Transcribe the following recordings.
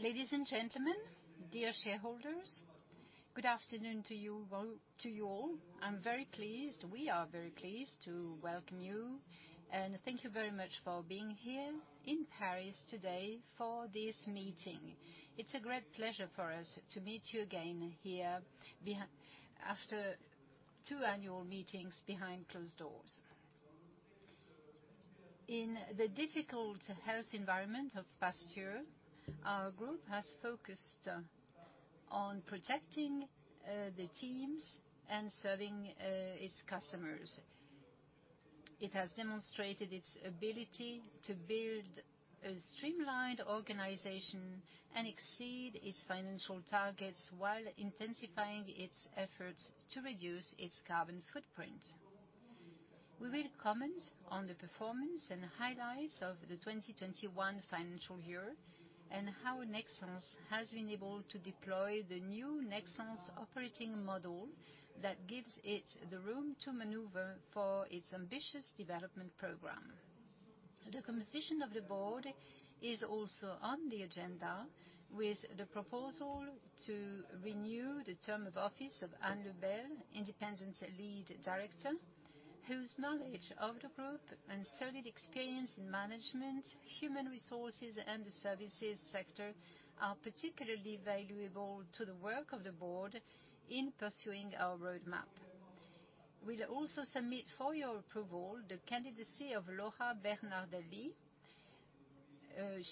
Ladies and gentlemen, dear shareholders, good afternoon to you, to you all. I'm very pleased, we are very pleased to welcome you, and thank you very much for being here in Paris today for this meeting. It's a great pleasure for us to meet you again here after two annual meetings behind closed doors. In the difficult health environment of past year, our group has focused on protecting the teams and serving its customers. It has demonstrated its ability to build a streamlined organization and exceed its financial targets while intensifying its efforts to reduce its carbon footprint. We will comment on the performance and highlights of the 2021 financial year and how Nexans has been able to deploy the new Nexans operating model that gives it the room to maneuver for its ambitious development program. The composition of the board is also on the agenda with the proposal to renew the term of office of Anne Lebel, Independent Lead Director, whose knowledge of the group and solid experience in management, human resources and the services sector are particularly valuable to the work of the board in pursuing our roadmap. We'll also submit for your approval the candidacy of Laura Bernardelli.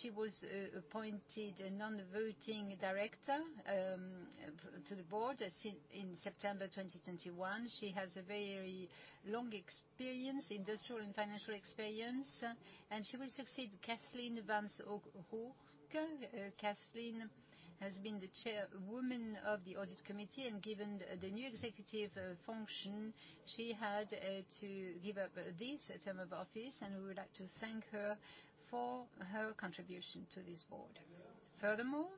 She was appointed a non-voting director to the board in September 2021. She has a very long experience, industrial and financial experience, and she will succeed Kathleen Wantz-O'Rourke. Kathleen has been the Chairwoman of the Audit Committee, and given the new executive function she had to give up this term of office, and we would like to thank her for her contribution to this board. Furthermore,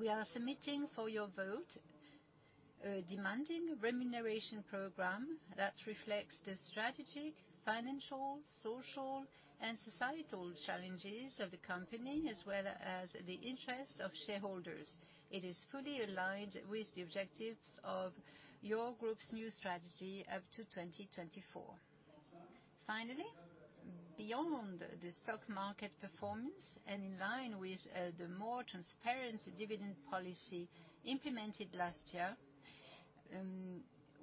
we are submitting for your vote a demanding remuneration program that reflects the strategic, financial, social, and societal challenges of the company, as well as the interest of shareholders. It is fully aligned with the objectives of your group's new strategy up to 2024. Finally, beyond the stock market performance and in line with the more transparent dividend policy implemented last year,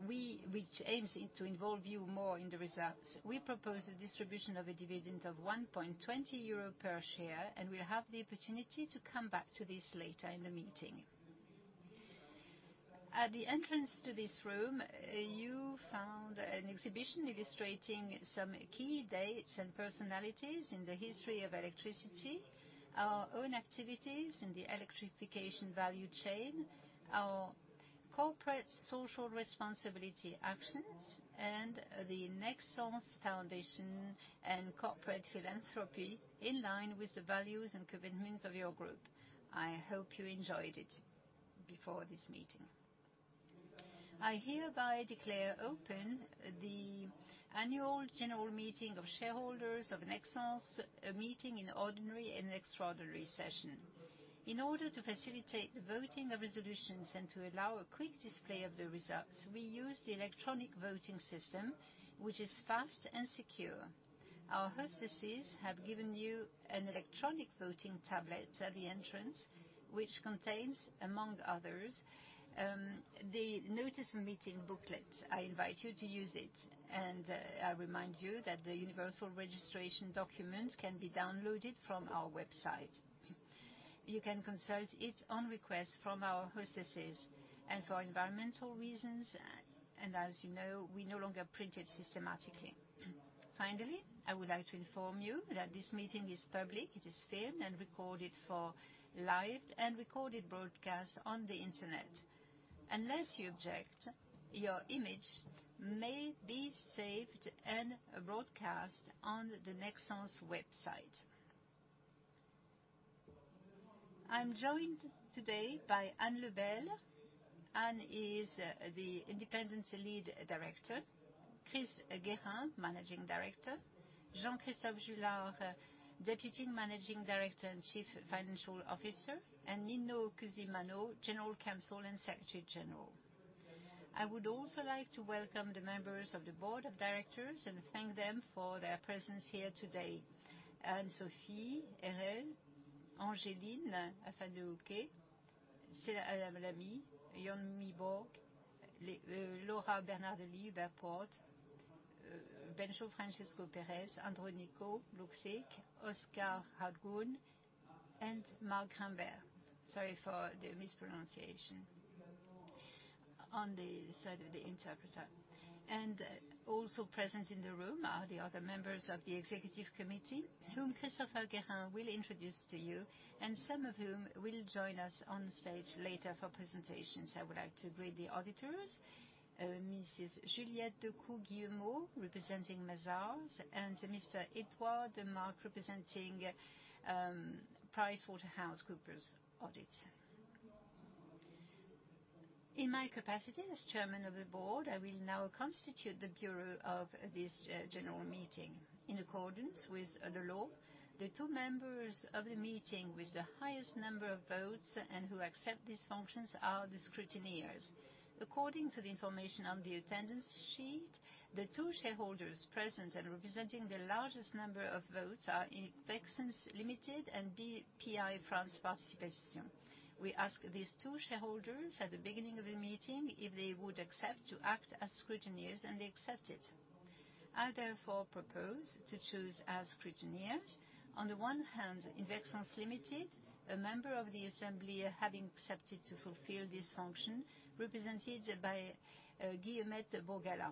which aims to involve you more in the results, we propose a distribution of a dividend of 1.20 euro per share, and we'll have the opportunity to come back to this later in the meeting. At the entrance to this room, you found an exhibition illustrating some key dates and personalities in the history of electricity, our own activities in the electrification value chain, our corporate social responsibility actions, and the Nexans Foundation and corporate philanthropy in line with the values and commitments of your group. I hope you enjoyed it before this meeting. I hereby declare open the annual general meeting of shareholders of Nexans, a meeting in ordinary and extraordinary session. In order to facilitate the voting of resolutions and to allow a quick display of the results, we use the electronic voting system, which is fast and secure. Our hostesses have given you an electronic voting tablet at the entrance, which contains, among others, the notice of meeting booklet. I invite you to use it, and I remind you that the universal registration document can be downloaded from our website. You can consult it on request from our hostesses. For environmental reasons, and as you know, we no longer print it systematically. Finally, I would like to inform you that this meeting is public. It is filmed and recorded for live and recorded broadcast on the internet. Unless you object, your image may be saved and broadcast on the Nexans website. I'm joined today by Anne Lebel. Anne is the independent lead director. Chris Guérin, Managing Director. Jean-Christophe Juillard, Deputy Managing Director and Chief Financial Officer, and Nino Cusimano, General Counsel and Secretary General. I would also like to welcome the members of the Board of Directors and thank them for their presence here today. Anne-Sophie Hérelle, Angéline Afanoukoé, Stella Adlam-Lamie, Jon Mjåbør, Laura Bernardelli, Hubert Porte, Francisco Pérez Mackenna, André Nicolescu, Oscar Hasbún, and Marc Grynberg. Sorry for the mispronunciation. On the side of the interpreter. Also present in the room are the other members of the executive committee, whom Christophe Guérin will introduce to you, and some of whom will join us on stage later for presentations. I would like to greet the auditors, Mrs. Juliette Decout-Guillemot, representing Mazars, and Mr. Edouard Demarcq representing PricewaterhouseCoopers Audit. In my capacity as Chairman of the Board, I will now constitute the Bureau of this general meeting. In accordance with the law, the two members of the meeting with the highest number of votes and who accept these functions are the scrutineers. According to the information on the attendance sheet, the two shareholders present and representing the largest number of votes are Invexans Limited and Bpifrance Participations. We asked these two shareholders at the beginning of the meeting if they would accept to act as scrutineers, and they accepted. I, therefore, propose to choose as scrutineers, on the one hand, Invexans Limited, a member of the assembly having accepted to fulfill this function, represented by Guillemette Borgala,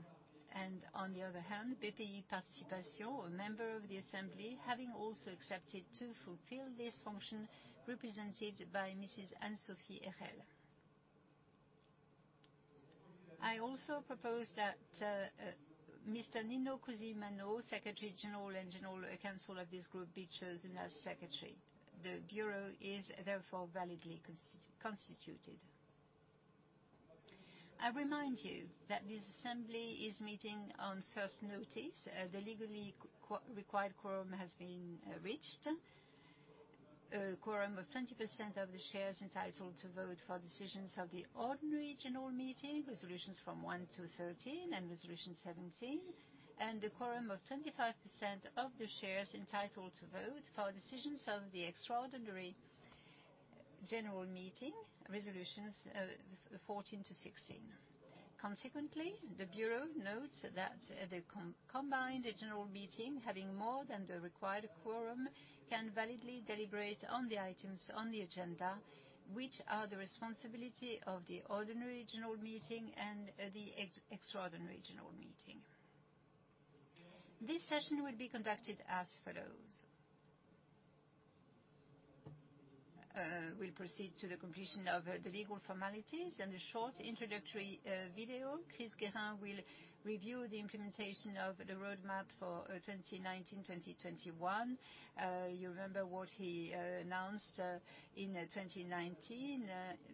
and on the other hand, Bpifrance Participations, a member of the assembly, having also accepted to fulfill this function, represented by Mrs. Anne-Sophie Hérelle. I also propose that Mr. Nino Cusimano, Secretary General and General Counsel of this group, be chosen as secretary. The Bureau is therefore validly constituted. I remind you that this assembly is meeting on first notice. The legally required quorum has been reached. A quorum of 20% of the shares entitled to vote for decisions of the ordinary general meeting, resolutions from one to 13 and resolution 17, and a quorum of 25% of the shares entitled to vote for decisions of the extraordinary general meeting, resolutions 14-16. Consequently, the Bureau notes that the combined general meeting, having more than the required quorum, can validly deliberate on the items on the agenda, which are the responsibility of the ordinary general meeting and the extraordinary general meeting. This session will be conducted as follows. We'll proceed to the completion of the legal formalities, then a short introductory video. Chris Guérin will review the implementation of the roadmap for 2019, 2021. You remember what he announced in 2019,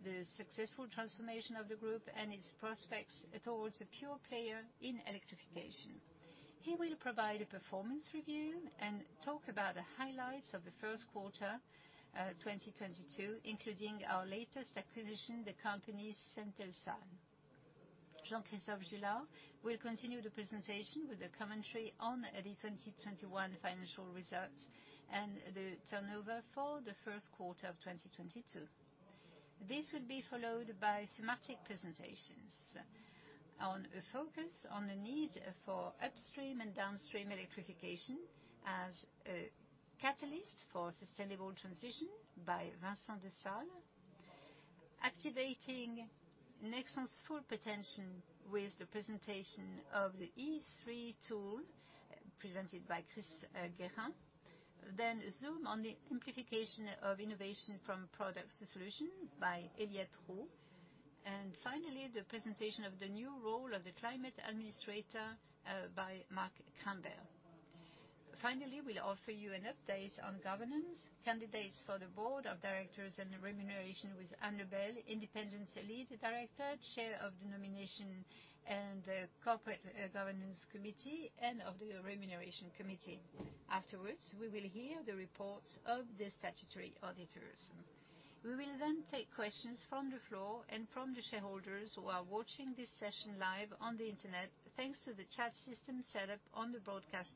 the successful transformation of the group and its prospects towards a pure player in electrification. He will provide a performance review and talk about the highlights of the first quarter 2022, including our latest acquisition, the company Centelsa. Jean-Christophe Juillard will continue the presentation with a commentary on the 2021 financial results and the turnover for the first quarter of 2022. This will be followed by thematic presentations on a focus on the need for upstream and downstream electrification as a catalyst for sustainable transition by Vincent Dessale. Activating Nexans' full potential with the presentation of the E3 tool presented by Chris Guérin. Then zoom on the amplification of innovation from products to solution by Elyette Roux. Finally, the presentation of the new role of the climate administrator by Marc Rambert. Finally, we'll offer you an update on governance, candidates for the board of directors and remuneration with Anne Lebel, Independent Lead Director, chair of the Nomination and Corporate Governance Committee and of the Remuneration Committee. Afterwards, we will hear the reports of the statutory auditors. We will then take questions from the floor and from the shareholders who are watching this session live on the internet, thanks to the chat system set up on the broadcast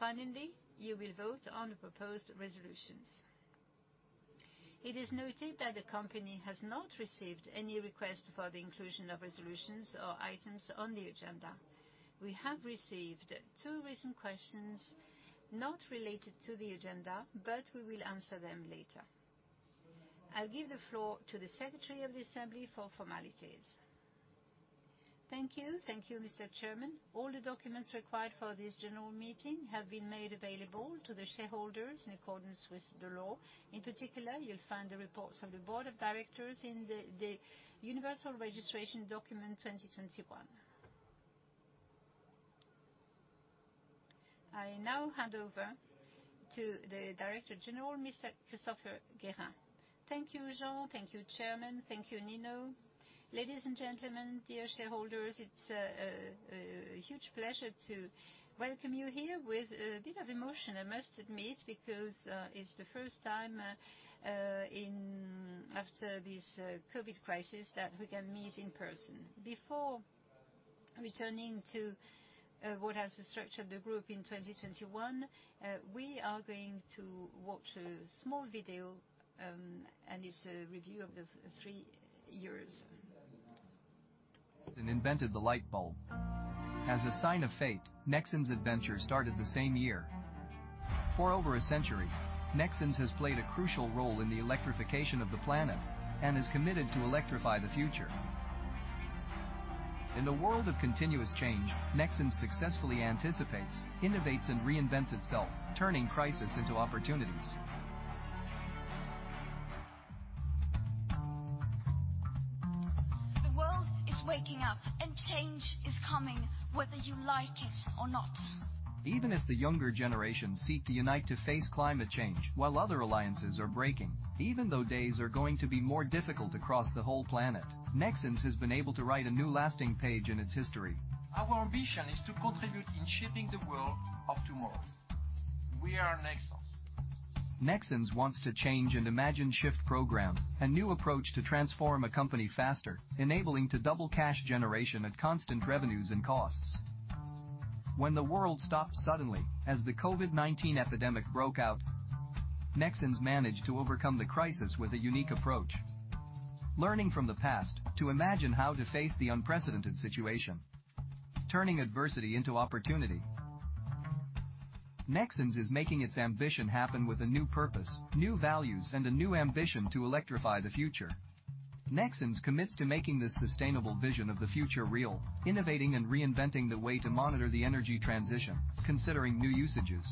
site. Finally, you will vote on the proposed resolutions. It is noted that the company has not received any request for the inclusion of resolutions or items on the agenda. We have received two recent questions not related to the agenda, but we will answer them later. I'll give the floor to the Secretary of the Assembly for formalities. Thank you. Thank you, Mr. Chairman. All the documents required for this general meeting have been made available to the shareholders in accordance with the law. In particular, you'll find the reports of the board of directors in the universal registration document 2021. I now hand over to the Director General, Mr. Christopher Guérin. Thank you, Jean. Thank you, Chairman. Thank you, Nino. Ladies and gentlemen, dear shareholders, it's a huge pleasure to welcome you here with a bit of emotion, I must admit, because it's the first time after this COVID crisis that we can meet in person. Before returning to what has structured the group in 2021, we are going to watch a small video, and it's a review of the three years. Invented the light bulb. As a sign of fate, Nexans' adventure started the same year. For over a century, Nexans has played a crucial role in the electrification of the planet and is committed to electrify the future. In a world of continuous change, Nexans successfully anticipates, innovates, and reinvents itself, turning crisis into opportunities. It's waking up and change is coming whether you like it or not. Even if the younger generation seek to unite to face climate change while other alliances are breaking, even though days are going to be more difficult across the whole planet, Nexans has been able to write a new lasting page in its history. Our ambition is to contribute in shaping the world of tomorrow. We are Nexans. Nexans wants to change and imagine SHIFT program, a new approach to transform a company faster, enabling to double cash generation at constant revenues and costs. When the world stopped suddenly as the COVID-19 epidemic broke out, Nexans managed to overcome the crisis with a unique approach. Learning from the past to imagine how to face the unprecedented situation, turning adversity into opportunity. Nexans is making its ambition happen with a new purpose, new values, and a new ambition to electrify the future. Nexans commits to making this sustainable vision of the future real, innovating and reinventing the way to monitor the energy transition, considering new usages.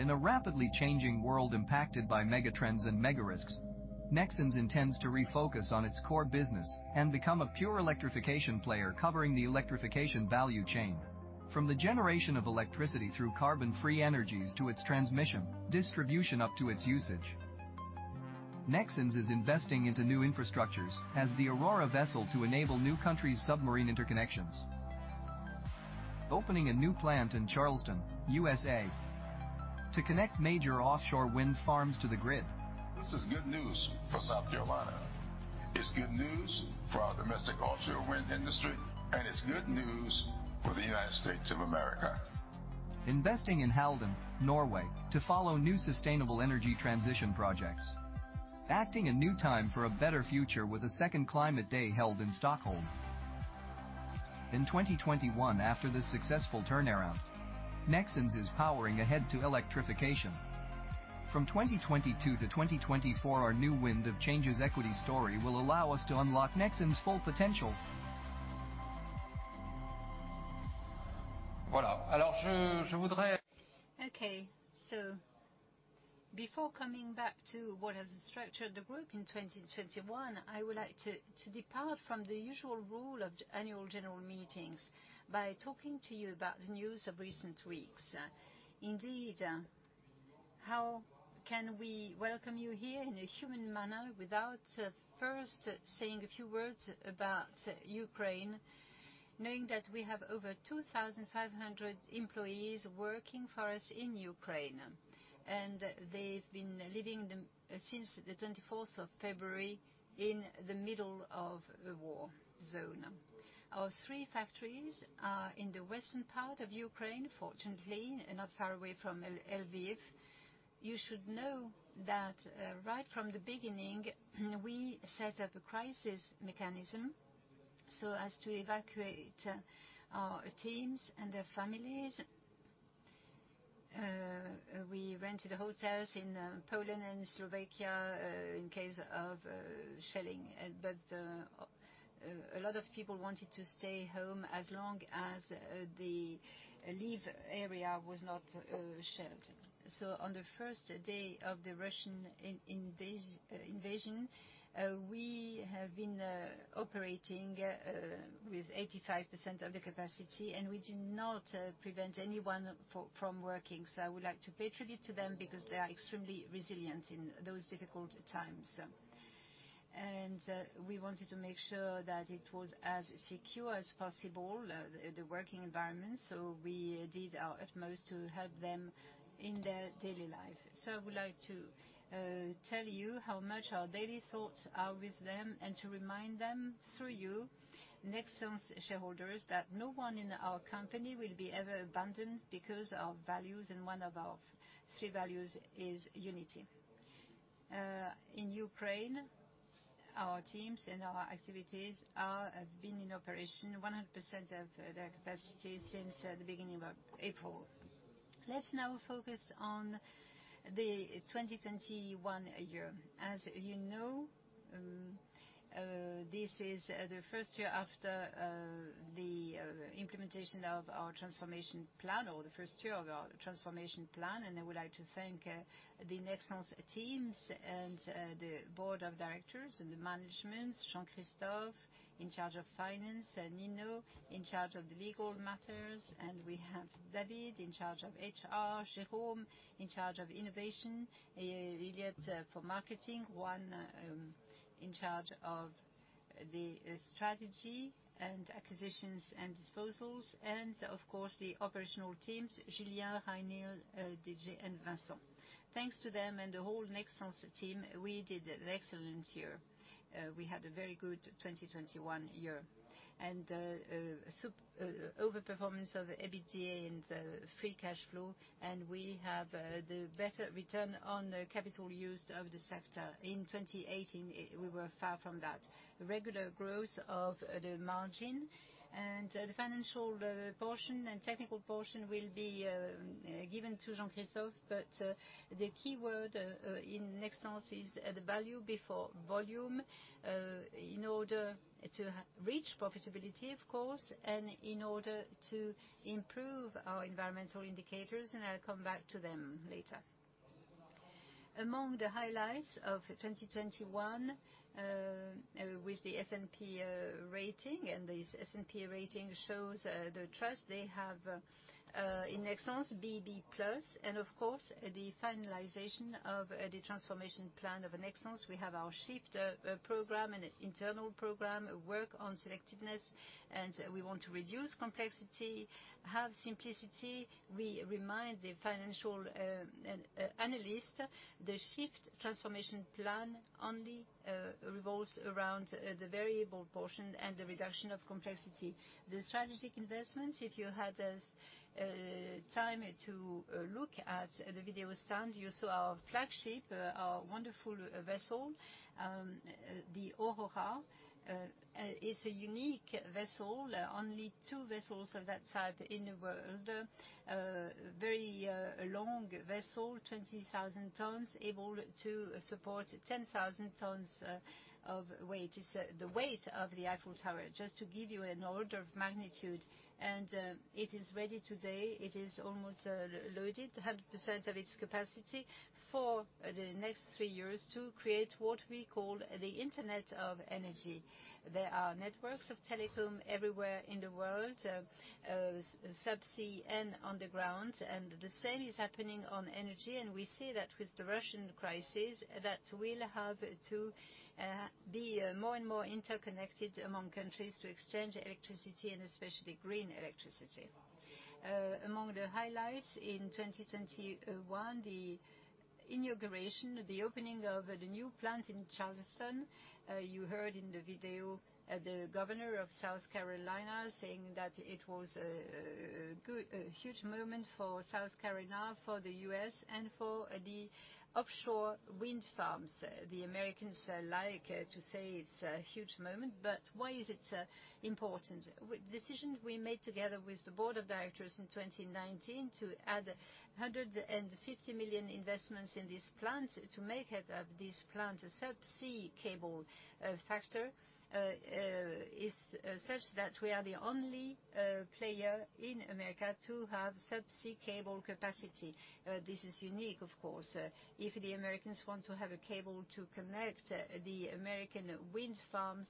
In a rapidly changing world impacted by mega trends and mega risks, Nexans intends to refocus on its core business and become a pure electrification player covering the electrification value chain. From the generation of electricity through carbon-free energies to its transmission, distribution up to its usage. Nexans is investing into new infrastructures. As the Aurora vessel to enable new countries submarine interconnections. Opening a new plant in Charleston, USA, to connect major offshore wind farms to the grid. This is good news for South Carolina. It's good news for our domestic offshore wind industry, and it's good news for the United States of America. Investing in Halden, Norway, to fuel new sustainable energy transition projects. A new time for a better future with a second climate day held in Stockholm. In 2021 after this successful turnaround, Nexans is powering ahead to electrification. From 2022 to 2024, our new Winds of Change equity story will allow us to unlock Nexans full potential. Voilà. Alors, je voudrais. Before coming back to what has structured the group in 2021, I would like to depart from the usual rule of annual general meetings by talking to you about the news of recent weeks. Indeed, how can we welcome you here in a human manner without first saying a few words about Ukraine, knowing that we have over 2,500 employees working for us in Ukraine, and they've been living since the 24th of February in the middle of a war zone. Our three factories are in the western part of Ukraine, fortunately, not far away from Lviv. You should know that right from the beginning, we set up a crisis mechanism so as to evacuate our teams and their families. We rented hotels in Poland and Slovakia in case of shelling. A lot of people wanted to stay home as long as the Lviv area was not shelled. On the first day of the Russian invasion, we have been operating with 85% of the capacity, and we did not prevent anyone from working. I would like to pay tribute to them because they are extremely resilient in those difficult times. We wanted to make sure that it was as secure as possible, the working environment, so we did our utmost to help them in their daily life. I would like to tell you how much our daily thoughts are with them and to remind them through you, Nexans shareholders, that no one in our company will be ever abandoned because our values and one of our three values is unity. In Ukraine, our teams and our activities have been in operation 100% of their capacity since the beginning of April. Let's now focus on the 2021 year. As you know, this is the first year after the implementation of our transformation plan or the first year of our transformation plan. I would like to thank the Nexans teams and the board of directors and the management, Jean-Christophe in charge of finance, Nino in charge of the legal matters. We have David in charge of HR, Jérôme in charge of innovation, Elyette for marketing, Juan in charge of the strategy and acquisitions and disposals, and of course, the operational teams, Julien, Ragnhild, Didier and Vincent. Thanks to them and the whole Nexans team, we did an excellent year. We had a very good 2021 year. Overperformance of the EBITDA and the free cash flow, and we have the better return on capital used of the sector. In 2018, we were far from that. Regular growth of the margin and the financial portion and technical portion will be given to Jean-Christophe. The key word in Nexans is the value before volume in order to reach profitability, of course, and in order to improve our environmental indicators, and I'll come back to them later. Among the highlights of 2021, with the S&P rating and the S&P rating shows the trust they have in Nexans, BB+ and of course, the finalization of the transformation plan of Nexans. We have our SHIFT program and internal program work on selectiveness, and we want to reduce complexity, have simplicity. We remind the financial analysts the SHIFT transformation plan only revolves around the variable portion and the reduction of complexity. The strategic investment, if you had the time to look at the video stand, you saw our flagship, our wonderful vessel, the Aurora. It's a unique vessel. Only two vessels of that type in the world. Very long vessel, 20,000 tons, able to support 10,000 tons of weight. It's the weight of the Eiffel Tower, just to give you an order of magnitude. It is ready today. It is almost loaded 100% of its capacity for the next three years to create what we call the Internet of Energy. There are networks of telecom everywhere in the world, subsea and underground, and the same is happening on energy. We see that with the Russian crisis, that we'll have to be more and more interconnected among countries to exchange electricity and especially green electricity. Among the highlights in 2021, the inauguration, the opening of the new plant in Charleston. You heard in the video, the governor of South Carolina saying that it was a huge moment for South Carolina, for the U.S., and for the offshore wind farms. The Americans like to say it's a huge moment, but why is it important? Decision we made together with the board of directors in 2019 to add 150 million investments in this plant, to make it this plant a subsea cable factory, is such that we are the only player in America to have subsea cable capacity. This is unique, of course. If the Americans want to have a cable to connect the American wind farms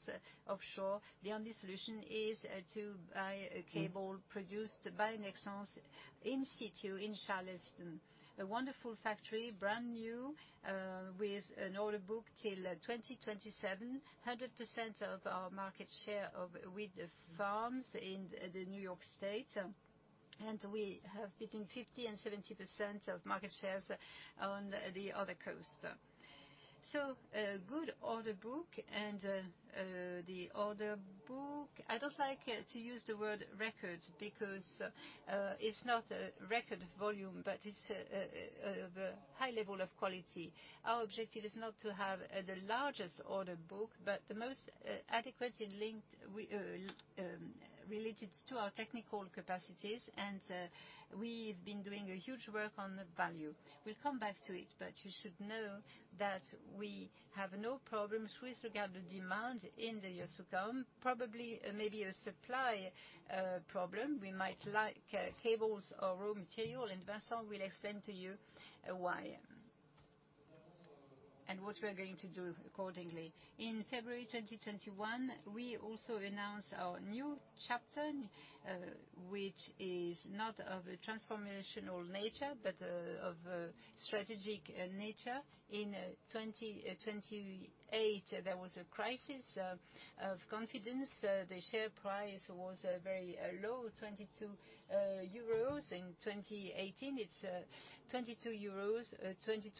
offshore, the only solution is to buy a cable produced by Nexans in-situ in Charleston. A wonderful factory, brand new, with an order book till 2027, 100% of our market share of wind farms in the New York State. We have between 50%-70% of market shares on the other coast. A good order book and the order book. I don't like to use the word record because it's not a record volume, but it's a high level of quality. Our objective is not to have the largest order book, but the most adequately linked, related to our technical capacities. We've been doing a huge work on the value. We'll come back to it, but you should know that we have no problems with regard to demand in the years to come. Probably maybe a supply problem. We might lack cables or raw material, and Vincent will explain to you why and what we are going to do accordingly. In February 2021, we also announced our new chapter, which is not of a transformational nature, but of a strategic nature. In 2018, there was a crisis of confidence. The share price was very low, 22 euros. In 2018, it's 22 euros or 22%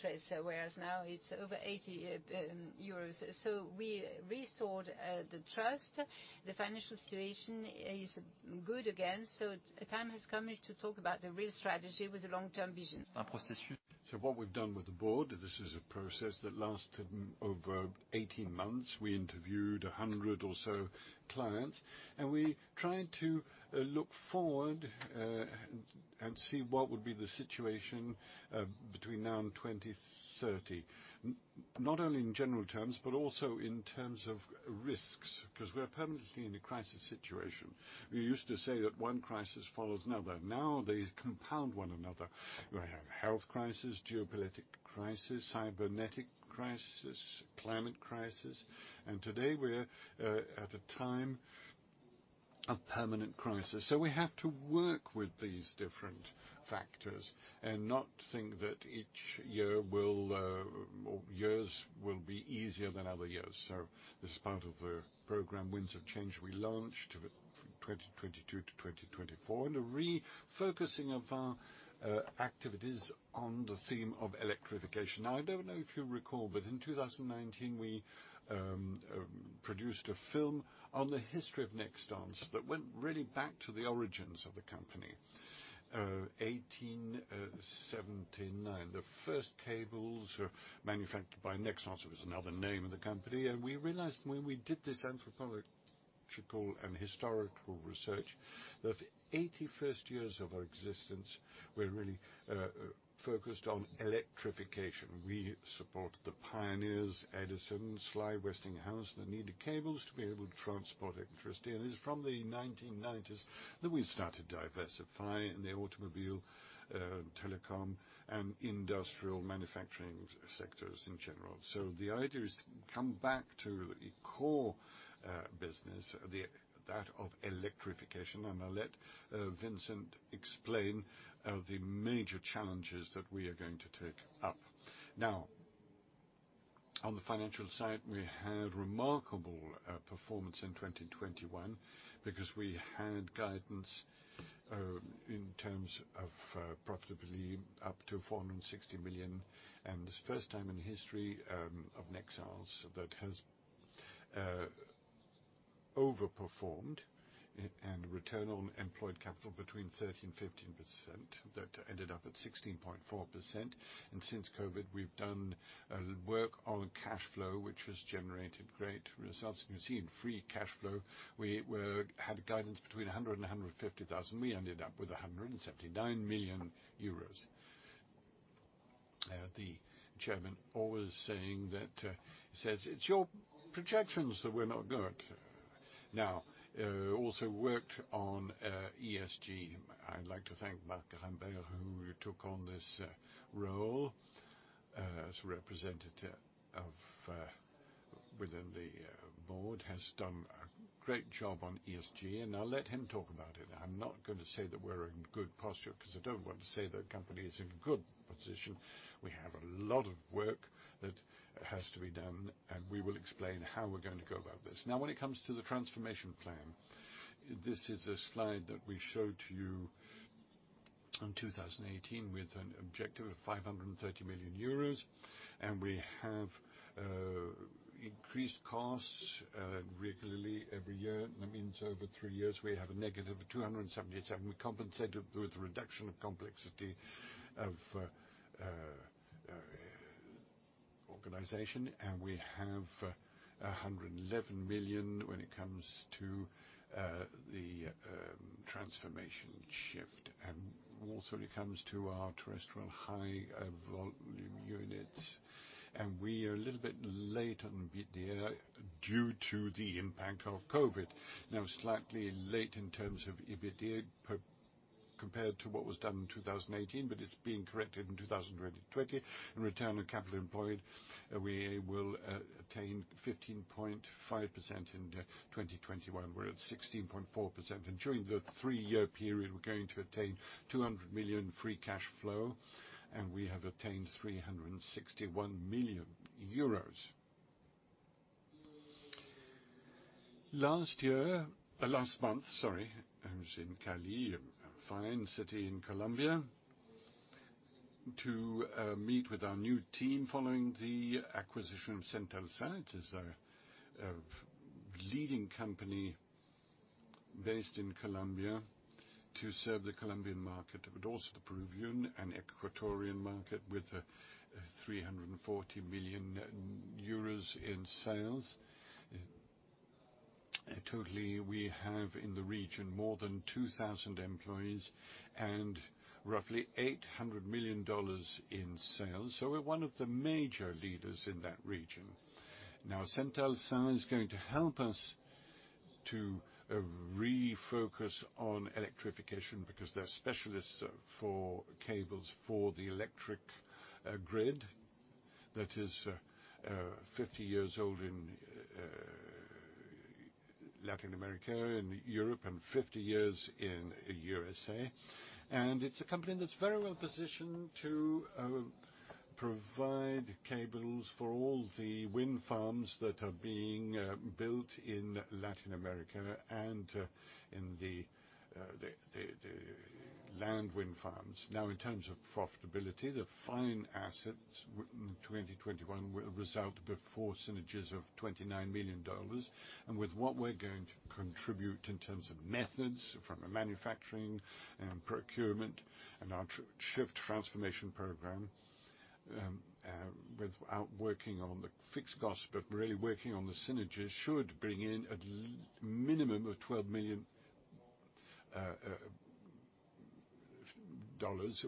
trust, whereas now it's over 80 euros. We restored the trust. The financial situation is good again. The time has come to talk about the real strategy with the long-term vision. What we've done with the board, this is a process that lasted over 18 months. We interviewed 100 or so clients, and we tried to look forward and see what would be the situation between now and 2030. Not only in general terms, but also in terms of risks, 'cause we're permanently in a crisis situation. We used to say that one crisis follows another. Now they compound one another. You have health crisis, geopolitical crisis, cybernetic crisis, climate crisis, and today we're at a time of permanent crisis. We have to work with these different factors and not think that each year will or years will be easier than other years. This is part of the program, Winds of Change, we launched with 2022-2024, and a refocusing of our activities on the theme of electrification. Now, I don't know if you recall, but in 2019, we produced a film on the history of Nexans that went really back to the origins of the company. 1879, the first cables manufactured by Nexans, it was another name of the company. We realized when we did this anthropological and historical research that 81 years of our existence were really focused on electrification. We support the pioneers, Edison, Tesla, Westinghouse, that needed cables to be able to transport electricity. It's from the 1990s that we started diversifying in the automobile, telecom, and industrial manufacturing sectors in general. The idea is t o come back to a core business, that of electrification, and I'll let Vincent explain the major challenges that we are going to take up. Now, on the financial side, we had remarkable performance in 2021 because we had guidance in terms of profitability up to 460 million. The first time in history of Nexans that has overperformed and return on employed capital between 13%-15% that ended up at 16.4%. Since COVID, we've done work on cash flow, which has generated great results. You can see in free cash flow, we had guidance between 100 million and 150 million. We ended up with 179 million euros. The chairman always says, "It's your projections that were not good." Now, also worked on ESG. I'd like to thank Marc Humbert, who took on this role as representative within the board, has done a great job on ESG, and I'll let him talk about it. I'm not gonna say that we're in good posture 'cause I don't want to say the company is in a good position. We have a lot of work that has to be done, and we will explain how we're going to go about this. Now, when it comes to the transformation plan, this is a slide that we showed to you in 2018 with an objective of 530 million euros, and we have increased costs regularly every year. That means over three years, we have a negative 277 million. We compensated with reduction of complexity of organization, and we have 111 million when it comes to the transformation shift. It also comes to our terrestrial high volume units, and we are a little bit late on EBITDA due to the impact of COVID. Now slightly late in terms of EBITDA compared to what was done in 2018, but it's been corrected in 2020. In return on capital employed, we will attain 15.5% in 2021. We're at 16.4%. During the three-year period, we're going to attain 200 million free cash flow, and we have attained 361 million euros. Last month, sorry, I was in Cali, a fine city in Colombia, to meet with our new team following the acquisition of Centelsa. It is a leading company based in Colombia to serve the Colombian market, but also the Peruvian and Ecuadorian market with 340 million euros in sales. Totally, we have in the region more than 2,000 employees and roughly $800 million in sales. We're one of the major leaders in that region. Now, Centelsa is going to help us to refocus on electrification because they're specialists for cables for the electric grid that is 50 years old in Latin America and Europe, and 50 years in USA. It's a company that's very well positioned to provide cables for all the wind farms that are being built in Latin America and in the land wind farms. Now, in terms of profitability, the Centelsa assets in 2021 will result before synergies of $29 million. With what we're going to contribute in terms of methods from a manufacturing and procurement and our SHIFT transformation program, without working on the fixed costs but really working on the synergies, should bring in at a minimum of $12 million,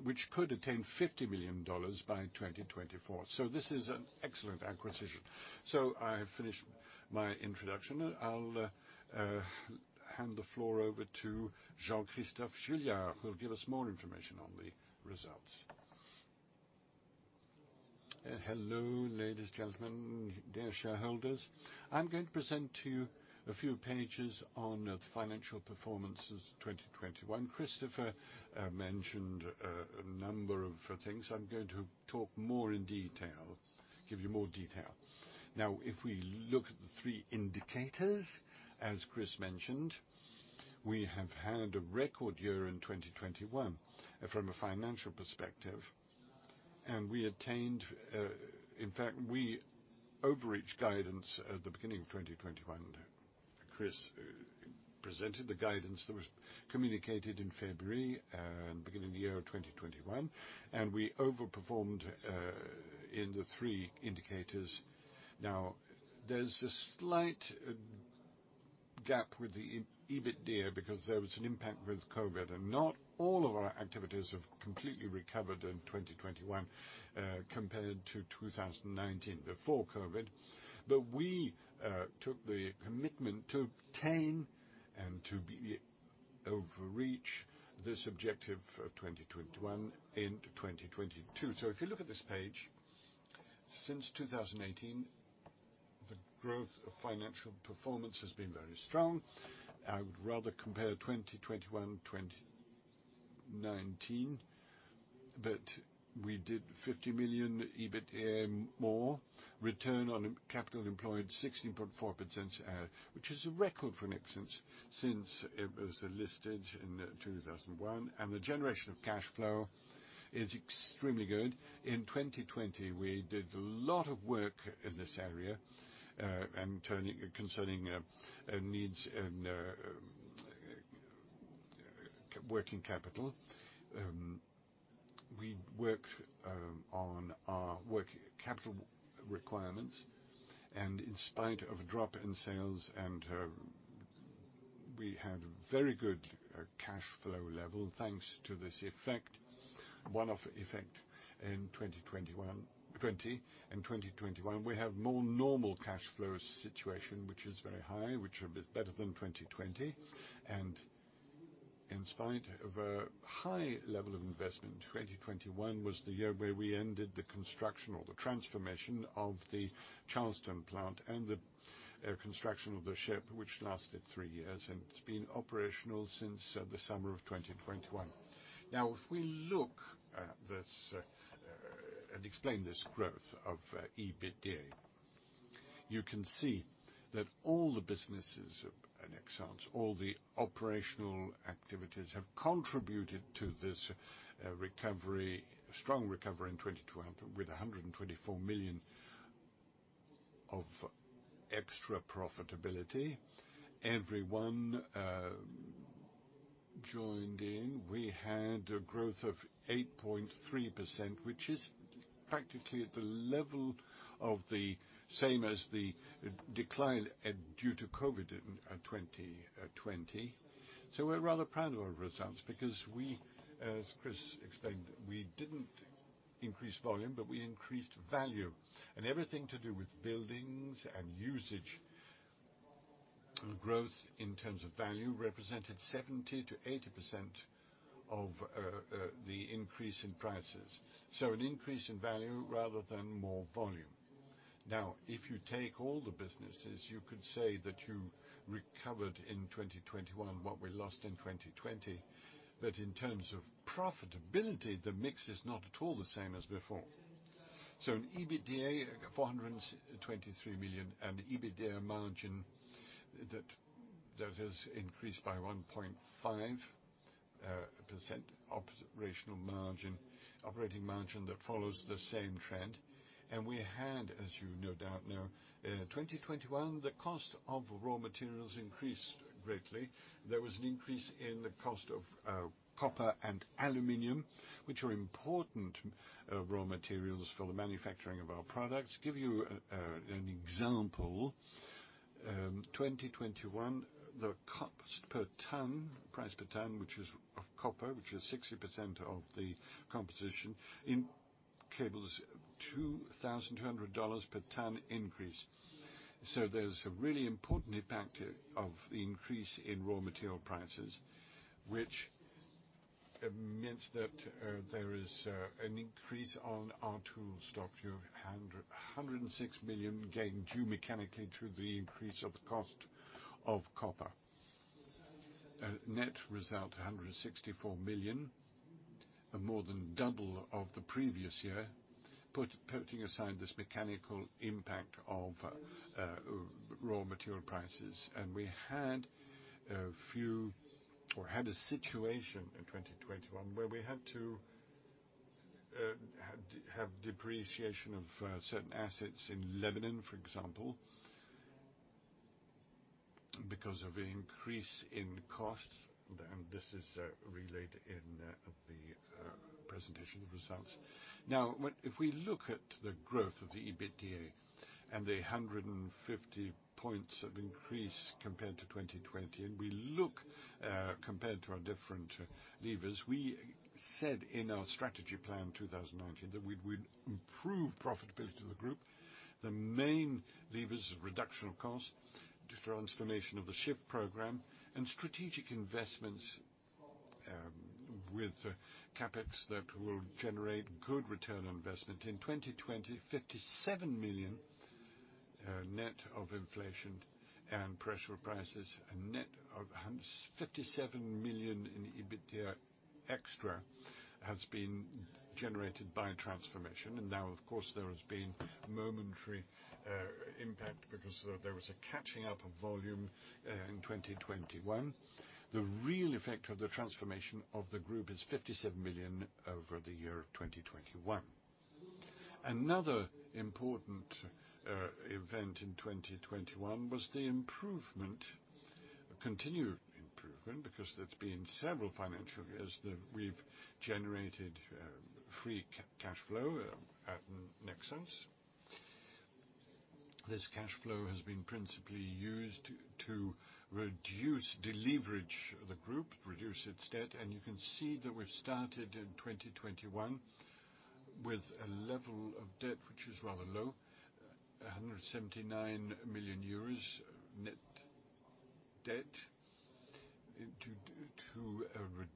which could attain $50 million by 2024. This is an excellent acquisition. I have finished my introduction. I'll hand the floor over to Jean-Christophe Juillard, who will give us more information on the results. Hello, ladies, gentlemen, dear shareholders. I'm going to present to you a few pages on the financial performances 2021. Christopher mentioned a number of things. I'm going to talk more in detail, give you more detail. Now, if we look at the three indicators, as Chris mentioned, we have had a record year in 2021 from a financial perspective, and we attained, in fact, we overreached guidance at the beginning of 2021. Chris presented the guidance that was communicated in February, and beginning the year of 2021, and we overperformed in the three indicators. Now, there's a slight gap with the EBITDA, because there was an impact with COVID, and not all of our activities have completely recovered in 2021, compared to 2019, before COVID. We took the commitment to obtain and to overreach this objective of 2021 and 2022. If you look at this page, since 2018, the growth of financial performance has been very strong. I would rather compare 2021, 2019, but we did 50 million EBITDA more, return on capital employed 16.4%, which is a record for Nexans since it was listed in 2001. The generation of cash flow is extremely good. In 2020, we did a lot of work in this area, and concerning needs and working capital. We worked on our working capital requirements, and in spite of a drop in sales, we had very good cash flow level, thanks to this effect. One-off effect in 2021, 2020 and 2021, we have more normal cash flow situation, which is very high, which are a bit better than 2020. In spite of a high level of investment, 2021 was the year where we ended the construction or the transformation of the Charleston plant and the construction of the ship, which lasted three years, and it's been operational since the summer of 2021. Now, if we look at this and explain this growth of EBITDA, you can see that all the businesses at Nexans, all the operational activities have contributed to this recovery, strong recovery in 2021, with 124 million of extra profitability. Everyone joined in. We had a growth of 8.3%, which is practically at the level of the same as the decline due to COVID in 2020. We're rather proud of our results because we, as Chris explained, we didn't increase volume, but we increased value. Everything to do with buildings and usage growth in terms of value represented 70%-80% of the increase in prices. An increase in value rather than more volume. Now, if you take all the businesses, you could say that you recovered in 2021 what we lost in 2020. In terms of profitability, the mix is not at all the same as before. In EBITDA, 423 million and EBITDA margin that has increased by 1.5%. Operational margin, operating margin that follows the same trend. We had, as you no doubt know, in 2021, the cost of raw materials increased greatly. There was an increase in the cost of copper and aluminum, which are important raw materials for the manufacturing of our products. Give you an example, 2021, the cost per ton, price per ton, which is of copper, which is 60% of the composition in cables, $2,200 per ton increase. There's a really important impact of the increase in raw material prices, which means that there is an increase on our total stock. You have 106 million gain due mechanically through the increase of the cost of copper. Net result 164 million, more than double of the previous year, putting aside this mechanical impact of raw material prices. We had a situation in 2021 where we had to have depreciation of certain assets in Lebanon, for example, because of the increase in costs. This is relayed in the presentation results. Now, what. If we look at the growth of the EBITDA and the 150 points of increase compared to 2020, and we look compared to our different levers, we said in our strategy plan 2019 that we'd improve profitability of the group. The main lever is reduction of costs, transformation of the SHIFT program, and strategic investments with CapEx that will generate good return on investment. In 2020, 57 million net of inflation and price pressures, net of 57 million in EBITDA extra has been generated by transformation. Now, of course, there has been momentary impact because there was a catching up of volume in 2021. The real effect of the transformation of the group is 57 million over the year of 2021. Another important event in 2021 was the improvement, continued improvement, because there's been several financial years that we've generated free cash flow at Nexans. This cash flow has been principally used to reduce, deleverage the group, reduce its debt. You can see that we've started in 2021 with a level of debt which is rather low, 179 million euros net debt to reduce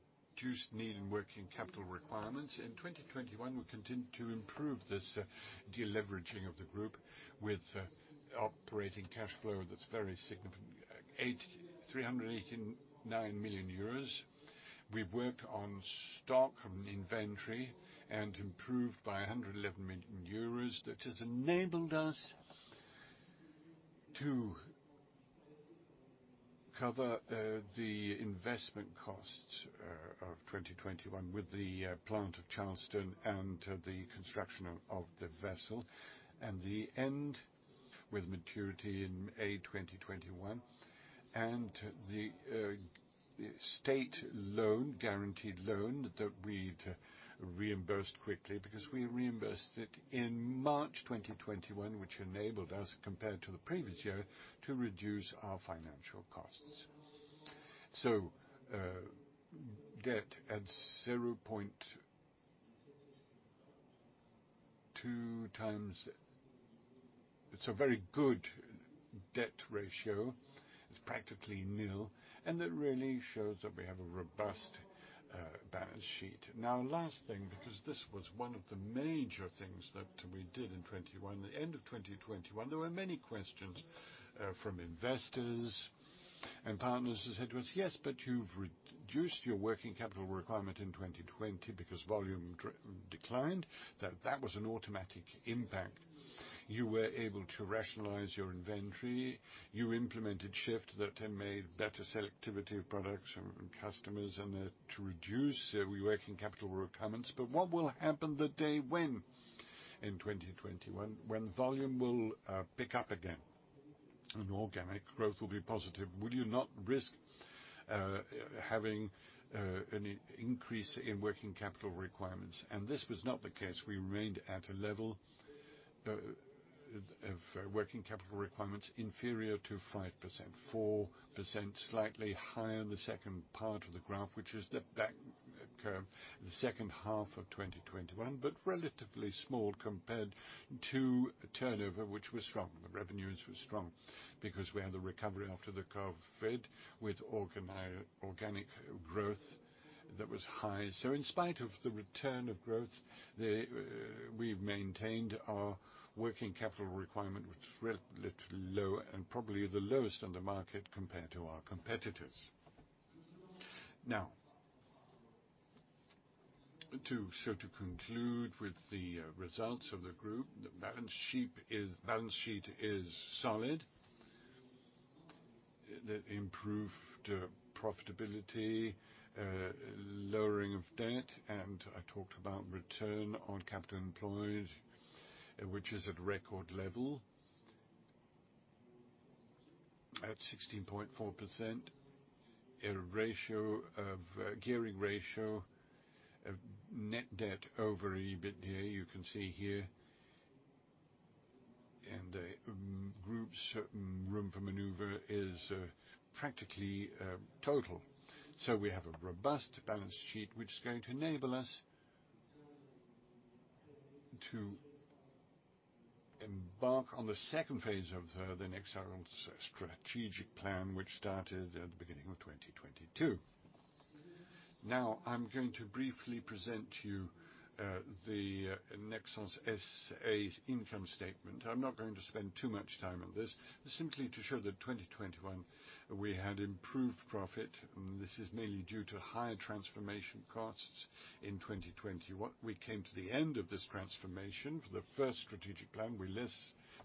need in working capital requirements. In 2021, we continued to improve this deleveraging of the group with operating cash flow that's very significant, 389 million euros. We've worked on stock and inventory and improved by 111 million euros. That has enabled us to cover the investment costs of 2021 with the plant of Charleston and the construction of the vessel and the end with maturity in May 2021, and the state loan, guaranteed loan that we'd reimbursed quickly because we reimbursed it in March 2021, which enabled us, compared to the previous year, to reduce our financial costs. Debt at 0.2x. It's a very good debt ratio. It's practically nil, and it really shows that we have a robust balance sheet. Now, last thing, because this was one of the major things that we did in 2021. At the end of 2021, there were many questions from investors and partners who said to us, "Yes, but you've reduced your working capital requirement in 2020 because volume declined. That was an automatic impact. You were able to rationalize your inventory. You implemented shifts that made better selectivity of products and customers and to reduce your working capital requirements. But what will happen the day when, in 2021, when volume will pick up again and organic growth will be positive? Would you not risk having an increase in working capital requirements? This was not the case. We remained at a level of working capital requirements inferior to 5%, 4%, slightly higher in the second part of the graph, which is the back curve, the second half of 2021, but relatively small compared to turnover, which was strong. The revenues were strong because we had a recovery after the COVID-19 with organic growth that was high. In spite of the return of growth, we've maintained our working capital requirement, which is relatively low and probably the lowest on the market compared to our competitors. To conclude with the results of the group, the balance sheet is solid. The improved profitability, lowering of debt, and I talked about return on capital employed, which is at record level, at 16.4%. A gearing ratio of net debt over EBITDA, you can see here. The group's room for maneuver is practically total. We have a robust balance sheet, which is going to enable us to embark on the second phase of the Nexans' strategic plan, which started at the beginning of 2022. Now, I'm going to briefly present to you the Nexans S.A.'s income statement. I'm not going to spend too much time on this. Simply to show that 2021, we had improved profit. This is mainly due to higher transformation costs in 2020. We came to the end of this transformation. For the first strategic plan, we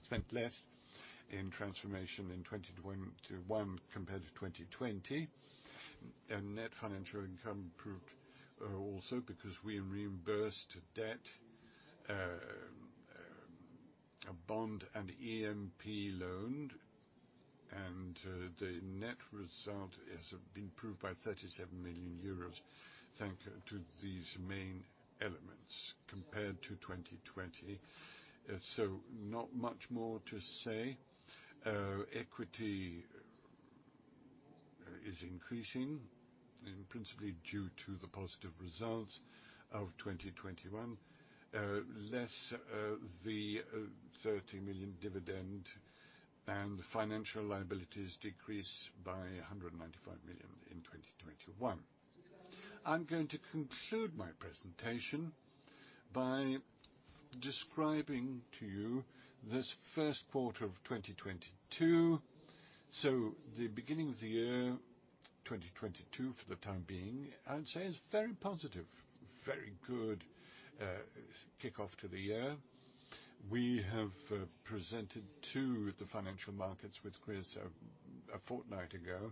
spent less in transformation in 2021 compared to 2020. Net financial income improved, also because we reimbursed debt, a bond and PGE loan. The net result is improved by 37 million euros, thanks to these main elements compared to 2020. Not much more to say. Equity is increasing, principally due to the positive results of 2021, less the 30 million dividend and financial liabilities decrease by 195 million in 2021. I'm going to conclude my presentation by describing to you this first quarter of 2022. Beginning of the year, 2022, for the time being, I'd say is very positive, very good kickoff to the year. We have presented to the financial markets with Chris a fortnight ago.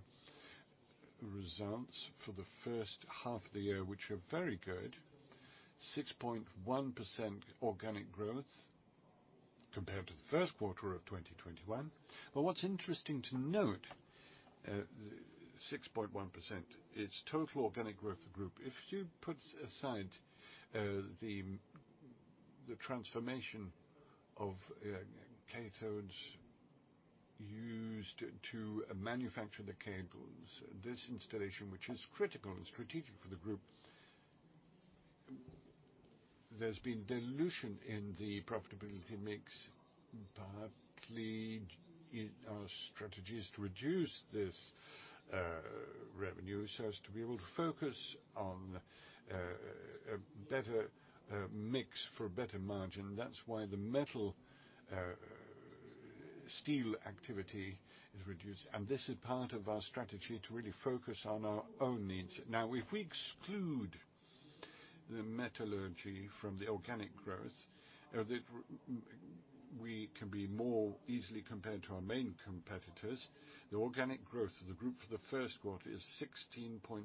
Results for the first half of the year, which are very good. 6.1% organic growth compared to the first quarter of 2021. What's interesting to note, 6.1%, it's total organic growth group. If you put aside the transformation of cathodes used to manufacture the cables, this installation, which is critical and strategic for the group, there's been dilution in the profitability mix, partly in our strategies to reduce this revenue so as to be able to focus on a better mix for better margin. That's why the metal steel activity is reduced. This is part of our strategy to really focus on our own needs. Now, if we exclude the metallurgy from the organic growth, we can be more easily compared to our main competitors. The organic growth of the group for the first quarter is 16.3%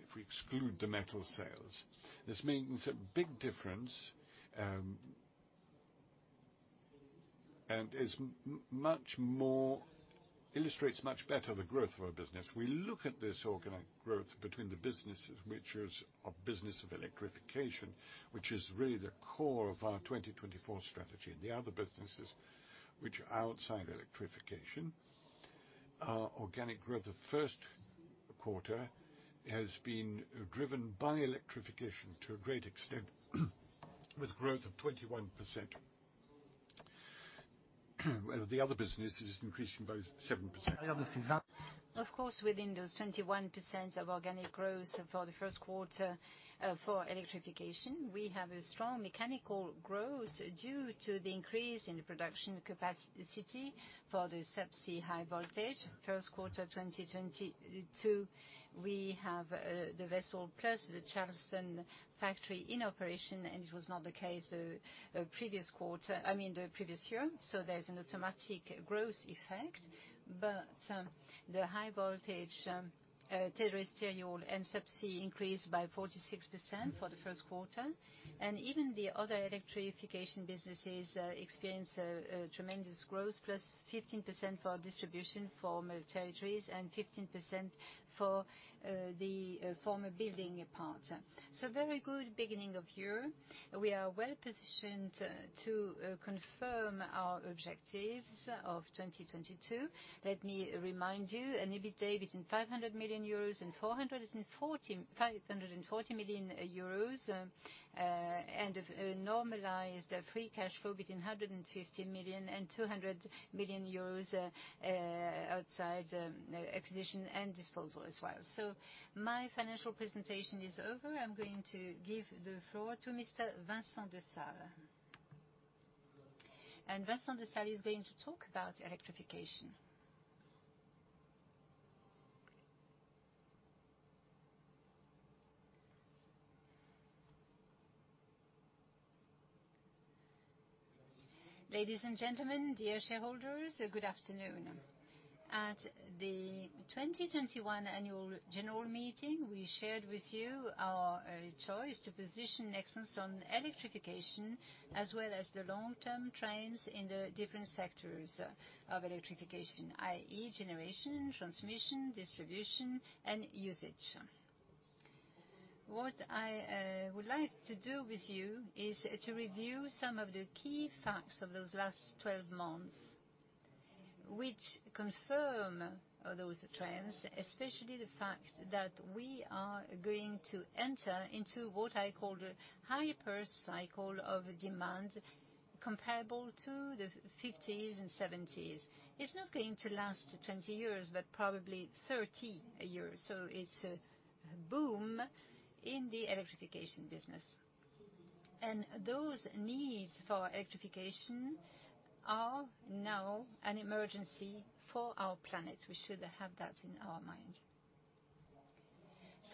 if we exclude the metal sales. This means a big difference, and illustrates much better the growth of our business. We look at this organic growth between the businesses, which is our business of electrification, which is really the core of our 2024 strategy. The other businesses which are outside electrification, our organic growth the first quarter has been driven by electrification to a great extent with growth of 21%. The other business is increasing by 7%. Of course, within those 21% of organic growth for the first quarter, for electrification, we have a strong mechanical growth due to the increase in the production capacity for the subsea high voltage. First quarter, 2022, we have the vessel plus the Charleston factory in operation, and it was not the case the previous year. There's an automatic growth effect, but the high voltage terrestrial and subsea increased by 46% for the first quarter. Even the other electrification businesses experienced a tremendous growth, +15% for distribution for territories and 15% for the former building part. Very good beginning of year. We are well positioned to confirm our objectives of 2022. Let me remind you an EBITDA between 500 million euros and 440 million euros. 540 million euros and a normalized free cash flow between 150 million and 200 million euros outside acquisition and disposal as well. My financial presentation is over. I'm going to give the floor to Mr. Vincent Dessale. Vincent Dessale is going to talk about electrification. Ladies and gentlemen, dear shareholders, good afternoon. At the 2021 annual general meeting, we shared with you our choice to position Nexans on electrification as well as the long-term trends in the different sectors of electrification, i.e. generation, transmission, distribution, and usage. What I would like to do with you is to review some of the key facts of those last 12 months, which confirm those trends, especially the fact that we are going to enter into what I call the hyper cycle of demand comparable to the fifties and seventies. It's not going to last to 20 years, but probably 30 years. It's a boom in the electrification business. Those needs for electrification are now an emergency for our planet. We should have that in our mind.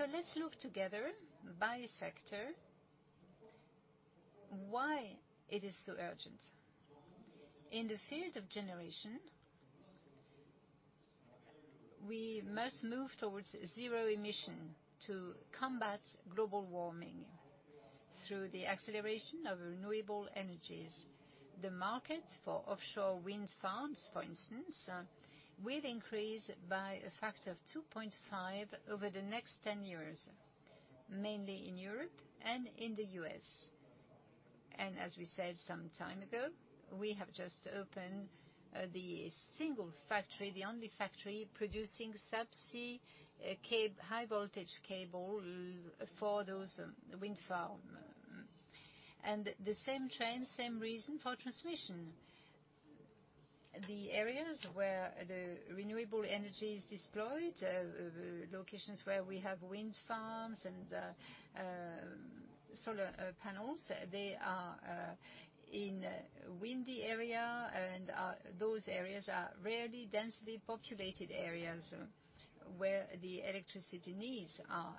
Let's look together by sector why it is so urgent. In the field of generation, we must move towards zero emission to combat global warming through the acceleration of renewable energies. The market for offshore wind farms, for instance, will increase by a factor of 2.5 over the next 10 years, mainly in Europe and in the U.S. As we said some time ago, we have just opened the single factory, the only factory producing subsea high voltage cable for those wind farm. The same trend, same reason for transmission. The areas where the renewable energy is deployed, locations where we have wind farms and solar panels, they are in windy area and those areas are rarely densely populated areas where the electricity needs are.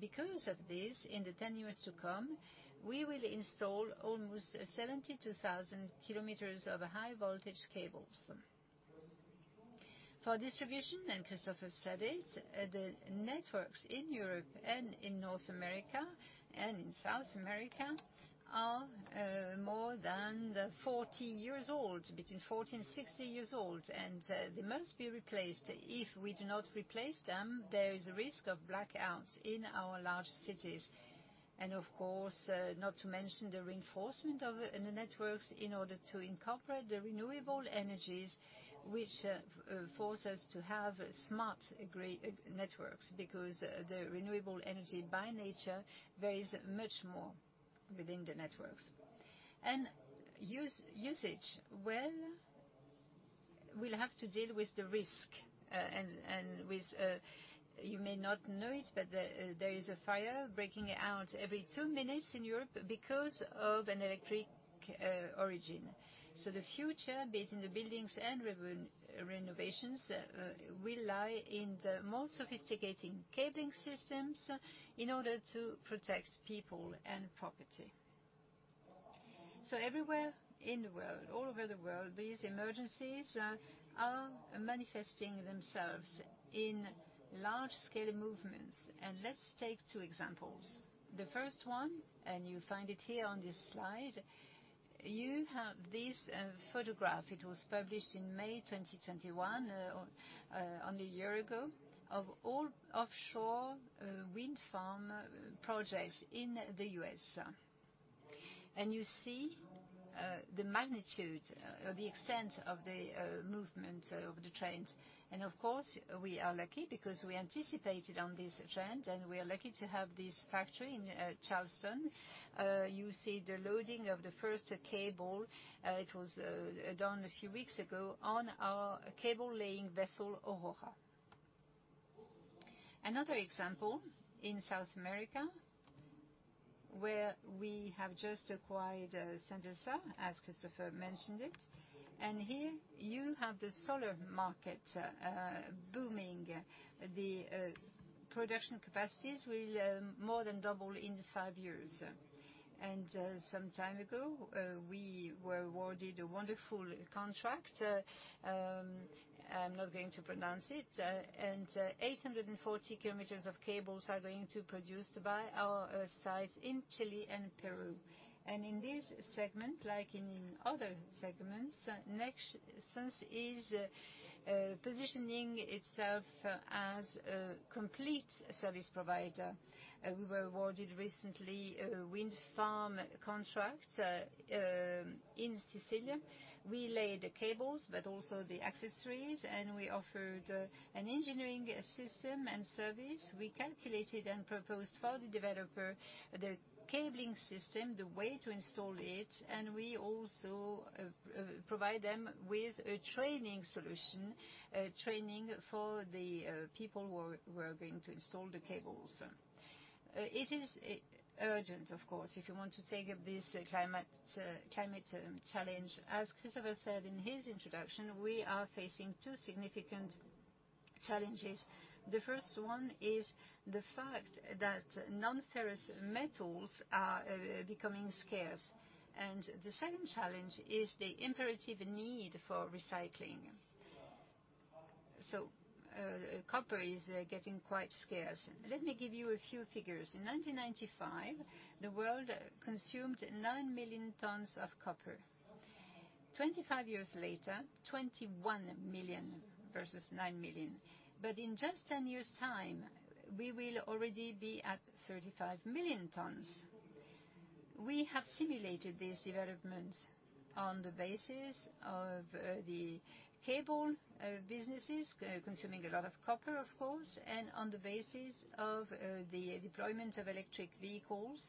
Because of this, in the 10 years to come, we will install almost 72,000 km of high voltage cables. For distribution, and Christopher said it, the networks in Europe and in North America and in South America are more than 40 years old, between 40years old and 60 years old, and they must be replaced. If we do not replace them, there is a risk of blackouts in our large cities, and of course, not to mention the reinforcement of the networks in order to incorporate the renewable energies, which force us to have smart networks because the renewable energy by nature varies much more within the networks. Usage, well, we'll have to deal with the risk, and with, you may not know it, but there is a fire breaking out every two minutes in Europe because of an electric origin. The future, be it in the buildings and renovations, will lie in the most sophisticated cabling systems in order to protect people and property. Everywhere in the world, all over the world, these emergencies are manifesting themselves in large-scale movements. Let's take two examples. The first one, you find it here on this slide. You have this photograph. It was published in May 2021, one year ago, of all offshore wind farm projects in the U.S. You see the magnitude or the extent of the movement of the trends. Of course, we are lucky because we anticipated on this trend, and we are lucky to have this factory in Charleston. You see the loading of the first cable, it was done a few weeks ago on our cable laying vessel, Aurora. Another example in South America, where we have just acquired Centelsa, as Christopher mentioned it. Here you have the solar market booming. The production capacities will more than double in five years. Some time ago, we were awarded a wonderful contract. I'm not going to pronounce it. 840 km of cables are going to produced by our sites in Chile and Peru. In this segment, like in other segments, Nexans is positioning itself as a complete service provider. We were awarded recently a wind farm contract in Sicily. We laid the cables, but also the accessories, and we offered an engineering system and service. We calculated and proposed for the developer, the cabling system, the way to install it, and we also provide them with a training solution, training for the people who are going to install the cables. It is urgent, of course, if you want to take up this climate challenge. As Christopher said in his introduction, we are facing two significant challenges. The first one is the fact that non-ferrous metals are becoming scarce. The second challenge is the imperative need for recycling. Copper is getting quite scarce. Let me give you a few figures. In 1995, the world consumed 9 million tons of copper. 25 years later, 21 million versus 9 million. In just 10 years' time, we will already be at 35 million tons. We have simulated this development on the basis of the cable businesses consuming a lot of copper, of course, and on the basis of the deployment of electric vehicles,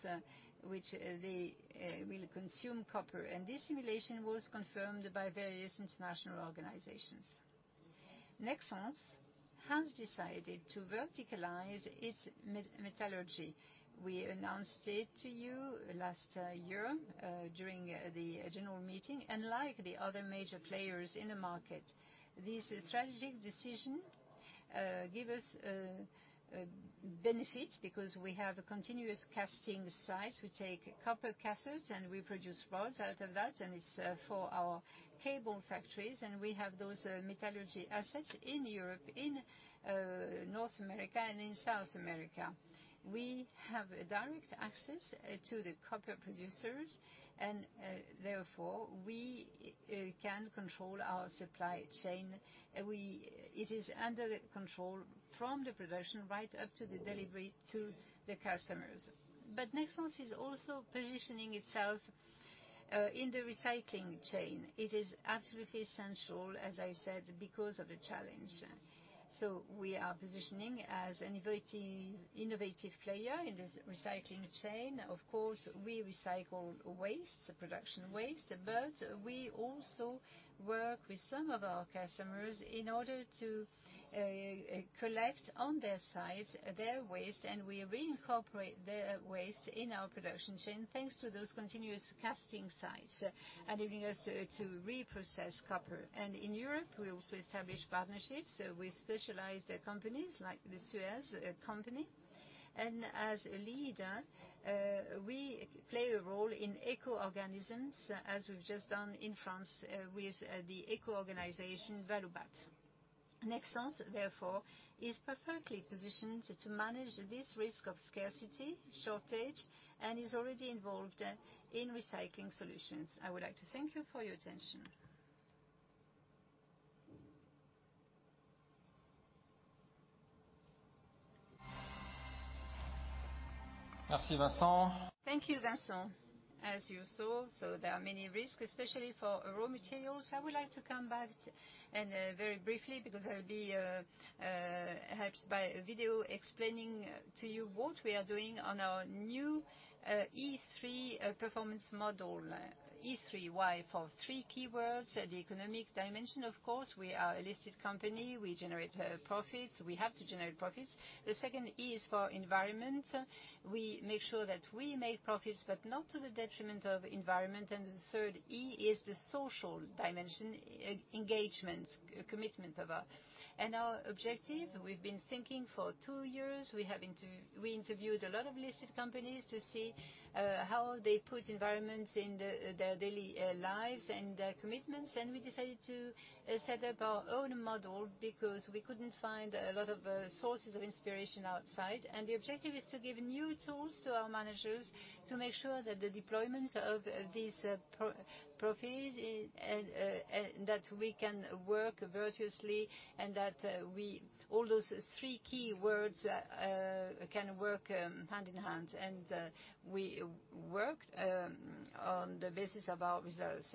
which they will consume copper. This simulation was confirmed by various international organizations. Nexans has decided to verticalize its metallurgy. We announced it to you last year during the general meeting. Unlike the other major players in the market, this strategic decision give us benefit because we have a continuous casting site. We take copper cathodes and we produce rods out of that, and it's for our cable factories, and we have those metallurgy assets in Europe, in North America and in South America. We have direct access to the copper producers and therefore we can control our supply chain. It is under the control from the production right up to the delivery to the customers. Nexans is also positioning itself in the recycling chain. It is absolutely essential, as I said, because of the challenge. We are positioning as an innovative player in this recycling chain. Of course, we recycle waste, production waste, but we also work with some of our customers in order to collect on their site their waste, and we reincorporate the waste in our production chain thanks to those continuous casting sites, enabling us to reprocess copper. In Europe, we also establish partnerships with specialized companies like the Suez company. As a leader, we play a role in eco-organisms as we've just done in France, with the eco-organization Valobat. Nexans, therefore, is perfectly positioned to manage this risk of scarcity, shortage, and is already involved in recycling solutions. I would like to thank you for your attention. Thank you, Vincent. As you saw, there are many risks, especially for raw materials. I would like to come back and very briefly because I will be helped by a video explaining to you what we are doing on our new E3 performance model. E3, why? For three keywords. The economic dimension, of course, we are a listed company. We generate profits. We have to generate profits. The second E is for environment. We make sure that we make profits, but not to the detriment of environment. The third E is the social dimension, engagement, commitment of our. Our objective, we've been thinking for two years. We interviewed a lot of listed companies to see how they put environment into their daily lives and their commitments. We decided to set up our own model because we couldn't find a lot of sources of inspiration outside. The objective is to give new tools to our managers to make sure that the deployments of these profits and that we can work virtuously and that all those three key words can work hand in hand. We work on the basis of our results.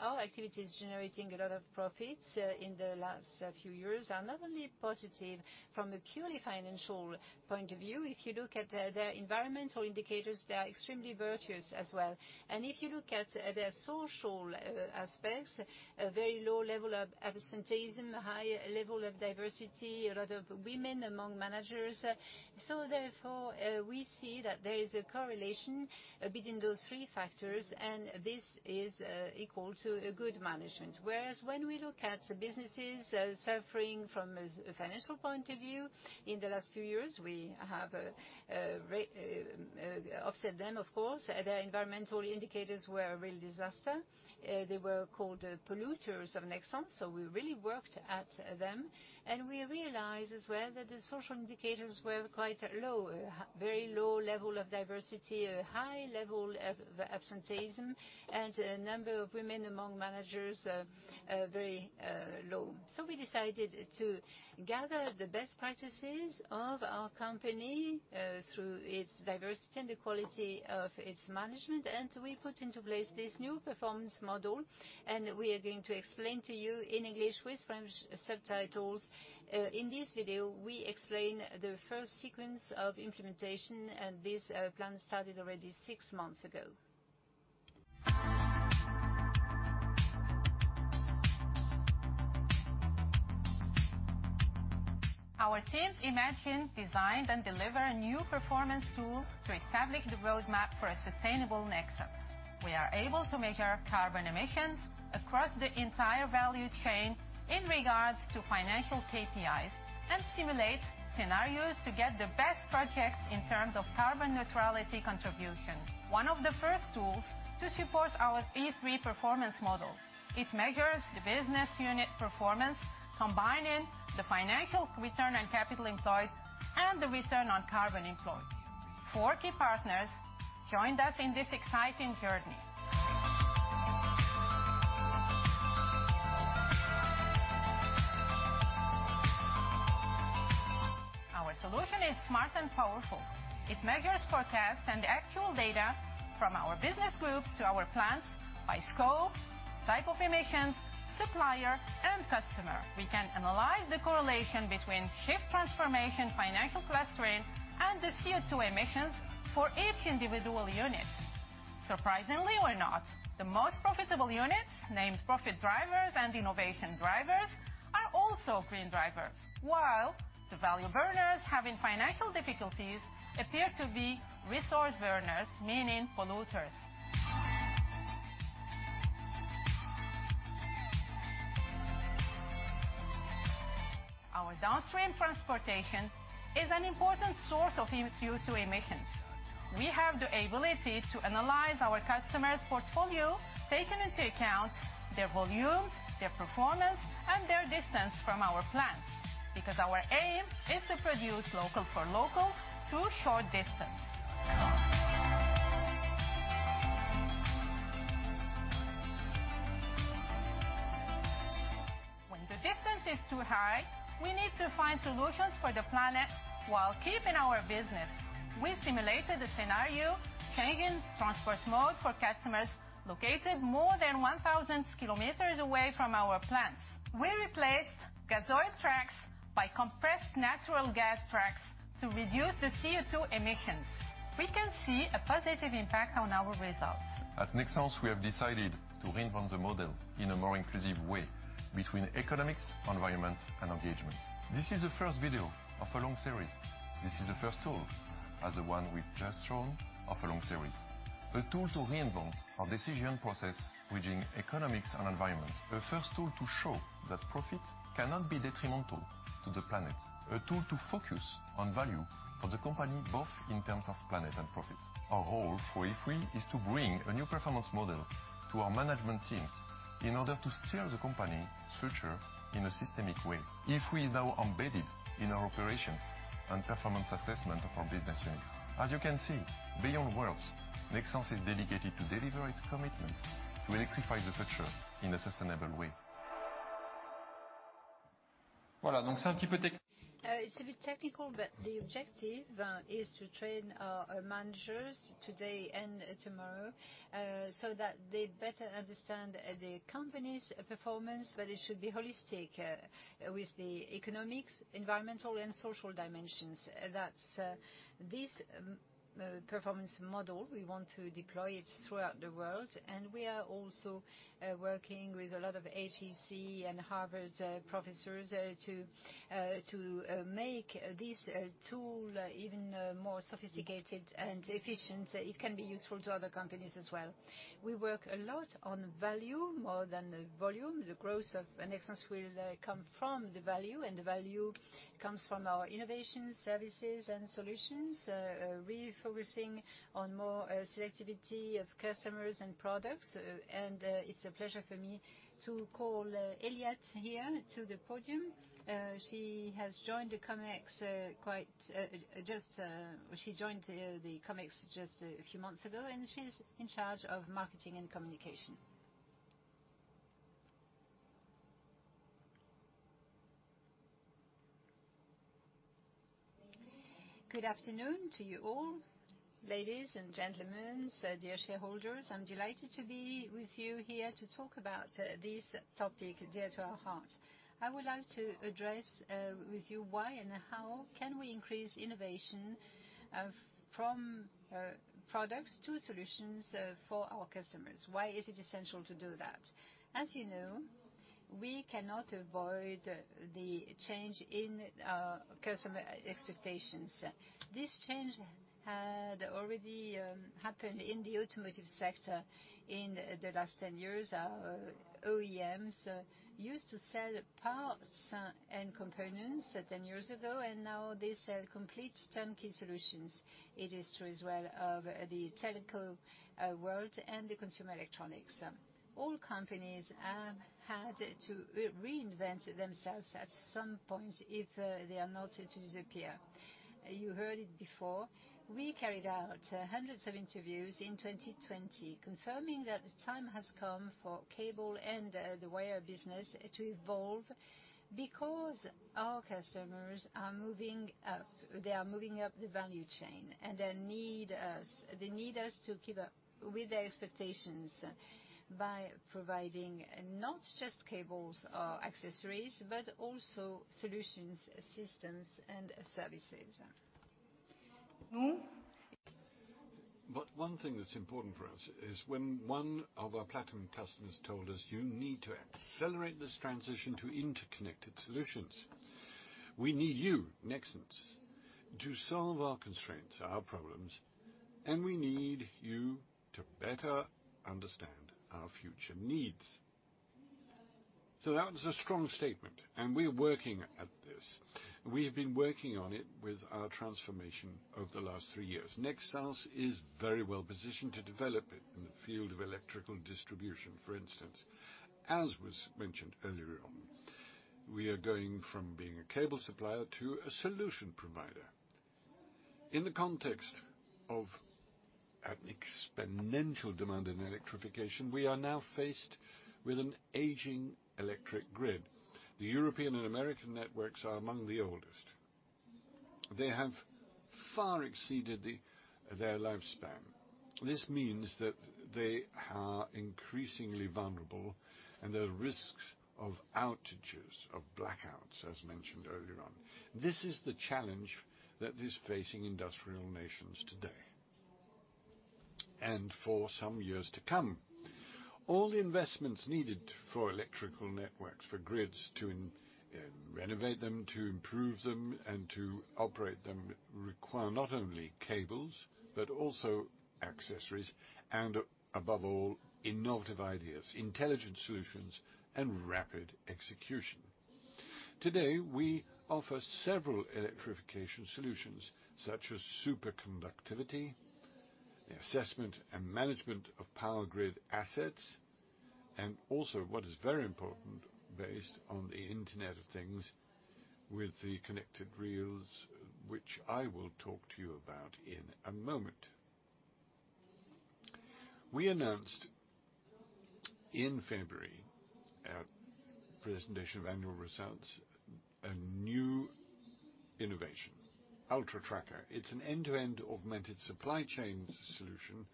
Our activities generating a lot of profits in the last few years are not only positive from a purely financial point of view. If you look at the environmental indicators, they are extremely virtuous as well. If you look at the social aspects, a very low level of absenteeism, high level of diversity, a lot of women among managers. Therefore, we see that there is a correlation between those three factors, and this is equal to a good management. Whereas when we look at businesses suffering from a financial point of view in the last few years, we have offset them, of course. Their environmental indicators were a real disaster. They were called polluters of Nexans, so we really worked at them. We realized as well that the social indicators were quite low. Very low level of diversity, a high level of absenteeism, and number of women among managers are very low. We decided to gather the best practices of our company through its diversity and the quality of its management, and we put into place this new performance model. We are going to explain to you in English with French subtitles. In this video, we explain the first sequence of implementation, and this plan started already six months ago. Our teams imagined, designed, and delivered a new performance tool to establish the roadmap for a sustainable Nexans. We are able to measure carbon emissions across the entire value chain in regards to financial KPIs and simulate scenarios to get the best projects in terms of carbon neutrality contribution. One of the first tools to support our E3 performance model. It measures the business unit performance, combining the financial return on capital employed and the return on carbon employed. Four key partners joined us in this exciting journey. Our solution is smart and powerful. It measures forecasts and actual data from our business groups to our plants by scope, type of emissions, supplier and customer. We can analyze the correlation between shift transformation, financial clustering, and the CO2 emissions for each individual unit. Surprisingly or not, the most profitable units, named profit drivers and innovation drivers, are also green drivers. While the value burners having financial difficulties appear to be resource burners, meaning polluters. Our downstream transportation is an important source of CO2 emissions. We have the ability to analyze our customers' portfolio, taking into account their volumes, their performance, and their distance from our plants, because our aim is to produce local for local through short distance. When the distance is too high, we need to find solutions for the planet while keeping our business. We simulated a scenario changing transport mode for customers located more than 1,000 km away from our plants. We replaced gasoil trucks by compressed natural gas trucks to reduce the CO2 emissions. We can see a positive impact on our results. At Nexans, we have decided to reinvent the model in a more inclusive way between economics, environment and engagement. This is the first video of a long series. This is the first tool, as the one we've just shown, of a long series. A tool to reinvent our decision process bridging economics and environment. The first tool to show that profit cannot be detrimental to the planet. A tool to focus on value for the company, both in terms of planet and profit. Our role for IFWE is to bring a new performance model to our management teams in order to steer the company structure in a systemic way. IFWE is now embedded in our operations and performance assessment of our business units. As you can see, beyond words, Nexans is dedicated to deliver its commitment to electrify the future in a sustainable way. Voilà. C'est un petit peu. It's a bit technical, but the objective is to train our managers today and tomorrow so that they better understand the company's performance, but it should be holistic with the economics, environmental, and social dimensions. That's this performance model we want to deploy throughout the world. We are also working with a lot of HEC and Harvard professors to make this tool even more sophisticated and efficient. It can be useful to other companies as well. We work a lot on value more than volume. The growth of Nexans will come from the value, and the value comes from our innovation services and solutions refocusing on more selectivity of customers and products. It's a pleasure for me to call Elyette here to the podium. She joined the Comex just a few months ago, and she's in charge of marketing and communication. Good afternoon to you all, ladies and gentlemen, dear shareholders. I'm delighted to be with you here to talk about this topic dear to our heart. I would like to address with you why and how can we increase innovation from products to solutions for our customers. Why is it essential to do that? As you know, we cannot avoid the change in our customer expectations. This change had already happened in the automotive sector in the last 10 years. Our OEMs used to sell parts and components 10 years ago, and now they sell complete turnkey solutions. It is true as well of the telco world and the consumer electronics. All companies have had to reinvent themselves at some point if they are not to disappear. You heard it before. We carried out hundreds of interviews in 2020, confirming that the time has come for cable and the wire business to evolve because our customers are moving up. They are moving up the value chain, and they need us. They need us to keep up with their expectations by providing not just cables or accessories, but also solutions, systems, and services. Nils? One thing that's important for us is when one of our platinum customers told us, "You need to accelerate this transition to interconnected solutions. We need you, Nexans, to solve our constraints, our problems, and we need you to better understand our future needs." That was a strong statement, and we're working at this. We have been working on it with our transformation over the last three years. Nexans is very well positioned to develop it in the field of electrical distribution, for instance. As was mentioned earlier on, we are going from being a cable supplier to a solution provider. In the context of an exponential demand in electrification, we are now faced with an aging electric grid. The European and American networks are among the oldest. They have far exceeded their lifespan. This means that they are increasingly vulnerable, and there are risks of outages, of blackouts, as mentioned earlier on. This is the challenge that is facing industrial nations today and for some years to come. All the investments needed for electrical networks, for grids, to renovate them, to improve them, and to operate them require not only cables, but also accessories and, above all, innovative ideas, intelligent solutions, and rapid execution. Today, we offer several electrification solutions, such as superconductivity, the assessment and management of power grid assets, and also, what is very important, based on the Internet of Things with the connected reels, which I will talk to you about in a moment. We announced in February at presentation of annual results, a new innovation, ULTRACKER. It's an end-to-end augmented supply chain solution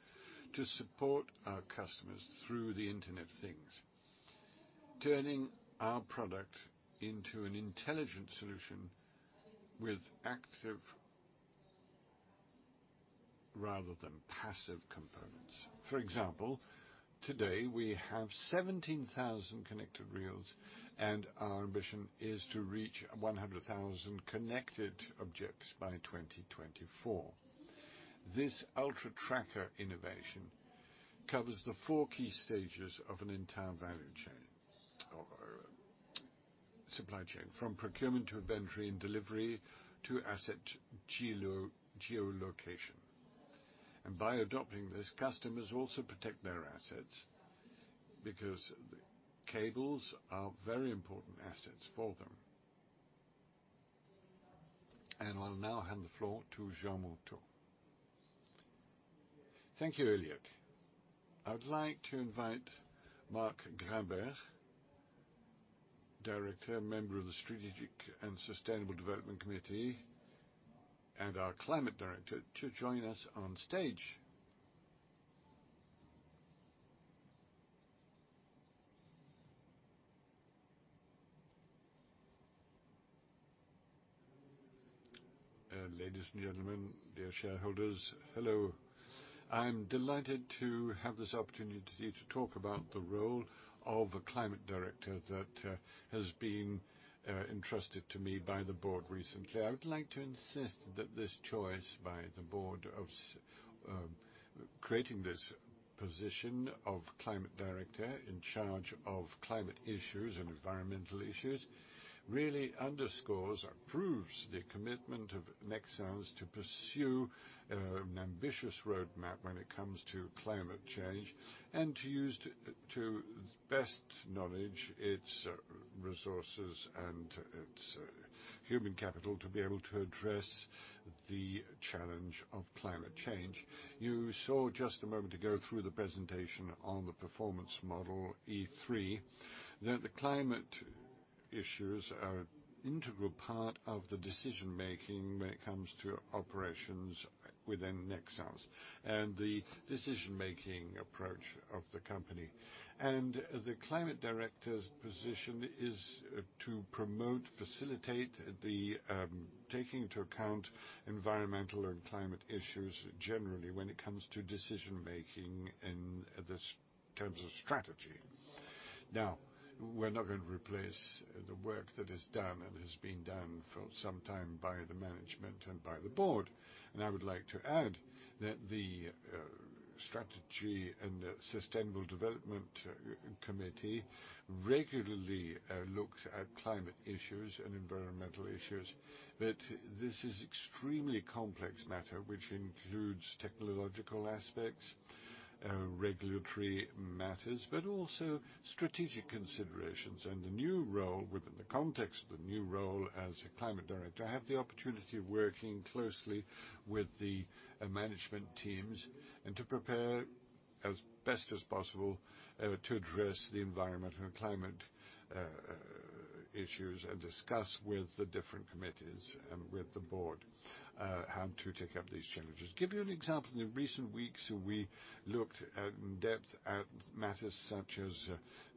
to support our customers through the Internet of Things, turning our product into an intelligent solution with active rather than passive components. For example, today we have 17,000 connected reels, and our ambition is to reach 100,000 connected objects by 2024. This ULTRACKER innovation covers the four key stages of an entire value chain or supply chain, from procurement to inventory and delivery to asset geo-geolocation. By adopting this, customers also protect their assets because cables are very important assets for them. I'll now hand the floor to Jean Mouton. Thank you, Elyette. I would like to invite Marc Grynberg, director, member of the Strategic and Sustainable Development Committee, and our climate director to join us on stage. Ladies and gentlemen, dear shareholders, hello. I'm delighted to have this opportunity to talk about the role of a climate director that has been entrusted to me by the board recently. I would like to insist that this choice by the board of creating this position of climate director in charge of climate issues and environmental issues really underscores or proves the commitment of Nexans to pursue an ambitious roadmap when it comes to climate change and to use best knowledge, its resources and its human capital to be able to address the challenge of climate change. You saw just a moment ago through the presentation on the performance model E3, that the climate issues are integral part of the decision-making when it comes to operations within Nexans and the decision-making approach of the company. The climate director's position is to promote, facilitate the taking into account environmental and climate issues generally when it comes to decision-making in terms of strategy. Now, we're not going to replace the work that is done and has been done for some time by the management and by the board. I would like to add that the strategy and sustainable development committee regularly looks at climate issues and environmental issues, but this is extremely complex matter, which includes technological aspects, regulatory matters, but also strategic considerations. The new role within the context of the new role as a climate director, I have the opportunity of working closely with the management teams and to prepare as best as possible, to address the environment and climate issues and discuss with the different committees and with the board, how to take up these challenges. Give you an example. In recent weeks, we looked in-depth at matters such as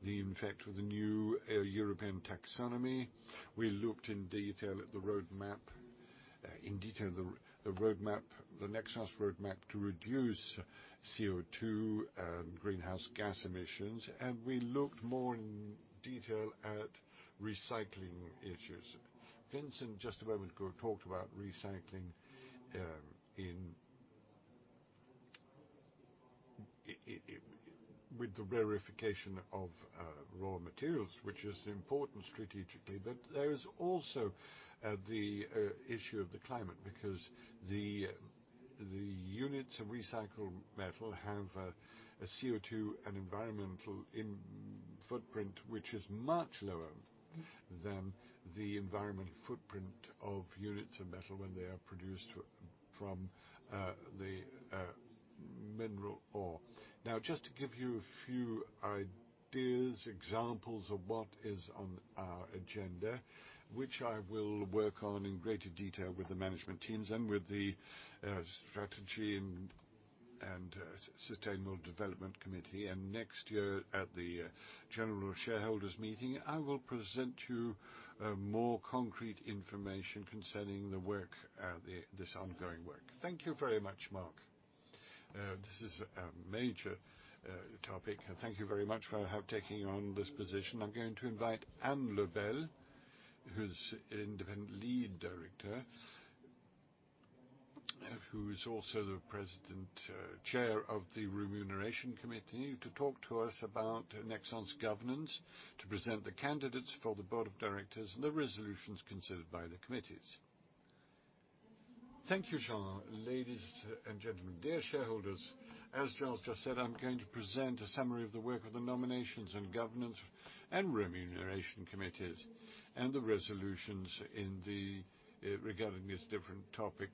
the impact of the new EU taxonomy. We looked in detail at the roadmap, the Nexans roadmap to reduce CO2 and greenhouse gas emissions, and we looked more in detail at recycling issues. Vincent, just a moment ago, talked about recycling, in with the rarefaction of raw materials, which is important strategically. There is also the issue of the climate because the units of recycled metal have a CO2 and environmental footprint, which is much lower than the environmental footprint of units of metal when they are produced from the mineral ore. Now, just to give you a few ideas, examples of what is on our agenda, which I will work on in greater detail with the management teams and with the strategy and sustainable development committee. Next year at the general shareholders meeting, I will present you more concrete information concerning the work, this ongoing work. Thank you very much, Marc. This is a major topic. Thank you very much for taking on this position. I'm going to invite Anne Lebel, who's Independent Lead Director, who is also the president, chair of the Remuneration Committee, to talk to us about Nexans' governance, to present the candidates for the Board of Directors, and the resolutions considered by the committees. Thank you, Jean. Ladies and gentlemen, dear shareholders, as Jean just said, I'm going to present a summary of the work of the Nominations and Governance and Remuneration Committees and the resolutions regarding these different topics,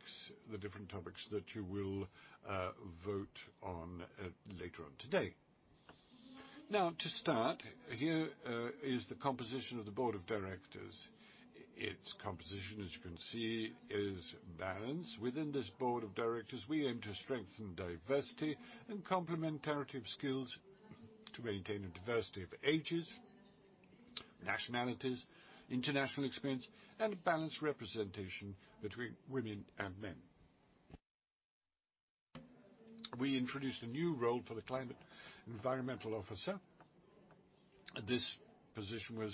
the different topics that you will vote on later on today. Now, to start, here is the composition of the Board of Directors. Its composition, as you can see, is balanced. Within this Board of Directors, we aim to strengthen diversity and complementarity of skills to maintain a diversity of ages, nationalities, international experience, and a balanced representation between women and men. We introduced a new role for the climate environmental officer. This position was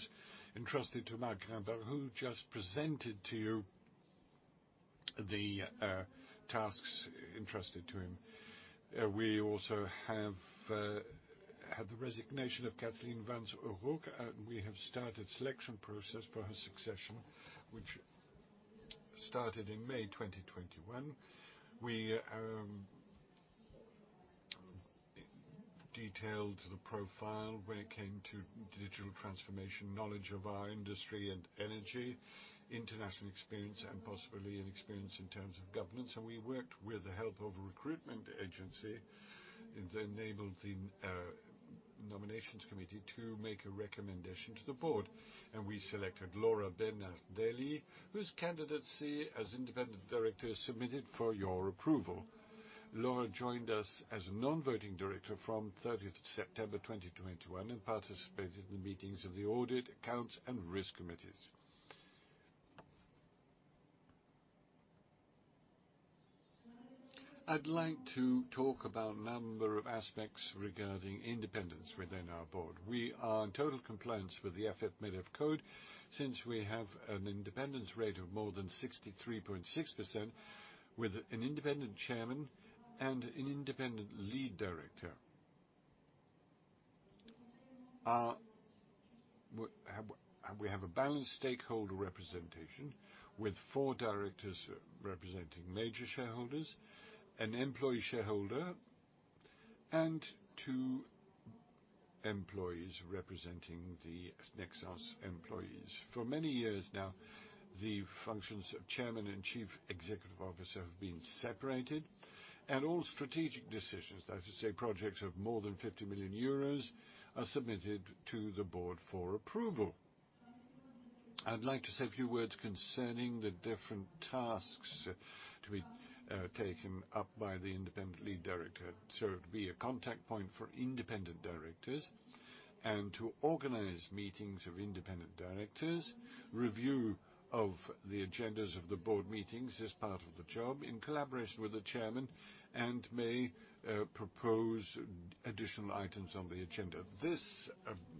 entrusted to Marc Grynberg, who just presented to you the tasks entrusted to him. We also have had the resignation of Kathleen Wantz-O'Rourke, and we have started selection process for her succession, which started in May 2021. We detailed the profile when it came to digital transformation, knowledge of our industry and energy, international experience and possibly an experience in terms of governance. We worked with the help of a recruitment agency. It enabled the nominations committee to make a recommendation to the board, and we selected Laura Bernardelli, whose candidacy as independent director is submitted for your approval. Laura joined us as a non-voting director from third of September 2021 and participated in the meetings of the Audit, Accounts and Risk Committees. I'd like to talk about a number of aspects regarding independence within our board. We are in total compliance with the AFEP-MEDEF Code since we have an independence rate of more than 63.6% with an independent chairman and an independent lead director. And we have a balanced stakeholder representation with four directors representing major shareholders, an employee shareholder, and two employees representing the Nexans employees. For many years now, the functions of chairman and chief executive officer have been separated and all strategic decisions, that is to say, projects of more than 50 million euros, are submitted to the board for approval. I'd like to say a few words concerning the different tasks to be taken up by the independent lead director. To be a contact point for independent directors and to organize meetings of independent directors. Review of the agendas of the Board meetings is part of the job in collaboration with the chairman, and may propose additional items on the agenda. This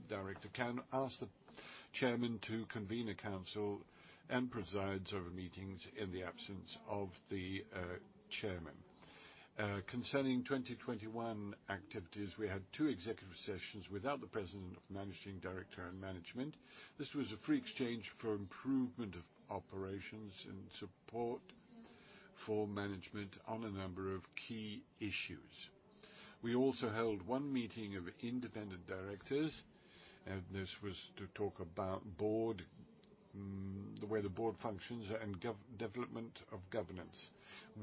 director can ask the chairman to convene a Board and presides over meetings in the absence of the chairman. Concerning 2021 activities, we had two executive sessions without the President and Managing Director and management. This was a free exchange for improvement of operations and support for management on a number of key issues. We also held one meeting of independent directors. This was to talk about the Board, the way the Board functions and governance development.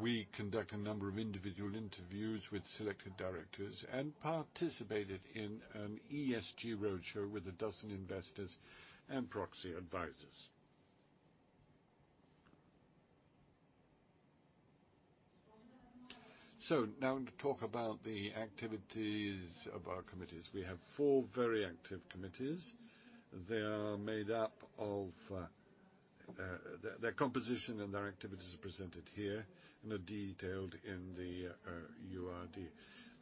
We conduct a number of individual interviews with selected directors and participated in an ESG roadshow with a dozen investors and proxy advisors. Now to talk about the activities of our committees. We have four very active committees. They are made up of, their composition and their activities are presented here and are detailed in the URD.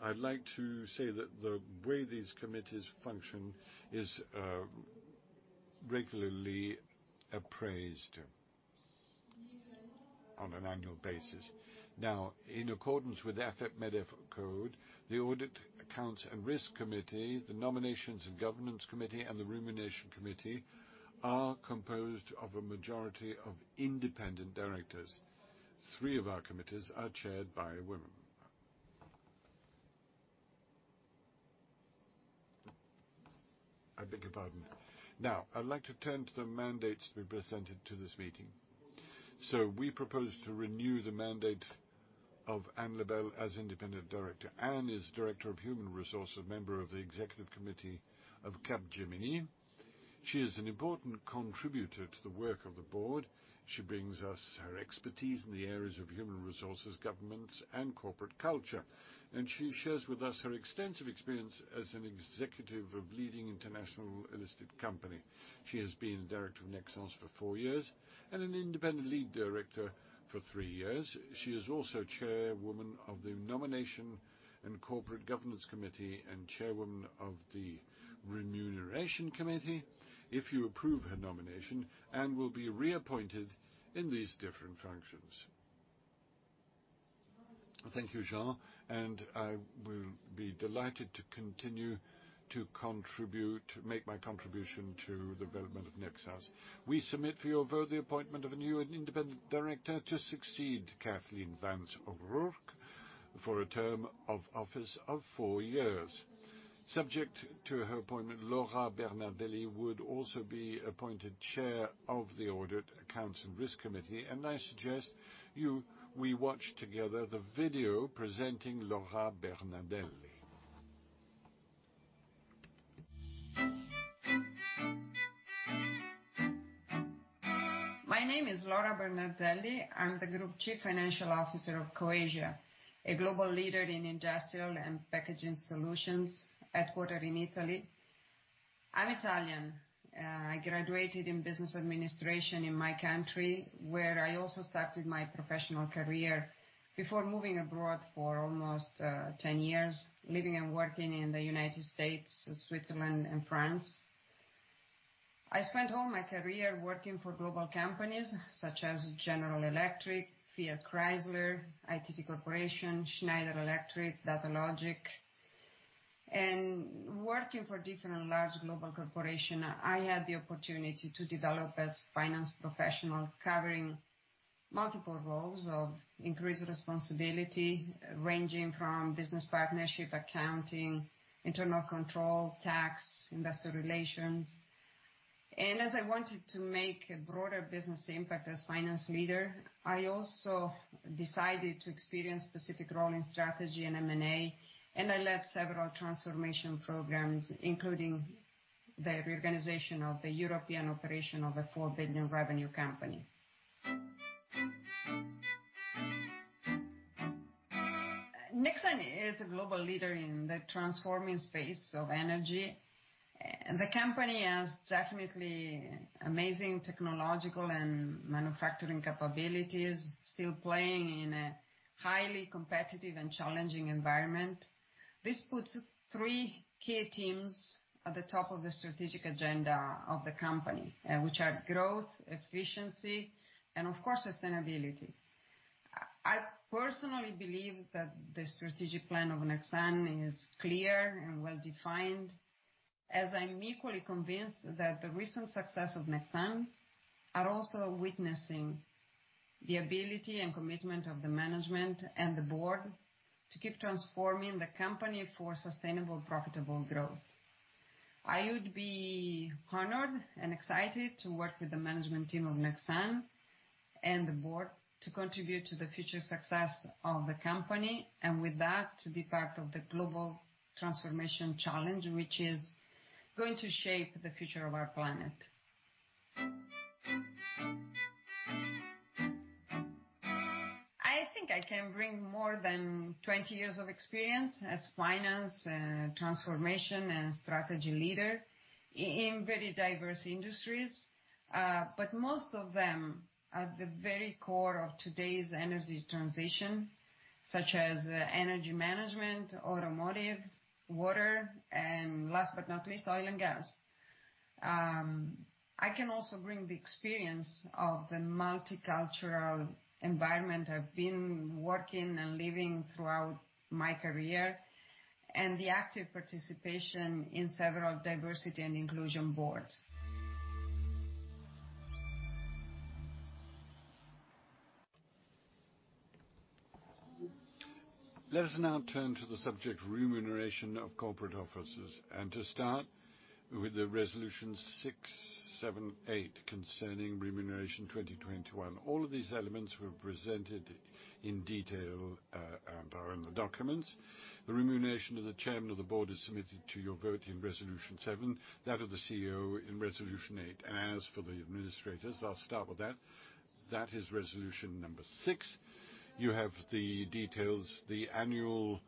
I'd like to say that the way these committees function is regularly appraised on an annual basis. Now, in accordance with the AFEP-MEDEF Code, the Audit, Accounts and Risk Committee, the Nominations and Governance Committee and the Remuneration Committee are composed of a majority of independent directors. Three of our committees are chaired by women. I beg your pardon. Now, I'd like to turn to the mandates to be presented to this meeting. We propose to renew the mandate of Anne Lebel as independent director. Anne is Director of Human Resources, a member of the Executive Committee of Capgemini. She is an important contributor to the work of the board. She brings us her expertise in the areas of human resources, governance and corporate culture, and she shares with us her extensive experience as an executive of leading international listed company. She has been director of Nexans for four years and an independent lead director for three years. She is also chairwoman of the Nomination and Corporate Governance Committee and chairwoman of the Remuneration Committee. If you approve her nomination, Anne Lebel will be reappointed in these different functions. Thank you, Jean, and I will be delighted to continue to contribute, make my contribution to the development of Nexans. We submit for your vote the appointment of a new and independent director to succeed Kathleen Wantz-O'Rourke for a term of office of four years. Subject to her appointment, Laura Bernardelli would also be appointed chair of the Audit, Accounts and Risk Committee. I suggest we watch together the video presenting Laura Bernardelli. My name is Laura Bernardelli. I'm the group chief financial officer of Coesia, a global leader in industrial and packaging solutions, headquartered in Italy. I'm Italian. I graduated in business administration in my country, where I also started my professional career before moving abroad for almost 10 years, living and working in the United States, Switzerland and France. I spent all my career working for global companies such as General Electric, Fiat Chrysler, ITT Inc., Schneider Electric, Datalogic. Working for different large global corporation, I had the opportunity to develop as finance professional covering multiple roles of increased responsibility, ranging from business partnership, accounting, internal control, tax, investor relations. As I wanted to make a broader business impact as finance leader, I also decided to experience specific role in strategy and M&A, and I led several transformation programs, including the reorganization of the European operation of a EUR 4 billion revenue company. Nexans is a global leader in the transforming space of energy. The company has definitely amazing technological and manufacturing capabilities, still playing in a highly competitive and challenging environment. This puts three key teams at the top of the strategic agenda of the company, which are growth, efficiency, and of course, sustainability. I personally believe that the strategic plan of Nexans is clear and well-defined, as I'm equally convinced that the recent success of Nexans are also witnessing the ability and commitment of the management and the board to keep transforming the company for sustainable, profitable growth. I would be honored and excited to work with the management team of Nexans and the board to contribute to the future success of the company, and with that, to be part of the global transformation challenge, which is going to shape the future of our planet. I think I can bring more than 20 years of experience as finance and transformation and strategy leader in very diverse industries. But most of them are at the very core of today's energy transition, such as, energy management, automotive, water, and last but not least, oil and gas. I can also bring the experience of the multicultural environment I've been working and living throughout my career, and the active participation in several diversity and inclusion boards. Let us now turn to the subject remuneration of corporate officers, and to start with the resolutions six, seven, eight concerning remuneration 2021. All of these elements were presented in detail and are in the documents. The remuneration of the chairman of the board is submitted to your vote in resolution even, that of the CEO in resolution eight. As for the administrators, I'll start with that is resolution number six. You have the details. The annual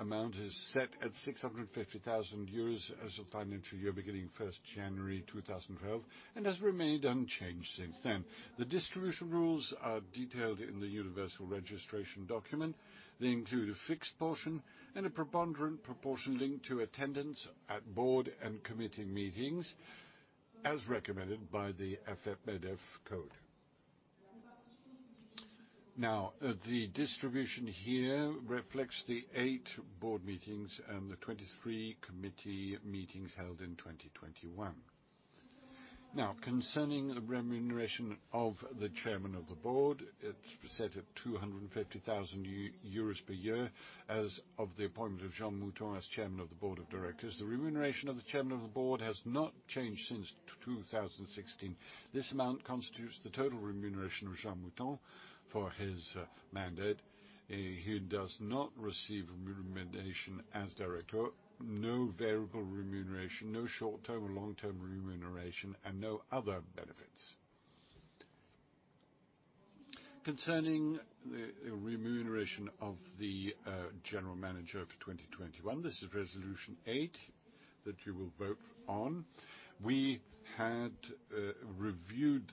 amount is set at 650,000 euros as of financial year beginning January 1st, 2012 and has remained unchanged since then. The distribution rules are detailed in the universal registration document. They include a fixed portion and a preponderant proportion linked to attendance at board and committee meetings, as recommended by the AFEP-MEDEF Code. Now, the distribution here reflects the eight board meetings and the 23 committee meetings held in 2021. Now, concerning the remuneration of the chairman of the board, it's set at 250,000 euros per year as of the appointment of Jean Mouton as chairman of the board of directors. The remuneration of the chairman of the board has not changed since 2016. This amount constitutes the total remuneration of Jean Mouton for his mandate. He does not receive remuneration as director, no variable remuneration, no short-term or long-term remuneration, and no other benefits. Concerning the remuneration of the general manager for 2021, this is resolution eight that you will vote on. We reviewed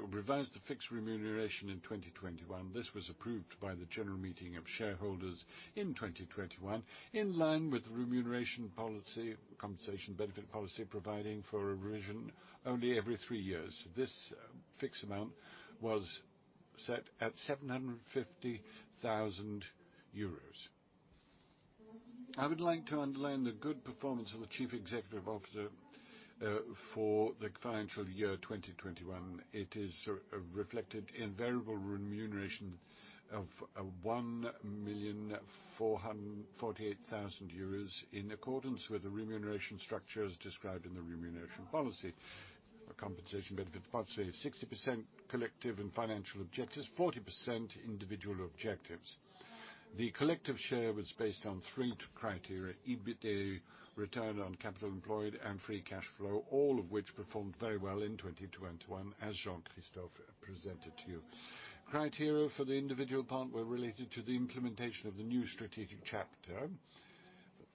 or revised the fixed remuneration in 2021. This was approved by the general meeting of shareholders in 2021, in line with the remuneration policy, compensation benefit policy, providing for a revision only every three years. This fixed amount was set at 750,000 euros. I would like to underline the good performance of the chief executive officer for the financial year 2021. It is reflected in variable remuneration of 1,448,000 euros in accordance with the remuneration structures described in the remuneration policy. A compensation benefit policy of 60% collective and financial objectives, 40% individual objectives. The collective share was based on three criteria: EBITDA, return on capital employed, and free cash flow, all of which performed very well in 2021, as Jean-Christophe presented to you. Criteria for the individual part were related to the implementation of the new strategic chapter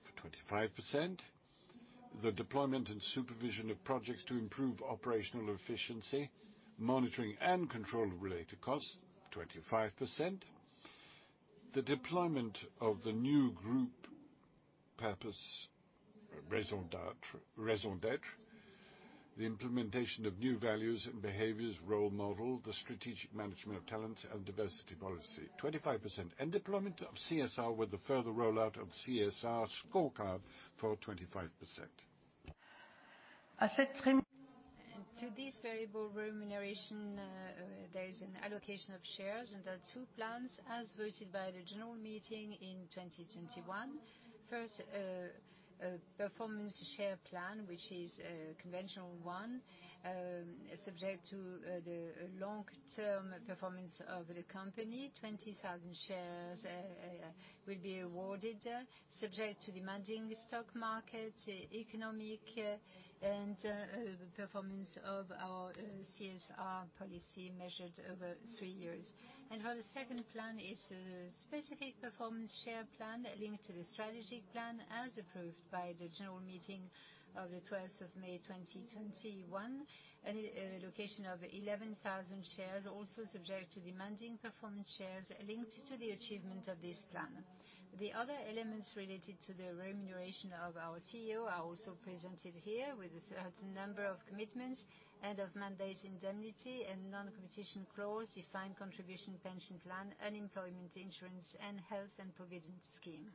for 25%. The deployment and supervision of projects to improve operational efficiency, monitoring and control of related costs, 25%. The deployment of the new group purpose, raison d'être, the implementation of new values and behaviors role model, the strategic management of talent and diversity policy, 25%, and deployment of CSR with the further rollout of CSR scorecard for 25%. To this variable remuneration, there is an allocation of shares, and there are two plans as voted by the general meeting in 2021. First, a performance share plan, which is a conventional one, subject to the long-term performance of the company. 20,000 shares will be awarded, subject to demanding stock market, economic, and performance of our CSR policy measured over three years. For the second plan, it's a specific performance share plan linked to the strategy plan as approved by the general meeting of the twelfth of May 2021, an allocation of 11,000 shares also subject to demanding performance shares linked to the achievement of this plan. The other elements related to the remuneration of our CEO are also presented here with a certain number of commitments and of mandate indemnity and non-competition clause, defined contribution pension plan, unemployment insurance, and health and provision scheme.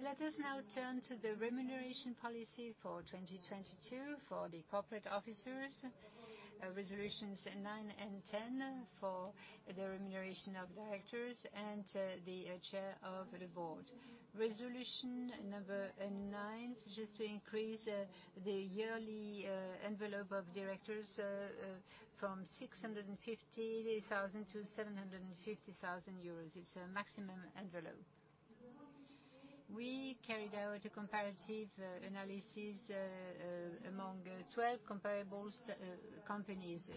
Let us now turn to the remuneration policy for 2022 for the corporate officers, resolutions nine and 10 for the remuneration of directors and the chair of the board. Resolution number nine is just to increase the yearly envelope of directors from 650,000 to 750,000 euros. It's a maximum envelope. We carried out a comparative analysis among 12 comparable companies,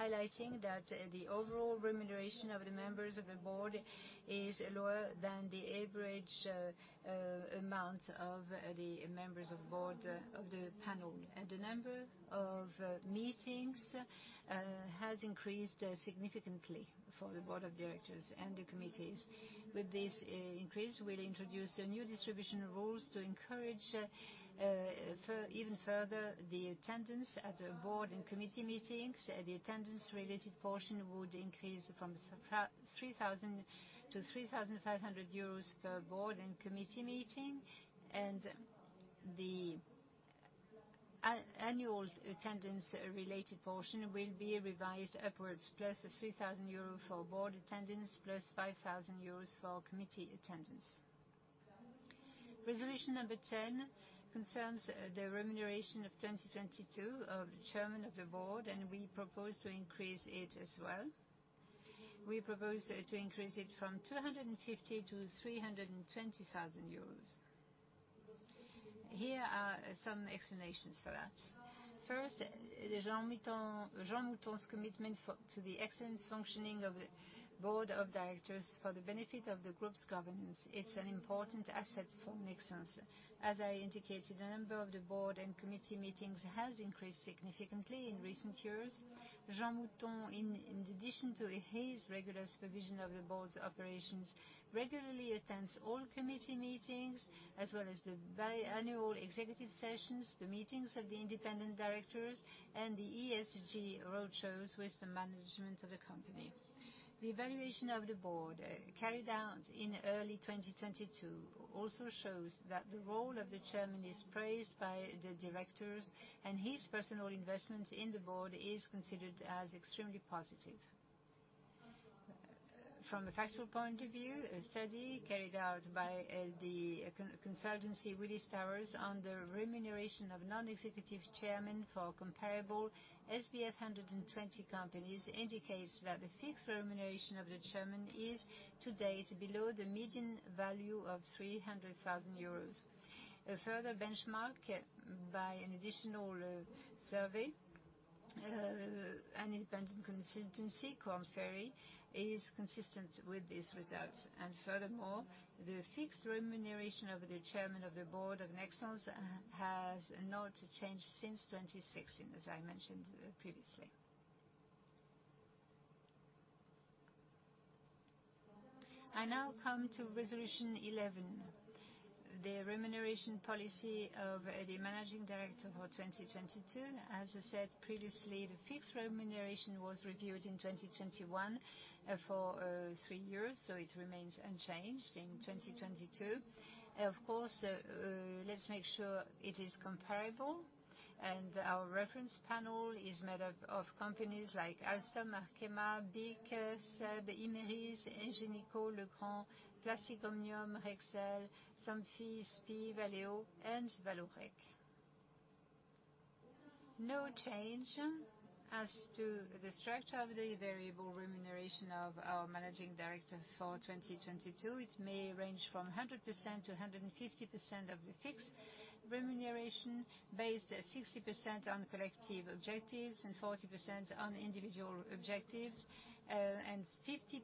highlighting that the overall remuneration of the members of the board is lower than the average amount of the members of the board of the panel. The number of meetings has increased significantly for the board of directors and the committees. With this increase, we'll introduce new distribution rules to encourage for even further the attendance at the board and committee meetings. The attendance-related portion would increase from 3,000 to 3,500 euros per board and committee meeting. The annual attendance-related portion will be revised upwards, +3,000 euros for board attendance, plus 5,000 euros for committee attendance. Resolution number 10 concerns the remuneration of 2022 of chairman of the board, and we propose to increase it as well. We propose to increase it from 250,000 to 320,000 euros. Here are some explanations for that. First, Jean Mouton's commitment to the excellent functioning of the board of directors for the benefit of the group's governance, it's an important asset for Nexans. As I indicated, the number of the board and committee meetings has increased significantly in recent years. Jean Mouton, in addition to his regular supervision of the board's operations, regularly attends all committee meetings as well as the biannual executive sessions, the meetings of the independent directors, and the ESG roadshows with the management of the company. The evaluation of the board carried out in early 2022 also shows that the role of the chairman is praised by the directors, and his personal investment in the board is considered as extremely positive. From a factual point of view, a study carried out by the consultancy Willis Towers Watson on the remuneration of non-executive chairman for comparable SBF 120 companies indicates that the fixed remuneration of the chairman is to date below the median value of 300,000 euros. A further benchmark by an additional survey, an independent consultancy, Korn Ferry, is consistent with this result. Furthermore, the fixed remuneration of the chairman of the board of Nexans has not changed since 2016, as I mentioned previously. I now come to resolution 11, the remuneration policy of the managing director for 2022. As I said previously, the fixed remuneration was reviewed in 2021 for three years, so it remains unchanged in 2022. Of course, let's make sure it is comparable, and our reference panel is made up of companies like Alstom, Arkema, BIC, SEB, Imerys, Engie, Legrand, Plastic Omnium, Rexel, Somfy, SPIE, Valeo, and Vallourec. No change as to the structure of the variable remuneration of our managing director for 2022. It may range from 100% to 150% of the fixed remuneration, based 60% on collective objectives and 40% on individual objectives, and 50%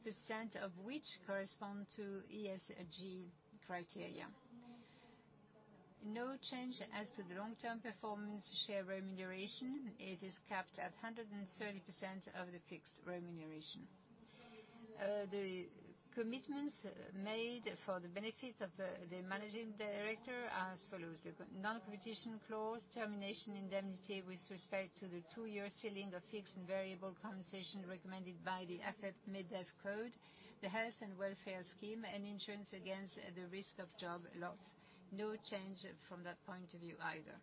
of which correspond to ESG criteria. No change as to the long-term performance share remuneration. It is capped at 130% of the fixed remuneration. The commitments made for the benefit of the managing director are as follows: the non-competition clause, termination indemnity with respect to the two-year ceiling of fixed and variable compensation recommended by the AFEP-MEDEF Code, the health and welfare scheme, and insurance against the risk of job loss. No change from that point of view either.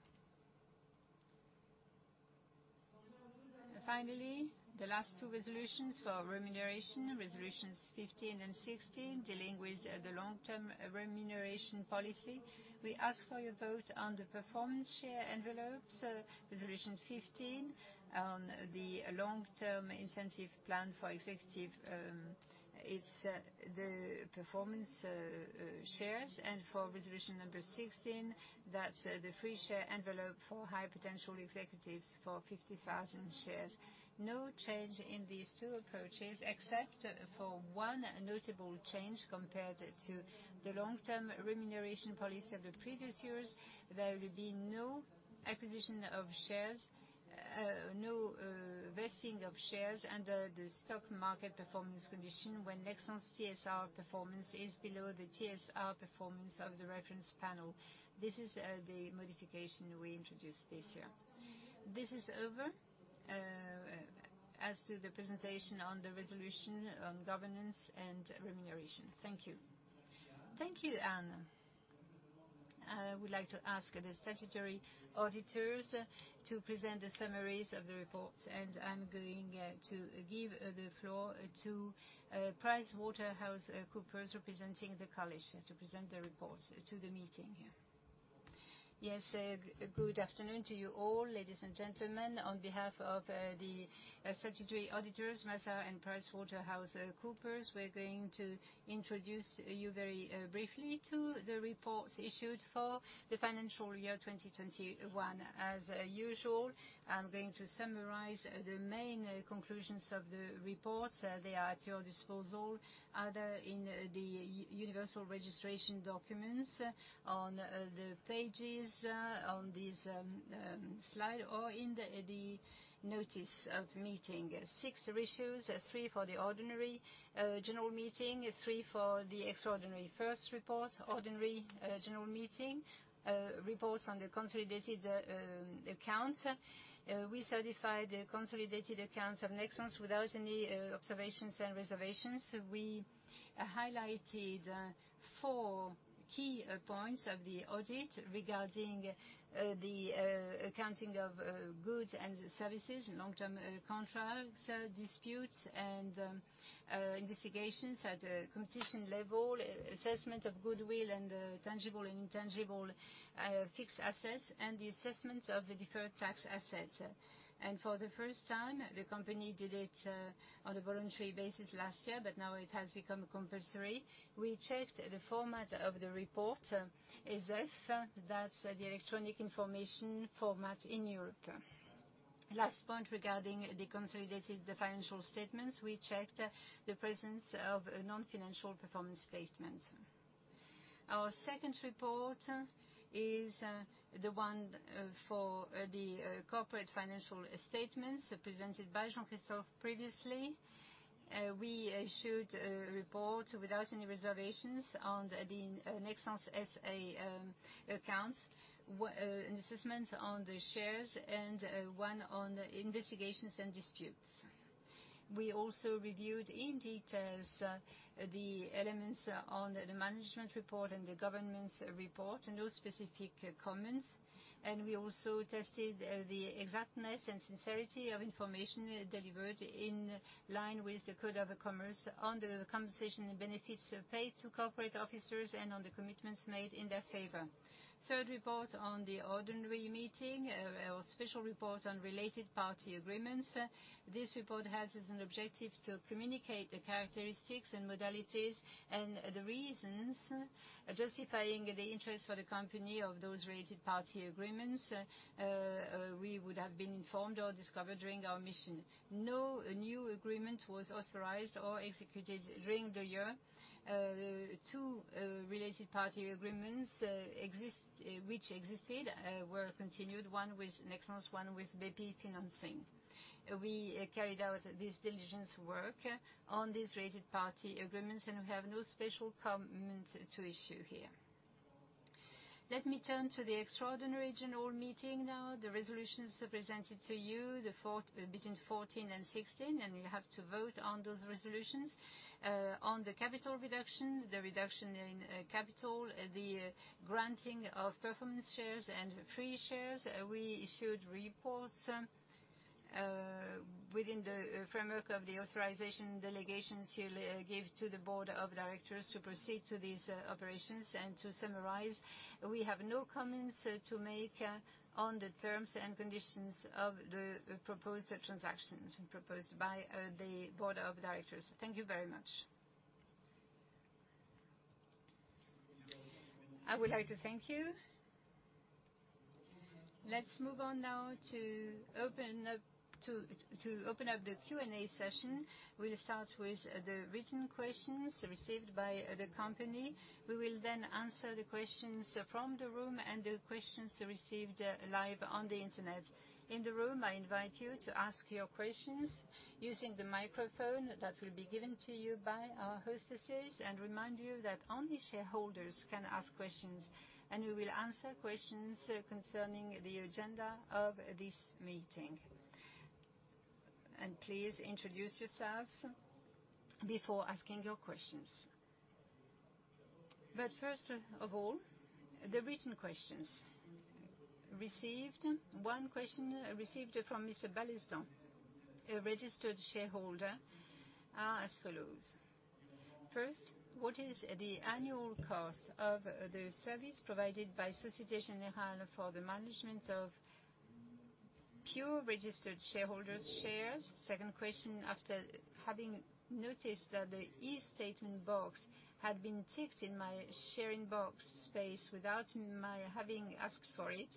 Finally, the last two resolutions for remuneration, resolutions 15 and 16, dealing with the long-term remuneration policy. We ask for your vote on the performance share envelopes, resolution 15 on the long-term incentive plan for executives, the performance shares, and for resolution number 16, the free share envelope for high potential executives for 50,000 shares. No change in these two approaches, except for one notable change compared to the long-term remuneration policy of the previous years. There will be no acquisition of shares, no vesting of shares under the stock market performance condition when Nexans TSR performance is below the TSR performance of the reference panel. This is the modification we introduced this year. This covers the presentation on the resolution on governance and remuneration. Thank you. Thank you, Anne. I would like to ask the statutory auditors to present the summaries of the report, and I'm going to give the floor to PricewaterhouseCoopers Audit, representing the college to present the reports to the meeting here. Yes. Good afternoon to you all, ladies and gentlemen. On behalf of the statutory auditors, Mazars and PricewaterhouseCoopers Audit, we're going to introduce you very briefly to the reports issued for the financial year 2021. As usual, I'm going to summarize the main conclusions of the reports. They are at your disposal, either in the universal registration documents on the pages on this slide or in the notice of meeting. Six ratios, three for the ordinary general meeting, three for the extraordinary first report, ordinary general meeting reports on the consolidated accounts. We certified the consolidated accounts of Nexans without any observations and reservations. We highlighted four key points of the audit regarding the accounting of goods and services, long-term contracts, disputes and investigations at the competition level, assessment of goodwill and tangible and intangible fixed assets, and the assessment of the deferred tax asset. For the first time, the company did it on a voluntary basis last year, but now it has become compulsory. We checked the format of the report as if that's the electronic information format in Europe. Last point regarding the consolidated financial statements, we checked the presence of a non-financial performance statement. Our second report is the one for the corporate financial statements presented by Jean-Christophe previously. We issued a report without any reservations on the Nexans S.A. accounts, an assessment on the shares and one on investigations and disputes. We also reviewed in details the elements on the management report and the governance report. No specific comments. We also tested the exactness and sincerity of information delivered in line with the Code of Commerce on the compensation benefits paid to corporate officers and on the commitments made in their favor. Third report on the ordinary meeting, a special report on related party agreements. This report has as an objective to communicate the characteristics and modalities and the reasons justifying the interest for the company of those related party agreements we would have been informed or discovered during our mission. No new agreement was authorized or executed during the year. Two related party agreements exist which existed were continued, one with Nexans, one with Bpifrance Financement. We carried out this diligence work on these related party agreements, and we have no special comment to issue here. Let me turn to the extraordinary general meeting now. The resolutions are presented to you, the fourth between 14 and 16, and you have to vote on those resolutions. On the capital reduction, the reduction in capital, the granting of performance shares and free shares, we issued reports within the framework of the authorization delegations you gave to the board of directors to proceed to these operations. To summarize, we have no comments to make on the terms and conditions of the proposed transactions proposed by the board of directors. Thank you very much. I would like to thank you. Let's move on now to open up the Q&A session. We'll start with the written questions received by the company. We will then answer the questions from the room and the questions received live on the internet. In the room, I invite you to ask your questions using the microphone that will be given to you by our hostesses and remind you that only shareholders can ask questions, and we will answer questions concerning the agenda of this meeting. Please introduce yourselves before asking your questions. First of all, the written questions. Received, 1 question received from Mr. Balesden, a registered shareholder, are as follows: First, what is the annual cost of the service provided by Société Générale for the management of pure registered shareholders' shares? Second question, after having noticed that the eStatement box had been ticked in my sharing box space without my having asked for it,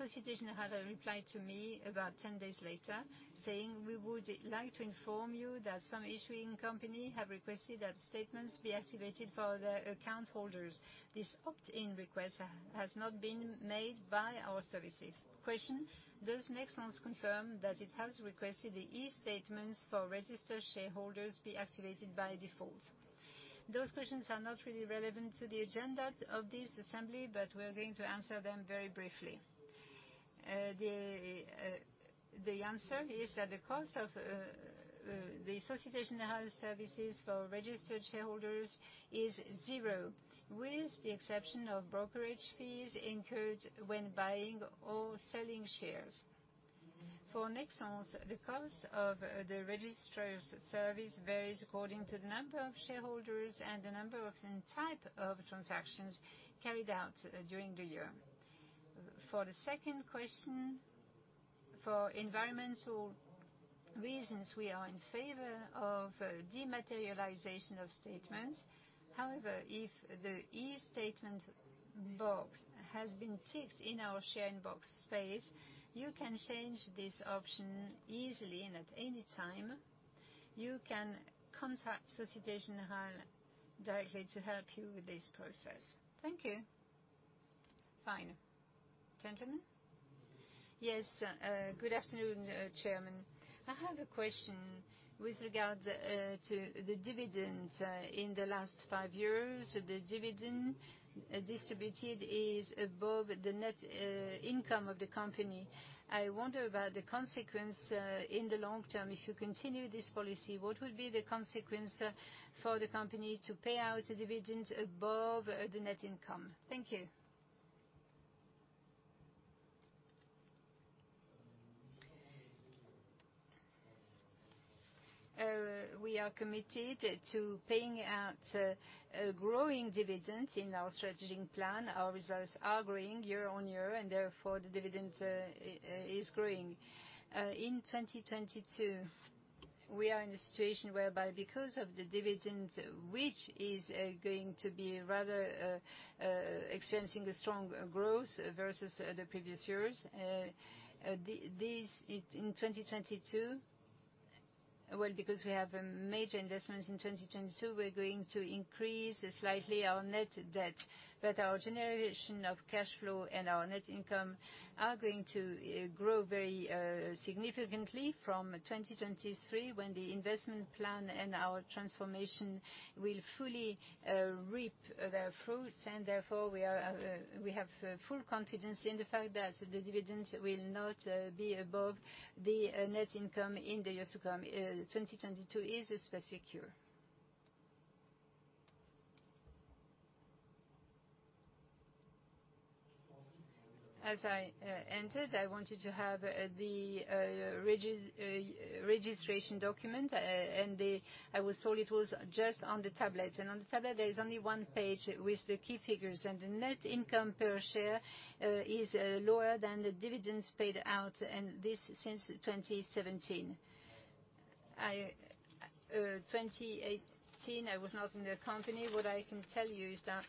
Société Générale replied to me about 10 days later saying, "We would like to inform you that some issuing company have requested that statements be activated for their account holders. This opt-in request has not been made by our services." Question, does Nexans confirm that it has requested the eStatements for registered shareholders be activated by default? Those questions are not really relevant to the agenda of this assembly, but we are going to answer them very briefly. The answer is that the cost of the Société Générale services for registered shareholders is zero, with the exception of brokerage fees incurred when buying or selling shares. For Nexans, the cost of the registrar's service varies according to the number of shareholders and the number and type of transactions carried out during the year. For the second question, for environmental reasons, we are in favor of dematerialization of statements. However, if the eStatement box has been ticked in our share inbox space, you can change this option easily and at any time. You can contact Société Générale directly to help you with this process. Thank you. Fine. Gentlemen? Yes, good afternoon, Chairman. I have a question with regard to the dividend. In the last five years, the dividend distributed is above the net income of the company. I wonder about the consequence in the long term. If you continue this policy, what would be the consequence for the company to pay out dividends above the net income? Thank you. We are committed to paying out a growing dividend in our strategic plan. Our results are growing year-on-year, and therefore the dividend is growing. In 2022, we are in a situation whereby because of the dividend, which is going to be rather experiencing a strong growth versus the previous years. In 2022, well, because we have major investments in 2022, we're going to increase slightly our net debt, but our generation of cash flow and our net income are going to grow very significantly from 2023 when the investment plan and our transformation will fully reap their fruits. Therefore we have full confidence in the fact that the dividends will not be above the net income in the years to come. 2022 is a specific year. As I entered, I wanted to have the registration document, and they told me it was just on the tablet. On the tablet, there is only one page with the key figures, and the net income per share is lower than the dividends paid out, and this since 2017. In 2018, I was not in the company. What I can tell you is that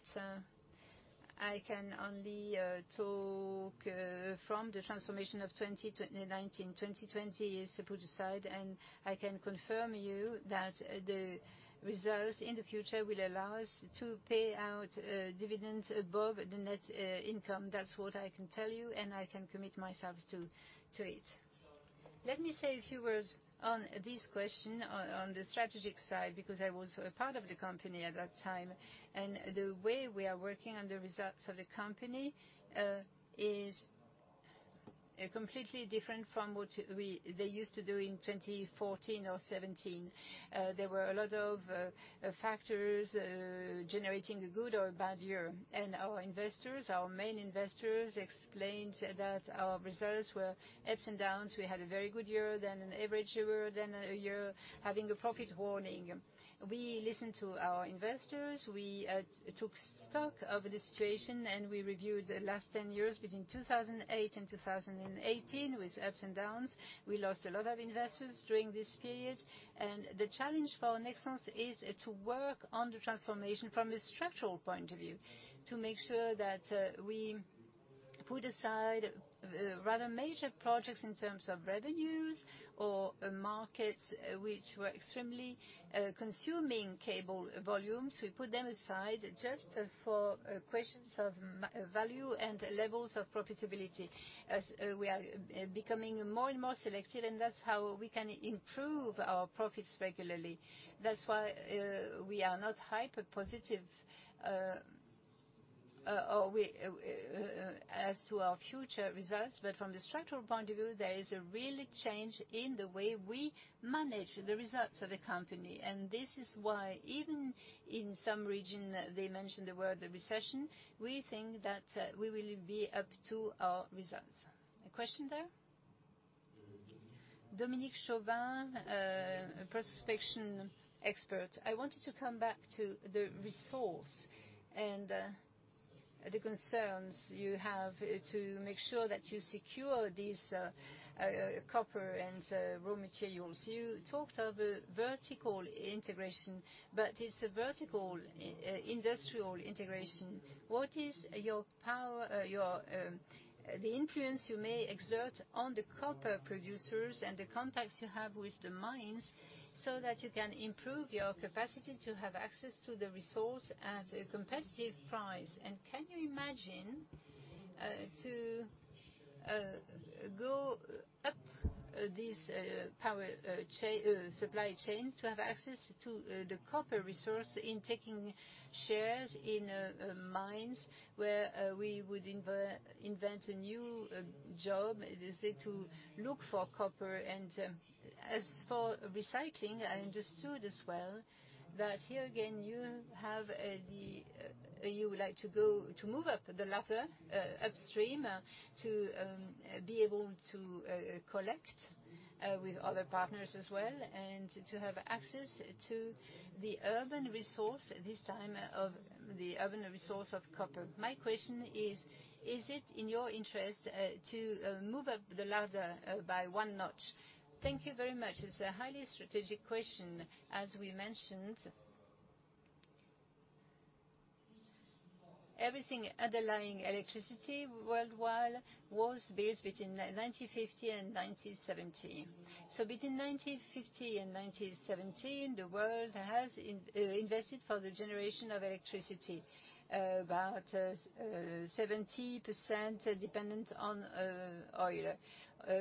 I can only talk from the transformation of 2019. 2020 is put aside, and I can confirm to you that the results in the future will allow us to pay out dividends above the net income. That's what I can tell you, and I can commit myself to it. Let me say a few words on this question on the strategic side, because I was a part of the company at that time, and the way we are working on the results of the company is completely different from what they used to do in 2014 or 2017. There were a lot of factors generating a good or a bad year. Our investors, our main investors, explained that our results were ups and downs. We had a very good year, then an average year, then a year having a profit warning. We listened to our investors. We took stock of the situation, and we reviewed the last ten years between 2008 and 2018, with ups and downs. We lost a lot of investors during this period. The challenge for Nexans is to work on the transformation from a structural point of view to make sure that we put aside rather major projects in terms of revenues or markets which were extremely consuming cable volumes. We put them aside just for questions of margin value and levels of profitability. As we are becoming more and more selective, and that's how we can improve our profits regularly. That's why we are not hyper positive as to our future results. From the structural point of view, there is a real change in the way we manage the results of the company. This is why even in some region, they mention the word recession, we think that we will be up to our results. A question there? Dominique Chauvin, a prospection expert. I wanted to come back to the resource and the concerns you have to make sure that you secure these copper and raw materials. You talked of vertical integration, but it's a vertical industrial integration. What is your power, your influence you may exert on the copper producers and the contacts you have with the mines so that you can improve your capacity to have access to the resource at a competitive price. Can you imagine to go up this supply chain to have access to the copper resource in taking shares in mines where we would invent a new job, say, to look for copper. As for recycling, I understood as well that here again, you have the You would like to go to move up the ladder upstream, to be able to collect with other partners as well, and to have access to the urban resource, this time of the urban resource of copper. My question is it in your interest to move up the ladder by one notch? Thank you very much. It's a highly strategic question. As we mentioned, everything underlying electricity worldwide was built between 1950 and 1970. Between 1950 and 1970, the world has invested for the generation of electricity, about 70% dependent on oil.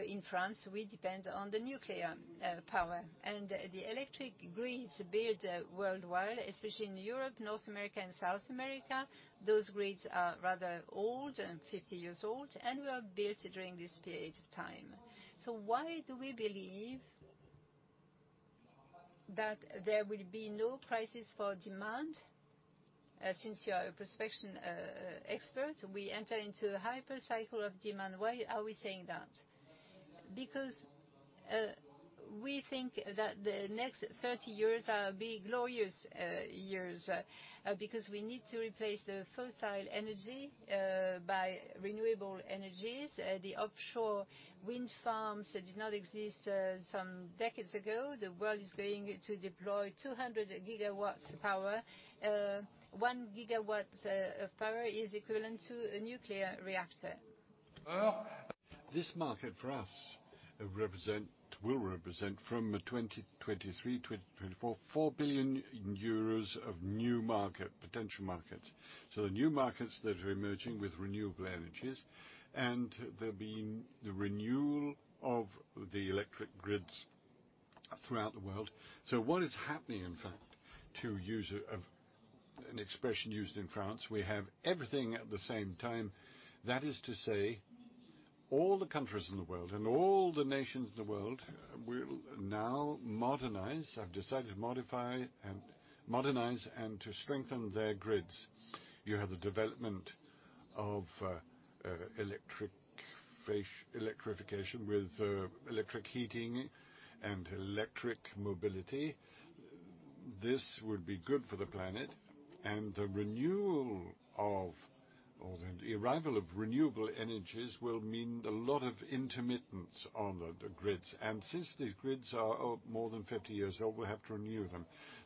In France, we depend on the nuclear power and the electric grids built worldwide, especially in Europe, North America and South America. Those grids are rather old and 50 years old, and were built during this period of time. Why do we believe that there will be no crisis for demand? Since you are a prospection expert, we enter into a hyper cycle of demand. Why are we saying that? Because we think that the next 30 years are big glorious years because we need to replace the fossil energy by renewable energies. The offshore wind farms that did not exist some decades ago, the world is going to deploy 200 GW of power. One gigawatts of power is equivalent to a nuclear reactor. This market for us will represent from 2023, 2024, 4 billion euros of new market, potential markets. The new markets that are emerging with renewable energies, and there'll be the renewal of the electric grids throughout the world. What is happening, in fact, to use of an expression used in France, we have everything at the same time. That is to say, all the countries in the world and all the nations in the world will now modernize, have decided to modify and modernize and to strengthen their grids. You have the development of electric electrification with electric heating and electric mobility. This would be good for the planet. The renewal of, or the arrival of renewable energies will mean a lot of intermittence on the grids. Since these grids are more than 50 years old, we have to renew them.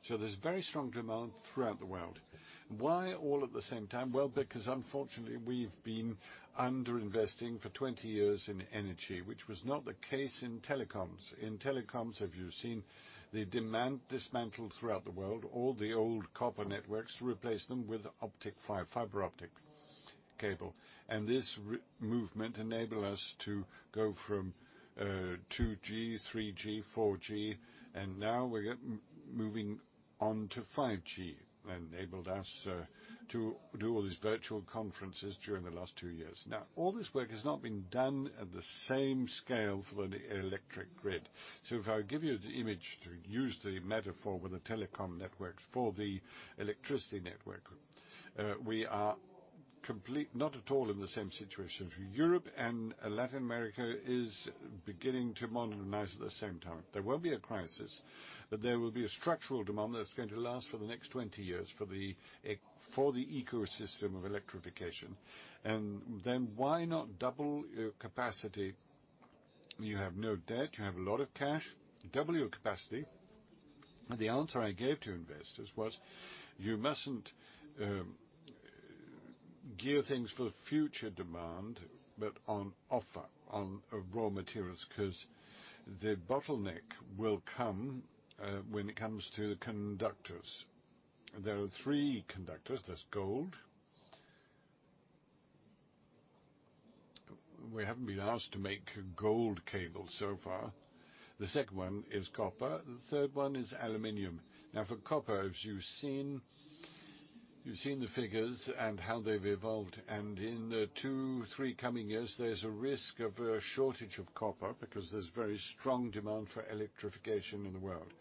There's very strong demand throughout the world. Why all at the same time? Well, because unfortunately, we've been underinvesting for 20 years in energy, which was not the case in telecoms. In telecoms, if you've seen the demand dismantled throughout the world, all the old copper networks replaced them with optic fiber optic cable. This movement enabled us to go from 2G, 3G, 4G, and now we're moving on to 5G, enabled us to do all these virtual conferences during the last two years. Now, all this work has not been done at the same scale for the electric grid. If I give you the image to use the metaphor with the telecom network for the electricity network, we are not at all in the same situation. Europe and Latin America is beginning to modernize at the same time. There will be a crisis, but there will be a structural demand that's going to last for the next 20 years for the ecosystem of electrification. Then why not double your capacity? You have no debt. You have a lot of cash. Double your capacity. The answer I gave to investors was, you mustn't gear things for future demand, but on offer on raw materials, 'cause the bottleneck will come when it comes to conductors. There are three conductors. There's gold. We haven't been asked to make gold cable so far. The second one is copper, the third one is aluminum. Now for copper, as you've seen, the figures and how they've evolved. In the two, three coming years, there's a risk of a shortage of copper because there's very strong demand for electrification in the world.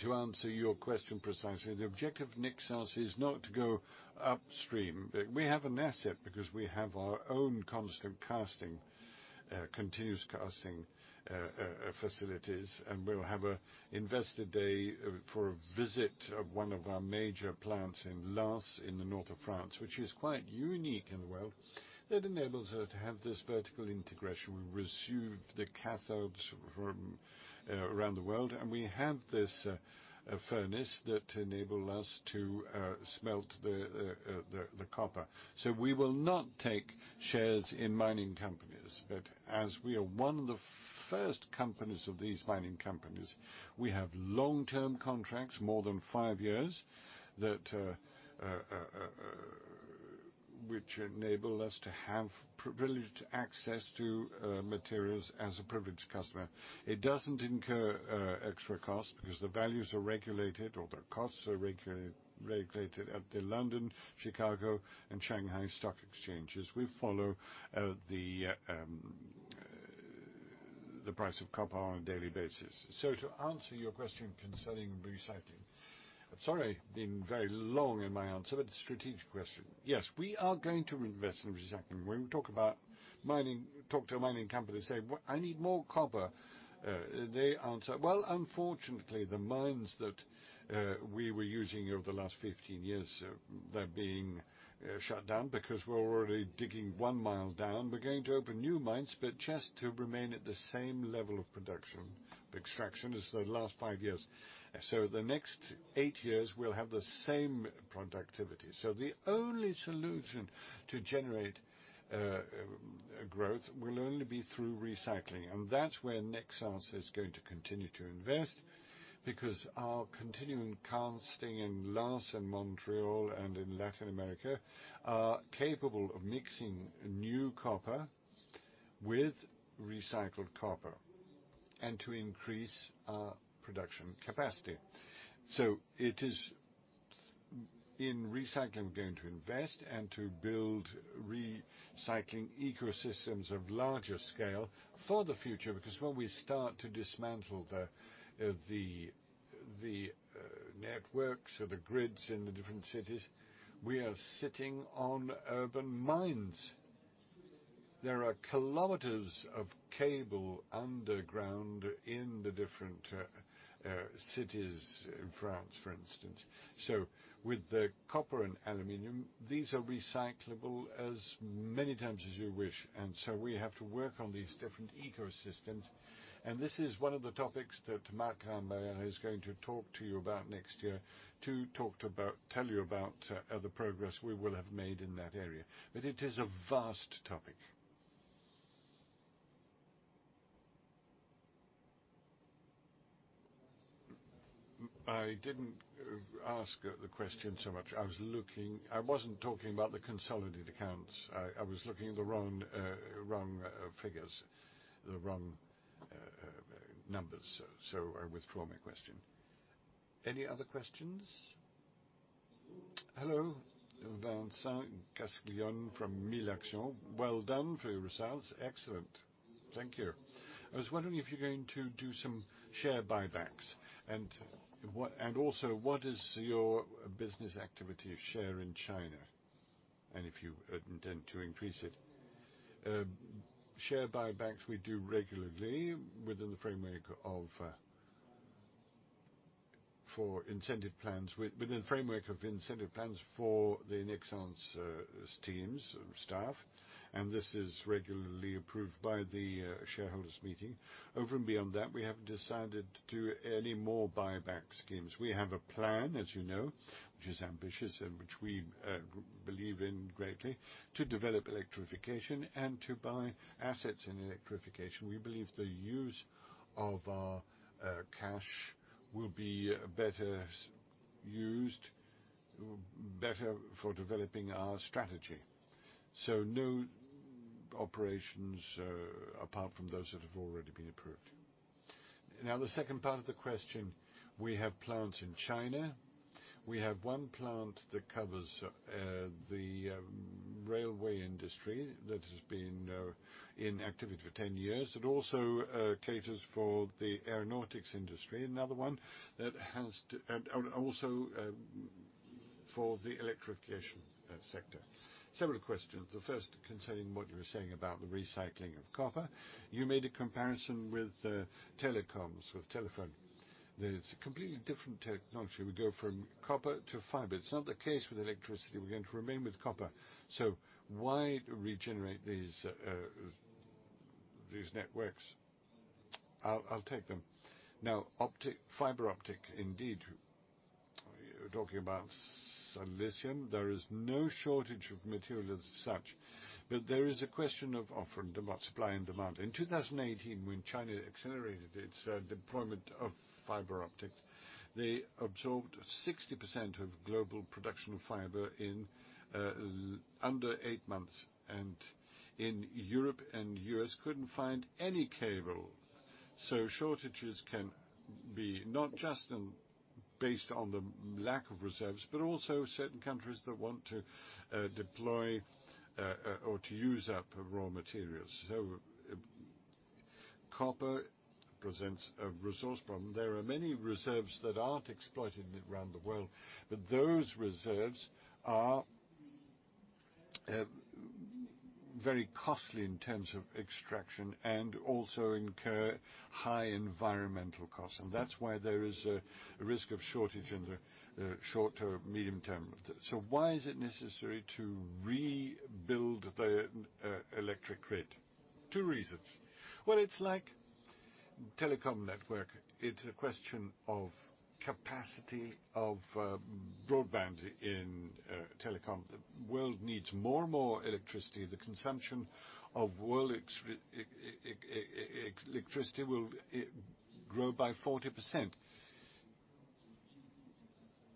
To answer your question precisely, the objective of Nexans is not to go upstream, but we have an asset because we have our own continuous casting facilities. We'll have an investor day for a visit of one of our major plants in Lens, in the north of France, which is quite unique in the world. That enables her to have this vertical integration. We receive the cathodes from around the world, and we have this furnace that enable us to smelt the copper. We will not take shares in mining companies. As we are one of the first companies of these mining companies, we have long-term contracts, more than five years, that which enable us to have privileged access to materials as a privileged customer. It doesn't incur extra costs because the values are regulated or the costs are regulated at the London, Chicago, and Shanghai stock exchanges. We follow the price of copper on a daily basis. To answer your question concerning recycling. Sorry, being very long in my answer, but strategic question. Yes, we are going to invest in recycling. When we talk about mining. Talk to a mining company, say, "Well, I need more copper," they answer, "Well, unfortunately, the mines that we were using over the last 15 years, they're being shut down because we're already digging 1 mi down. We're going to open new mines, but just to remain at the same level of production. Extraction is the last five years. The next eight years, we'll have the same productivity. The only solution to generate growth will only be through recycling. That's where Nexans is going to continue to invest, because our continuous casting in Lens and Montreal and in Latin America are capable of mixing new copper with recycled copper and to increase our production capacity. It is in recycling we're going to invest and to build recycling ecosystems of larger scale for the future. Because when we start to dismantle the networks or the grids in the different cities, we are sitting on urban mines. There are kilometers of cable underground in the different cities in France, for instance. With the copper and aluminum, these are recyclable as many times as you wish. We have to work on these different ecosystems. This is one of the topics that Marc Rambaud is going to talk to you about next year, to tell you about the progress we will have made in that area. It is a vast topic. I didn't ask the question so much. I was looking. I wasn't talking about the consolidated accounts. I was looking at the wrong figures, the wrong numbers. I withdraw my question. Any other questions? Hello. Vincent Castillon from Mille et une Actions. Well done for your results. Excellent. Thank you. I was wondering if you're going to do some share buybacks. What is your business activity share in China, and if you intend to increase it? Share buybacks we do regularly within the framework of incentive plans for the Nexans teams, staff. This is regularly approved by the shareholders' meeting. Over and beyond that, we haven't decided to do any more buyback schemes. We have a plan, as you know, which is ambitious and which we believe in greatly, to develop electrification and to buy assets in electrification. We believe the use of our cash will be better used, better for developing our strategy. No operations apart from those that have already been approved. Now, the second part of the question, we have plants in China. We have one plant that covers the railway industry that has been in activity for 10 years. It also caters for the aeronautics industry. Another one and also for the electrification sector. Several questions. The first concerning what you were saying about the recycling of copper. You made a comparison with telecoms, with telephone. That it's a completely different technology. We go from copper to fiber. It's not the case with electricity. We're going to remain with copper. Why regenerate these networks. I'll take them. Now, fiber optic, indeed, you're talking about silicon. There is no shortage of material as such, but there is a question of offer, demand, supply, and demand. In 2018, when China accelerated its deployment of fiber optics, they absorbed 60% of global production of fiber in under eight months, and in Europe and U.S. couldn't find any cable. Shortages can be not just based on the lack of reserves, but also certain countries that want to deploy or to use up raw materials. Copper presents a resource problem. There are many reserves that aren't exploited around the world, but those reserves are very costly in terms of extraction and also incur high environmental costs. That's why there is a risk of shortage in the short or medium term. Why is it necessary to rebuild the electric grid? Two reasons. Well, it's like telecom network. It's a question of capacity of broadband in telecom. The world needs more and more electricity. The consumption of world electricity will grow by 40%.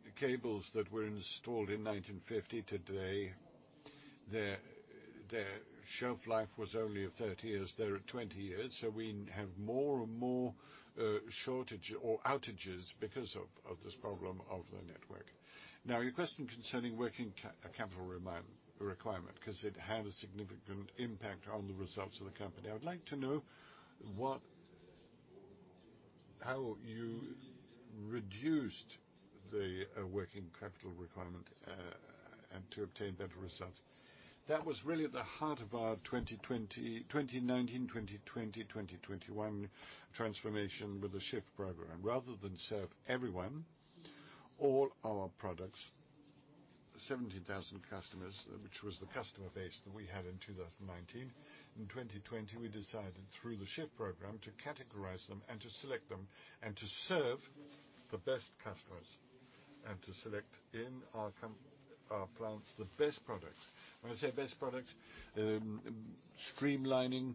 The cables that were installed in 1950 today, their shelf life was only of 30 years. They are at 20 years, so we have more and more shortage or outages because of this problem of the network. Now, your question concerning working capital requirement, 'cause it had a significant impact on the results of the company. I would like to know how you reduced the working capital requirement and to obtain better results. That was really at the heart of our 2019, 2020, 2021 transformation with the SHIFT program. Rather than serve everyone, all our products, 17,000 customers, which was the customer base that we had in 2019, in 2020, we decided through the SHIFT program to categorize them and to select them and to serve the best customers and to select in our our plants the best products. When I say best products, streamlining,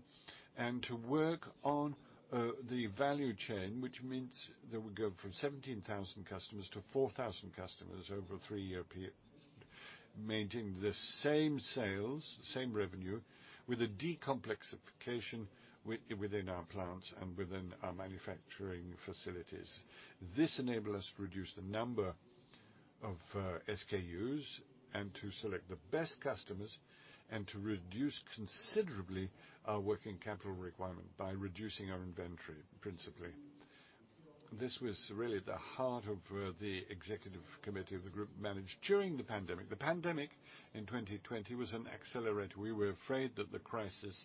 and to work on the value chain, which means that we go from 17,000 customers to 4,000 customers over a three-year period, maintaining the same sales, same revenue, with a de-complexification within our plants and within our manufacturing facilities. This enable us to reduce the number of SKUs and to select the best customers and to reduce considerably our working capital requirement by reducing our inventory, principally. This was really at the heart of the executive committee of the group managed during the pandemic. The pandemic in 2020 was an accelerator. We were afraid that the crisis,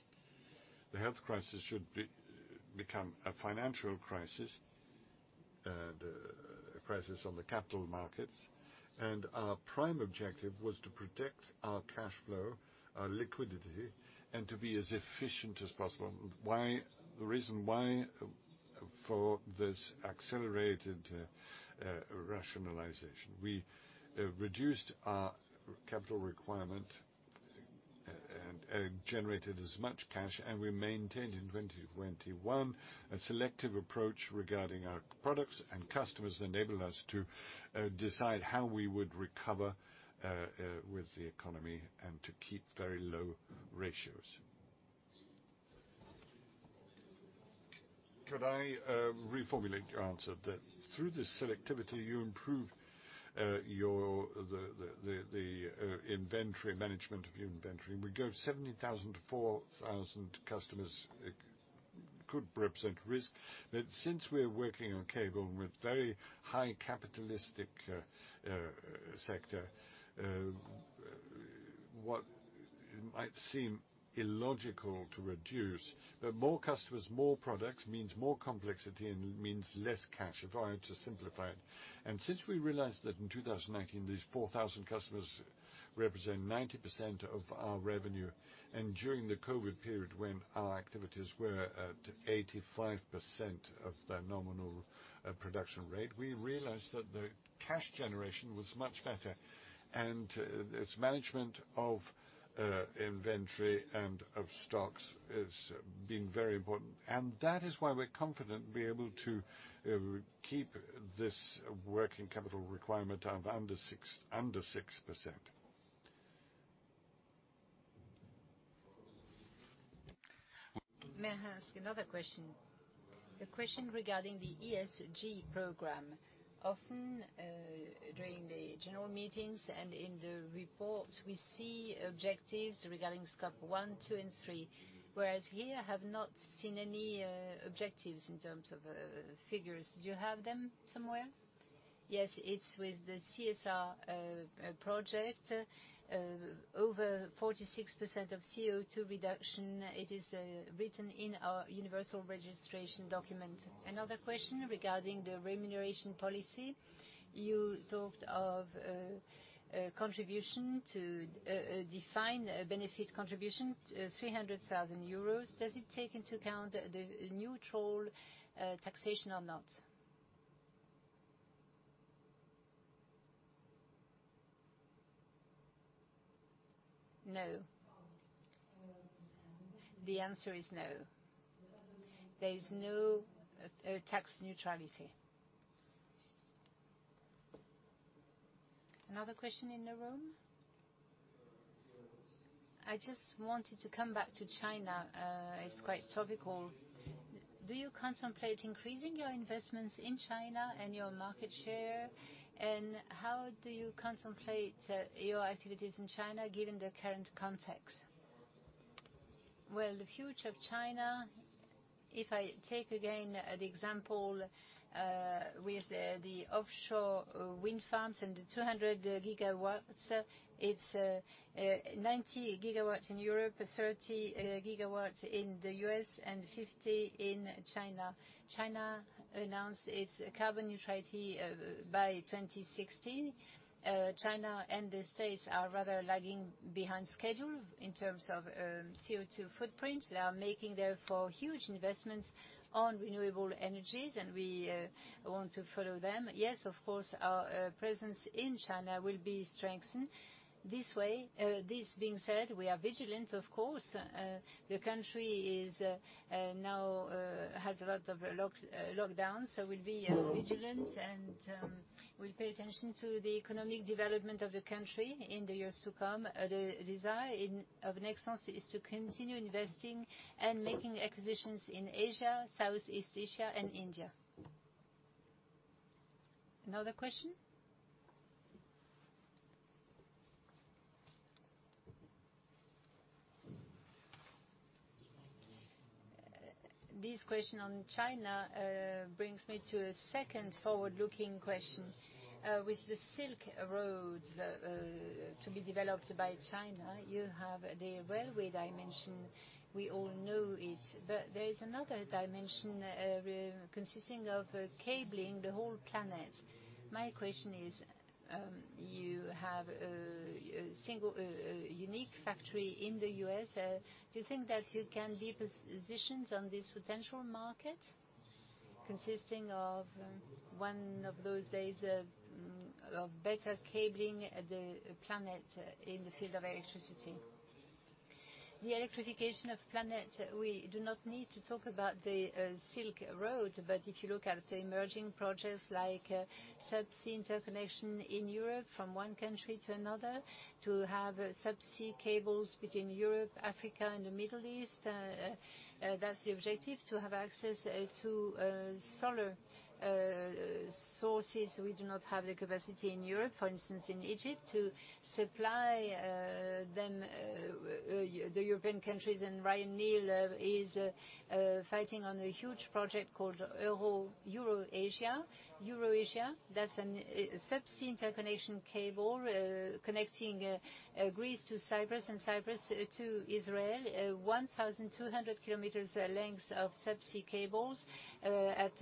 the health crisis, should become a financial crisis, the crisis on the capital markets. Our prime objective was to protect our cash flow, our liquidity, and to be as efficient as possible. Why? The reason why for this accelerated rationalization. We reduced our capital requirement and generated as much cash, and we maintained in 2021 a selective approach regarding our products, and customers enabled us to decide how we would recover with the economy and to keep very low ratios. Could I reformulate your answer that through this selectivity, you improve your inventory management of your inventory? We went from 17,000 customers-4,000 customers, it could represent risk. Since we're working in cable with very high capital-intensive sector, what might seem illogical to reduce, more customers, more products means more complexity and means less cash, if I had to simplify it. Since we realized that in 2019, these 4,000 customers represent 90% of our revenue, and during the COVID period when our activities were at 85% of the nominal production rate, we realized that the cash generation was much better. This management of inventory and of stocks has been very important. That is why we're confident we're able to keep this working capital requirement of under 6%. May I ask another question? A question regarding the ESG program. Often, during the general meetings and in the reports, we see objectives regarding scope one, two, and three, whereas here I have not seen any objectives in terms of figures. Do you have them somewhere? Yes, it's with the CSR project. Over 46% of CO2 reduction, it is written in our universal registration document. Another question regarding the remuneration policy. You talked of a contribution to a defined benefit contribution, 300,000 euros. Does it take into account the neutral taxation or not? No. The answer is no. There is no tax neutrality. Another question in the room? I just wanted to come back to China, it's quite topical. Do you contemplate increasing your investments in China and your market share? How do you contemplate your activities in China given the current context? Well, the future of China, if I take again the example with the offshore wind farms and the 200 GW, it's 90 GW in Europe, 30 GW in the U.S. and 50 in China. China announced its carbon neutrality by 2060. China and the States are rather lagging behind schedule in terms of CO2 footprint. They are making therefore huge investments on renewable energies, and we want to follow them. Yes, of course, our presence in China will be strengthened this way. This being said, we are vigilant, of course. The country now has a lot of lockdowns, so we'll be vigilant and we'll pay attention to the economic development of the country in the years to come. The desire of Nexans is to continue investing and making acquisitions in Asia, Southeast Asia and India. Another question? This question on China brings me to a second forward-looking question. With the Silk Roads to be developed by China, you have the railway dimension, we all know it. There is another dimension consisting of cabling the whole planet. My question is, you have a single unique factory in the U.S. Do you think that you can be positioned on this potential market consisting of one of those days of better cabling the planet in the field of electricity? The electrification of planet, we do not need to talk about the Silk Road. If you look at the emerging projects like subsea interconnection in Europe from one country to another, to have subsea cables between Europe, Africa and the Middle East, that's the objective, to have access to solar sources. We do not have the capacity in Europe, for instance, in Egypt, to supply then the European countries. Ragnhild Katteland is fighting on a huge project called EuroAsia Interconnector. That's a subsea interconnection cable connecting Greece to Cyprus and Cyprus to Israel. 1,200 km length of subsea cables at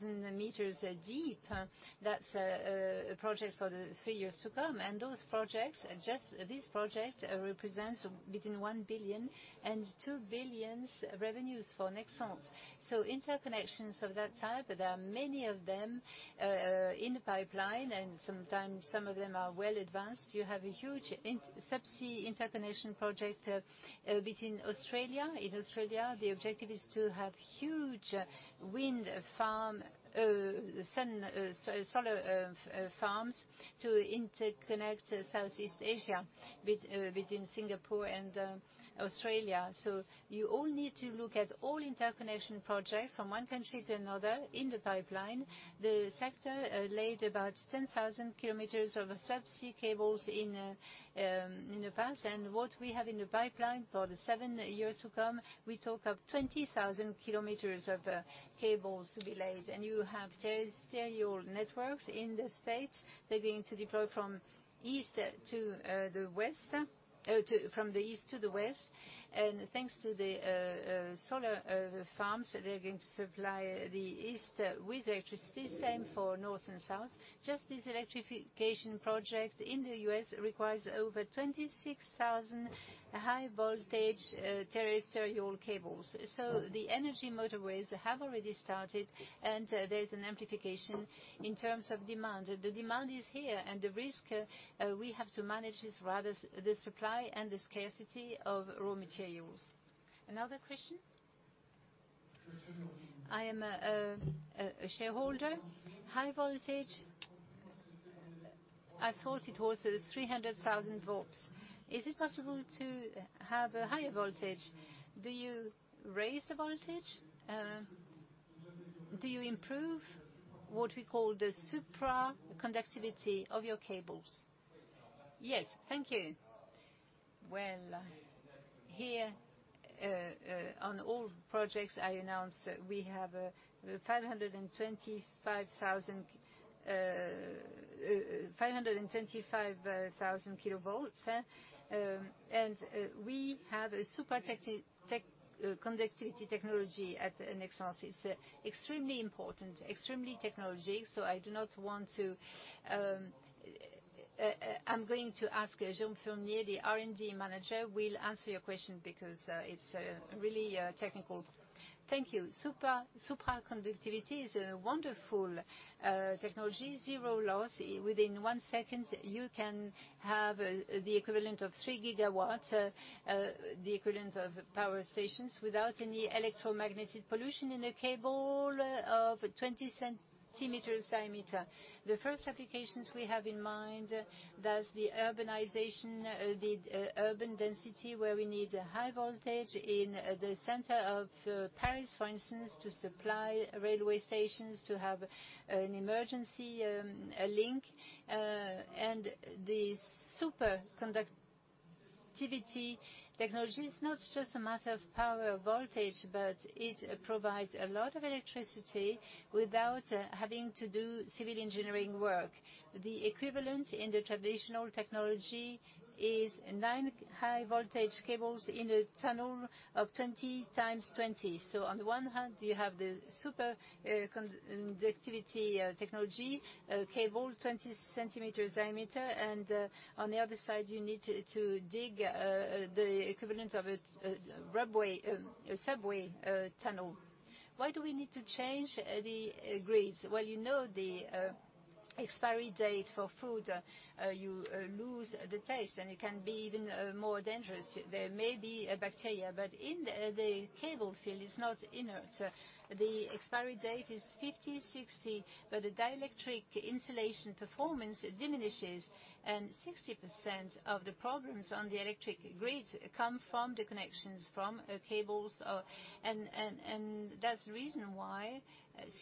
3,000 m deep. That's a project for the three years to come. Those projects, just this project represents between 1 billion and 2 billion revenues for Nexans. Interconnections of that type, there are many of them in the pipeline, and sometimes some of them are well advanced. You have a huge subsea interconnection project between Australia. In Australia, the objective is to have huge wind farm, solar farms to interconnect Southeast Asia between Singapore and Australia. You all need to look at all interconnection projects from one country to another in the pipeline. The sector laid about 10,000 km of subsea cables in the past. What we have in the pipeline for the seven years to come, we talk of 20,000 km of cables to be laid. You have terrestrial networks in the States. They're going to deploy from the east to the west. Thanks to the solar farms, they're going to supply the east with electricity, same for north and south. Just this electrification project in the U.S. requires over 26,000 high voltage terrestrial cables. The energy motorways have already started, and there's an amplification in terms of demand. The demand is here, and the risk we have to manage is rather the supply and the scarcity of raw materials. Another question? I am a shareholder. High voltage, I thought it was 300,000 V. Is it possible to have a higher voltage? Do you raise the voltage? Do you improve what we call the superconductivity of your cables? Yes. Thank you. Well, here, on all projects I announced, we have 525,000 kV. And we have a superconductivity technology at Nexans. It's extremely important, extremely technology, so I do not want to. I'm going to ask Jérôme Fournier, the R&D manager will answer your question because it's really technical. Thank you. Superconductivity is a wonderful technology, zero loss. Within one second, you can have the equivalent of 3 GW, the equivalent of power stations without any electromagnetic pollution in a cable of 20 cm diameter. The first applications we have in mind, that's the urbanization, the urban density, where we need high voltage in the center of Paris, for instance, to supply railway stations, to have an emergency link. The superconductivity technology is not just a matter of power voltage, but it provides a lot of electricity without having to do civil engineering work. The equivalent in the traditional technology is 9 high voltage cables in a tunnel of 20x20. On one hand, you have the superconductivity technology cable, 20 cm diameter, and on the other side, you need to dig the equivalent of a railway, a subway tunnel. Why do we need to change the grids? Well, you know, the expiry date for food, you lose the taste, and it can be even more dangerous. There may be a bacteria, but in the cable field, it's not inert. The expiry date is 50%, 60%, but the dielectric insulation performance diminishes, and 60% of the problems on the electric grid come from the connections from cables. And that's the reason why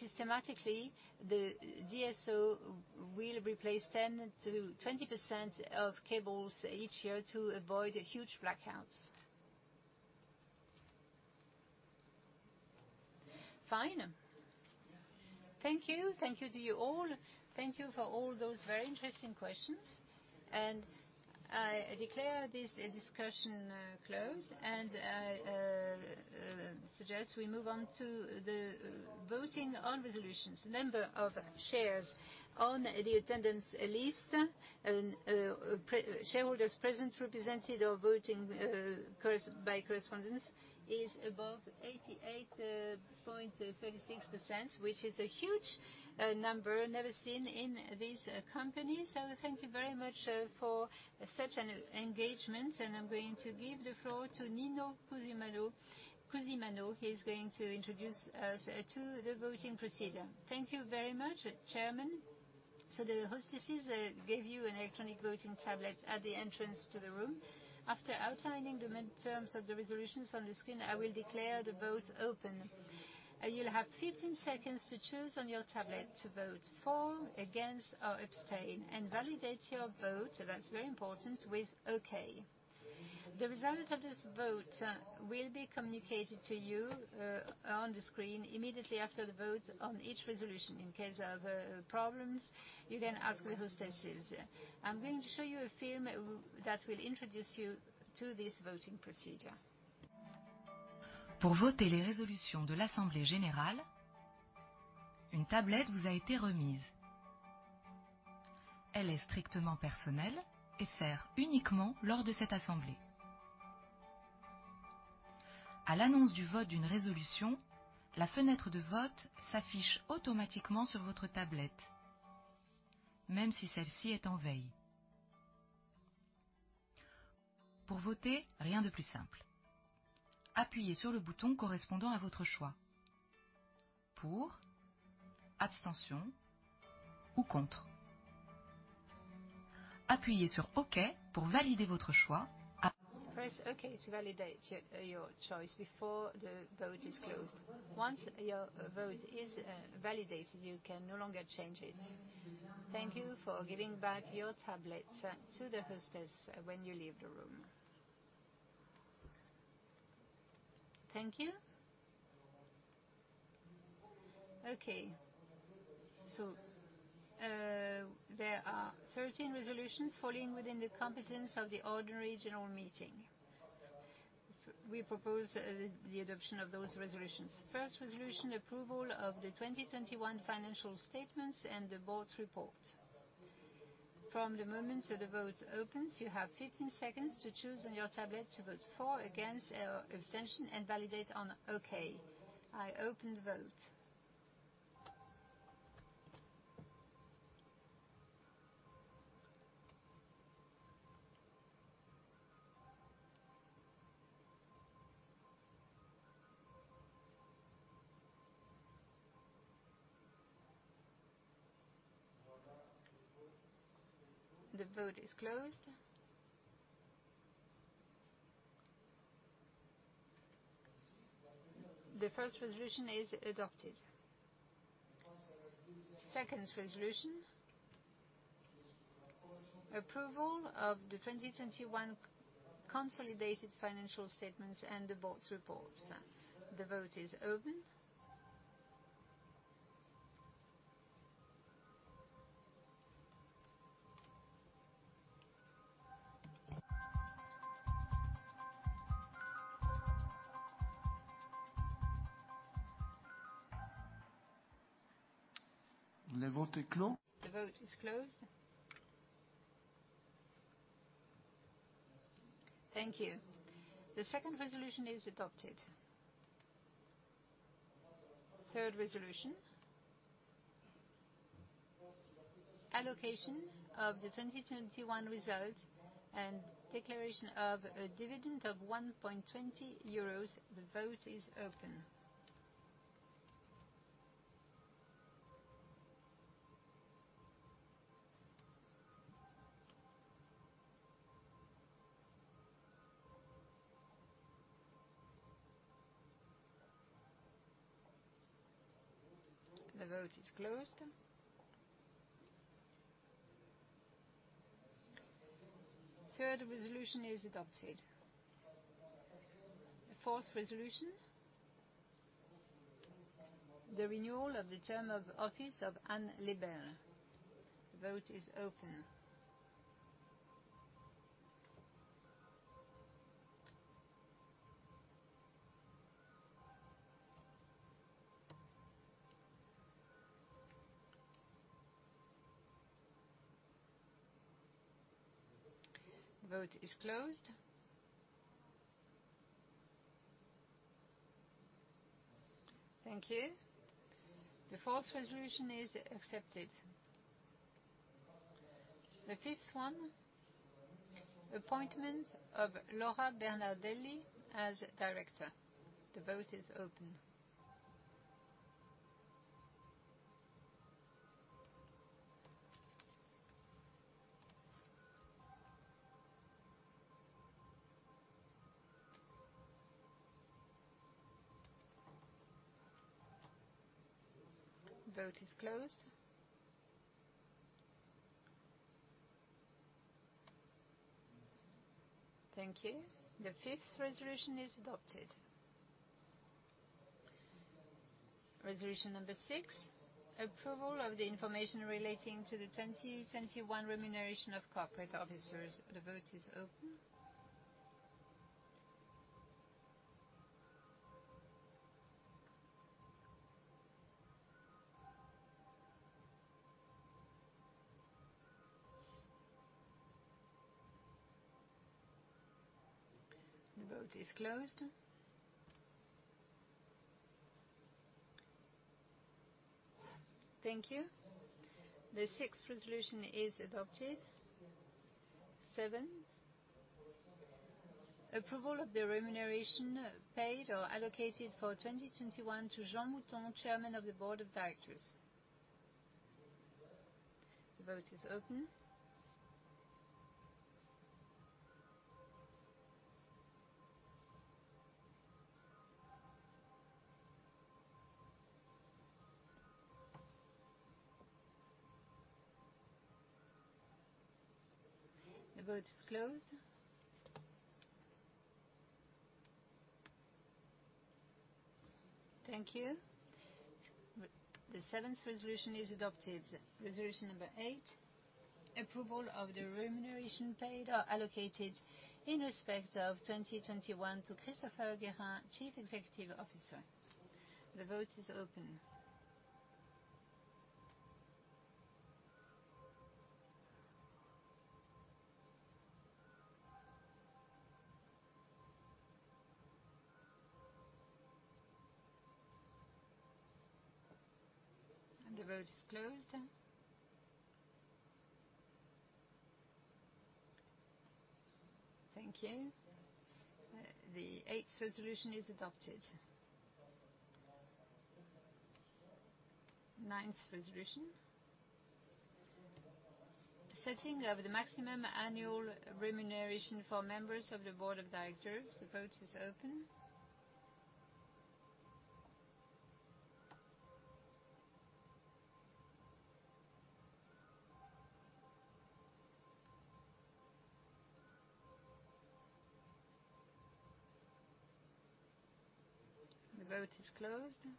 systematically, the DSO will replace 10%-20% of cables each year to avoid huge blackouts. Fine. Thank you. Thank you to you all. Thank you for all those very interesting questions. I declare this discussion closed, and suggest we move on to the voting on resolutions. Number of shares on the attendance list, shareholders present, represented or voting by correspondence is above 88.36%, which is a huge number never seen in this company. Thank you very much for such an engagement, and I'm going to give the floor to Nino Cusimano. He's going to introduce us to the voting procedure. Thank you very much, Chairman. The hostesses gave you an electronic voting tablet at the entrance to the room. After outlining the main terms of the resolutions on the screen, I will declare the vote open. You'll have 15 seconds to choose on your tablet to vote for, against, or abstain and validate your vote, that's very important, with Okay. The result of this vote will be communicated to you on the screen immediately after the vote on each resolution. In case of problems, you can ask the hostesses. I'm going to show you a film that will introduce you to this voting procedure. Press Okay to validate your choice before the vote is closed. Once your vote is validated, you can no longer change it. Thank you for giving back your tablet to the hostess when you leave the room. Thank you. Okay. There are 13 resolutions falling within the competence of the ordinary general meeting. We propose the adoption of those resolutions. First resolution, approval of the 2021 financial statements and the board's report. From the moment the vote opens, you have 15 seconds to choose on your tablet to vote for, against or abstention and validate on Okay. I open the vote. The vote is closed. The first resolution is adopted. Second resolution, approval of the 2021 consolidated financial statements and the board's reports. The vote is open. The vote is closed. The vote is closed. Thank you. The second resolution is adopted. Third resolution, allocation of the 2021 result and declaration of a dividend of 1.20 euros. The vote is open. The vote is closed. Third resolution is adopted. The fourth resolution, the renewal of the term of office of Anne Lebel. The vote is open. The vote is closed. Thank you. The fourth resolution is accepted. The fifth one, appointment of Laura Bernardelli as Director. The vote is open. The vote is closed. Thank you. The fifth resolution is adopted. Resolution number six, approval of the information relating to the 2021 remuneration of corporate officers. The vote is open. The vote is closed. Thank you. The sixth resolution is adopted. Seven, approval of the remuneration paid or allocated for 2021 to Jean Mouton, chairman of the board of directors. The vote is open. The vote is closed. Thank you. The seventh resolution is adopted. Resolution number eight, approval of the remuneration paid or allocated in respect of 2021 to Christopher Guérin, Chief Executive Officer. The vote is open. The vote is closed. Thank you. The eighth resolution is adopted. Ninth resolution, setting of the maximum annual remuneration for members of the board of directors. The vote is open. The vote is closed.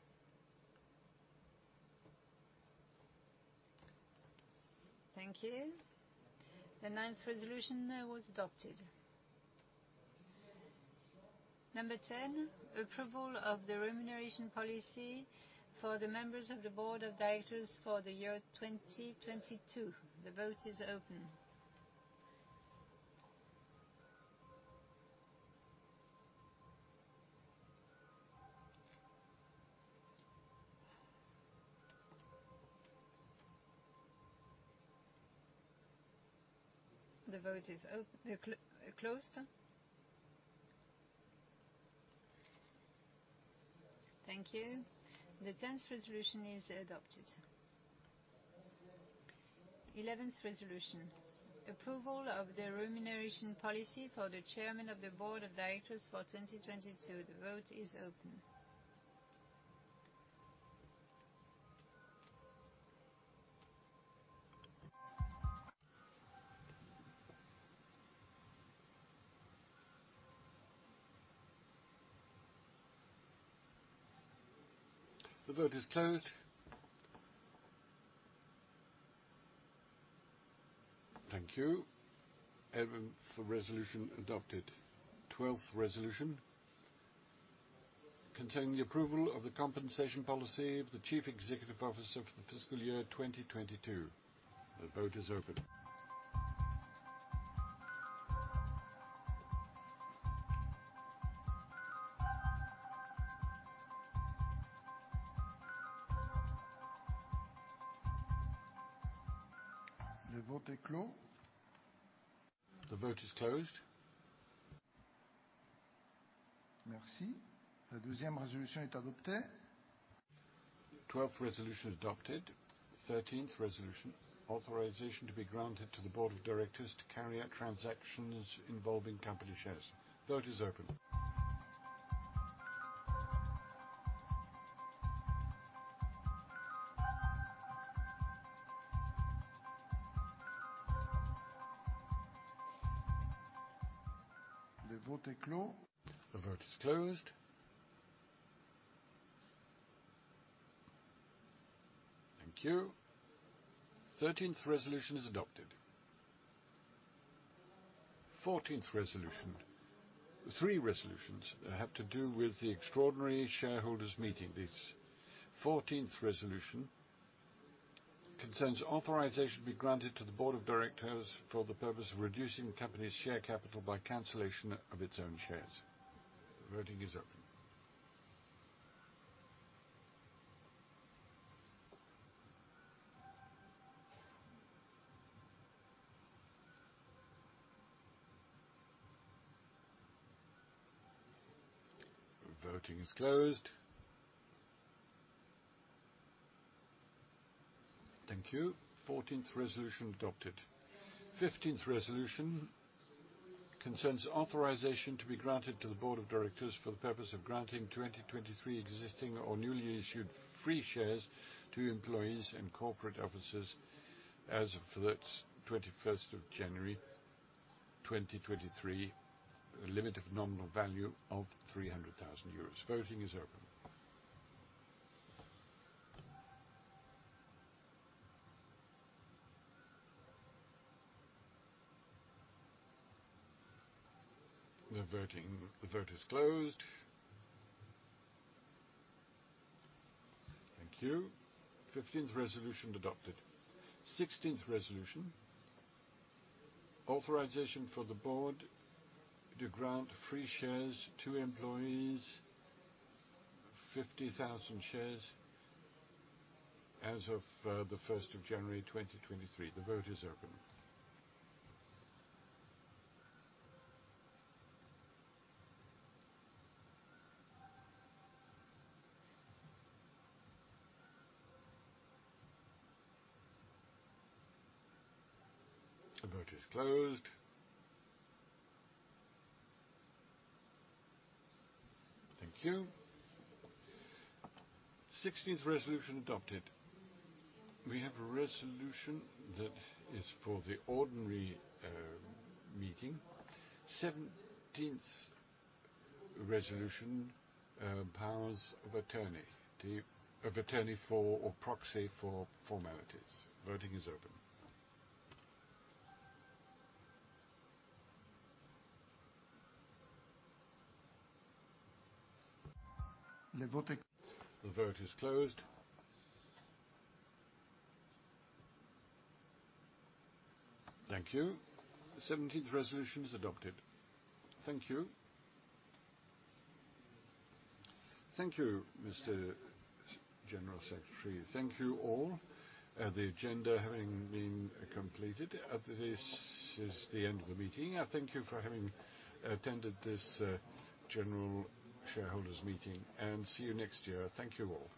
Thank you. The ninth resolution was adopted. Number 10, approval of the remuneration policy for the members of the board of directors for the year 2022. The vote is open. The vote is closed. Thank you. The tenth resolution is adopted. Eleventh resolution, approval of the remuneration policy for the chairman of the board of directors for 2022. The vote is open. The vote is closed. Thank you. 11th resolution adopted. 12th resolution containing the approval of the compensation policy of the Chief Executive Officer for the fiscal year 2022. The vote is open. Le vote est clos. The vote is closed. Merci. La douzième résolution est adoptée. Twelfth resolution adopted. Thirteenth resolution: authorization to be granted to the board of directors to carry out transactions involving company shares. Vote is open. Le vote est clos. The vote is closed. Thank you. Thirteenth resolution is adopted. 14th resolution. Three resolutions that have to do with the extraordinary shareholders meeting. This fourteenth resolution concerns authorization be granted to the board of directors for the purpose of reducing the company's share capital by cancellation of its own shares. Voting is open. The vote is closed. Thank you. 14th resolution adopted. 15th resolution concerns authorization to be granted to the board of directors for the purpose of granting 2023 existing or newly issued free shares to employees and corporate officers as of the January 21st, 2023, a limit of nominal value of 300 thousand euros. Voting is open. The vote is closed. Thank you. 15th resolution adopted. 16th resolution. Authorization for the board to grant free shares to employees, 50,000 shares as of the January 1st, 2023. The vote is open. The vote is closed. Thank you. 16th resolution adopted. We have a resolution that is for the ordinary meeting. 17th resolution, powers of attorney for or proxy for formalities. Voting is open. Le vote est. The vote is closed. Thank you. 17th resolution is adopted. Thank you. Thank you, Mr. Secretary General. Thank you all. The agenda having been completed, this is the end of the meeting. I thank you for having attended this general shareholders meeting, and see you next year. Thank you all.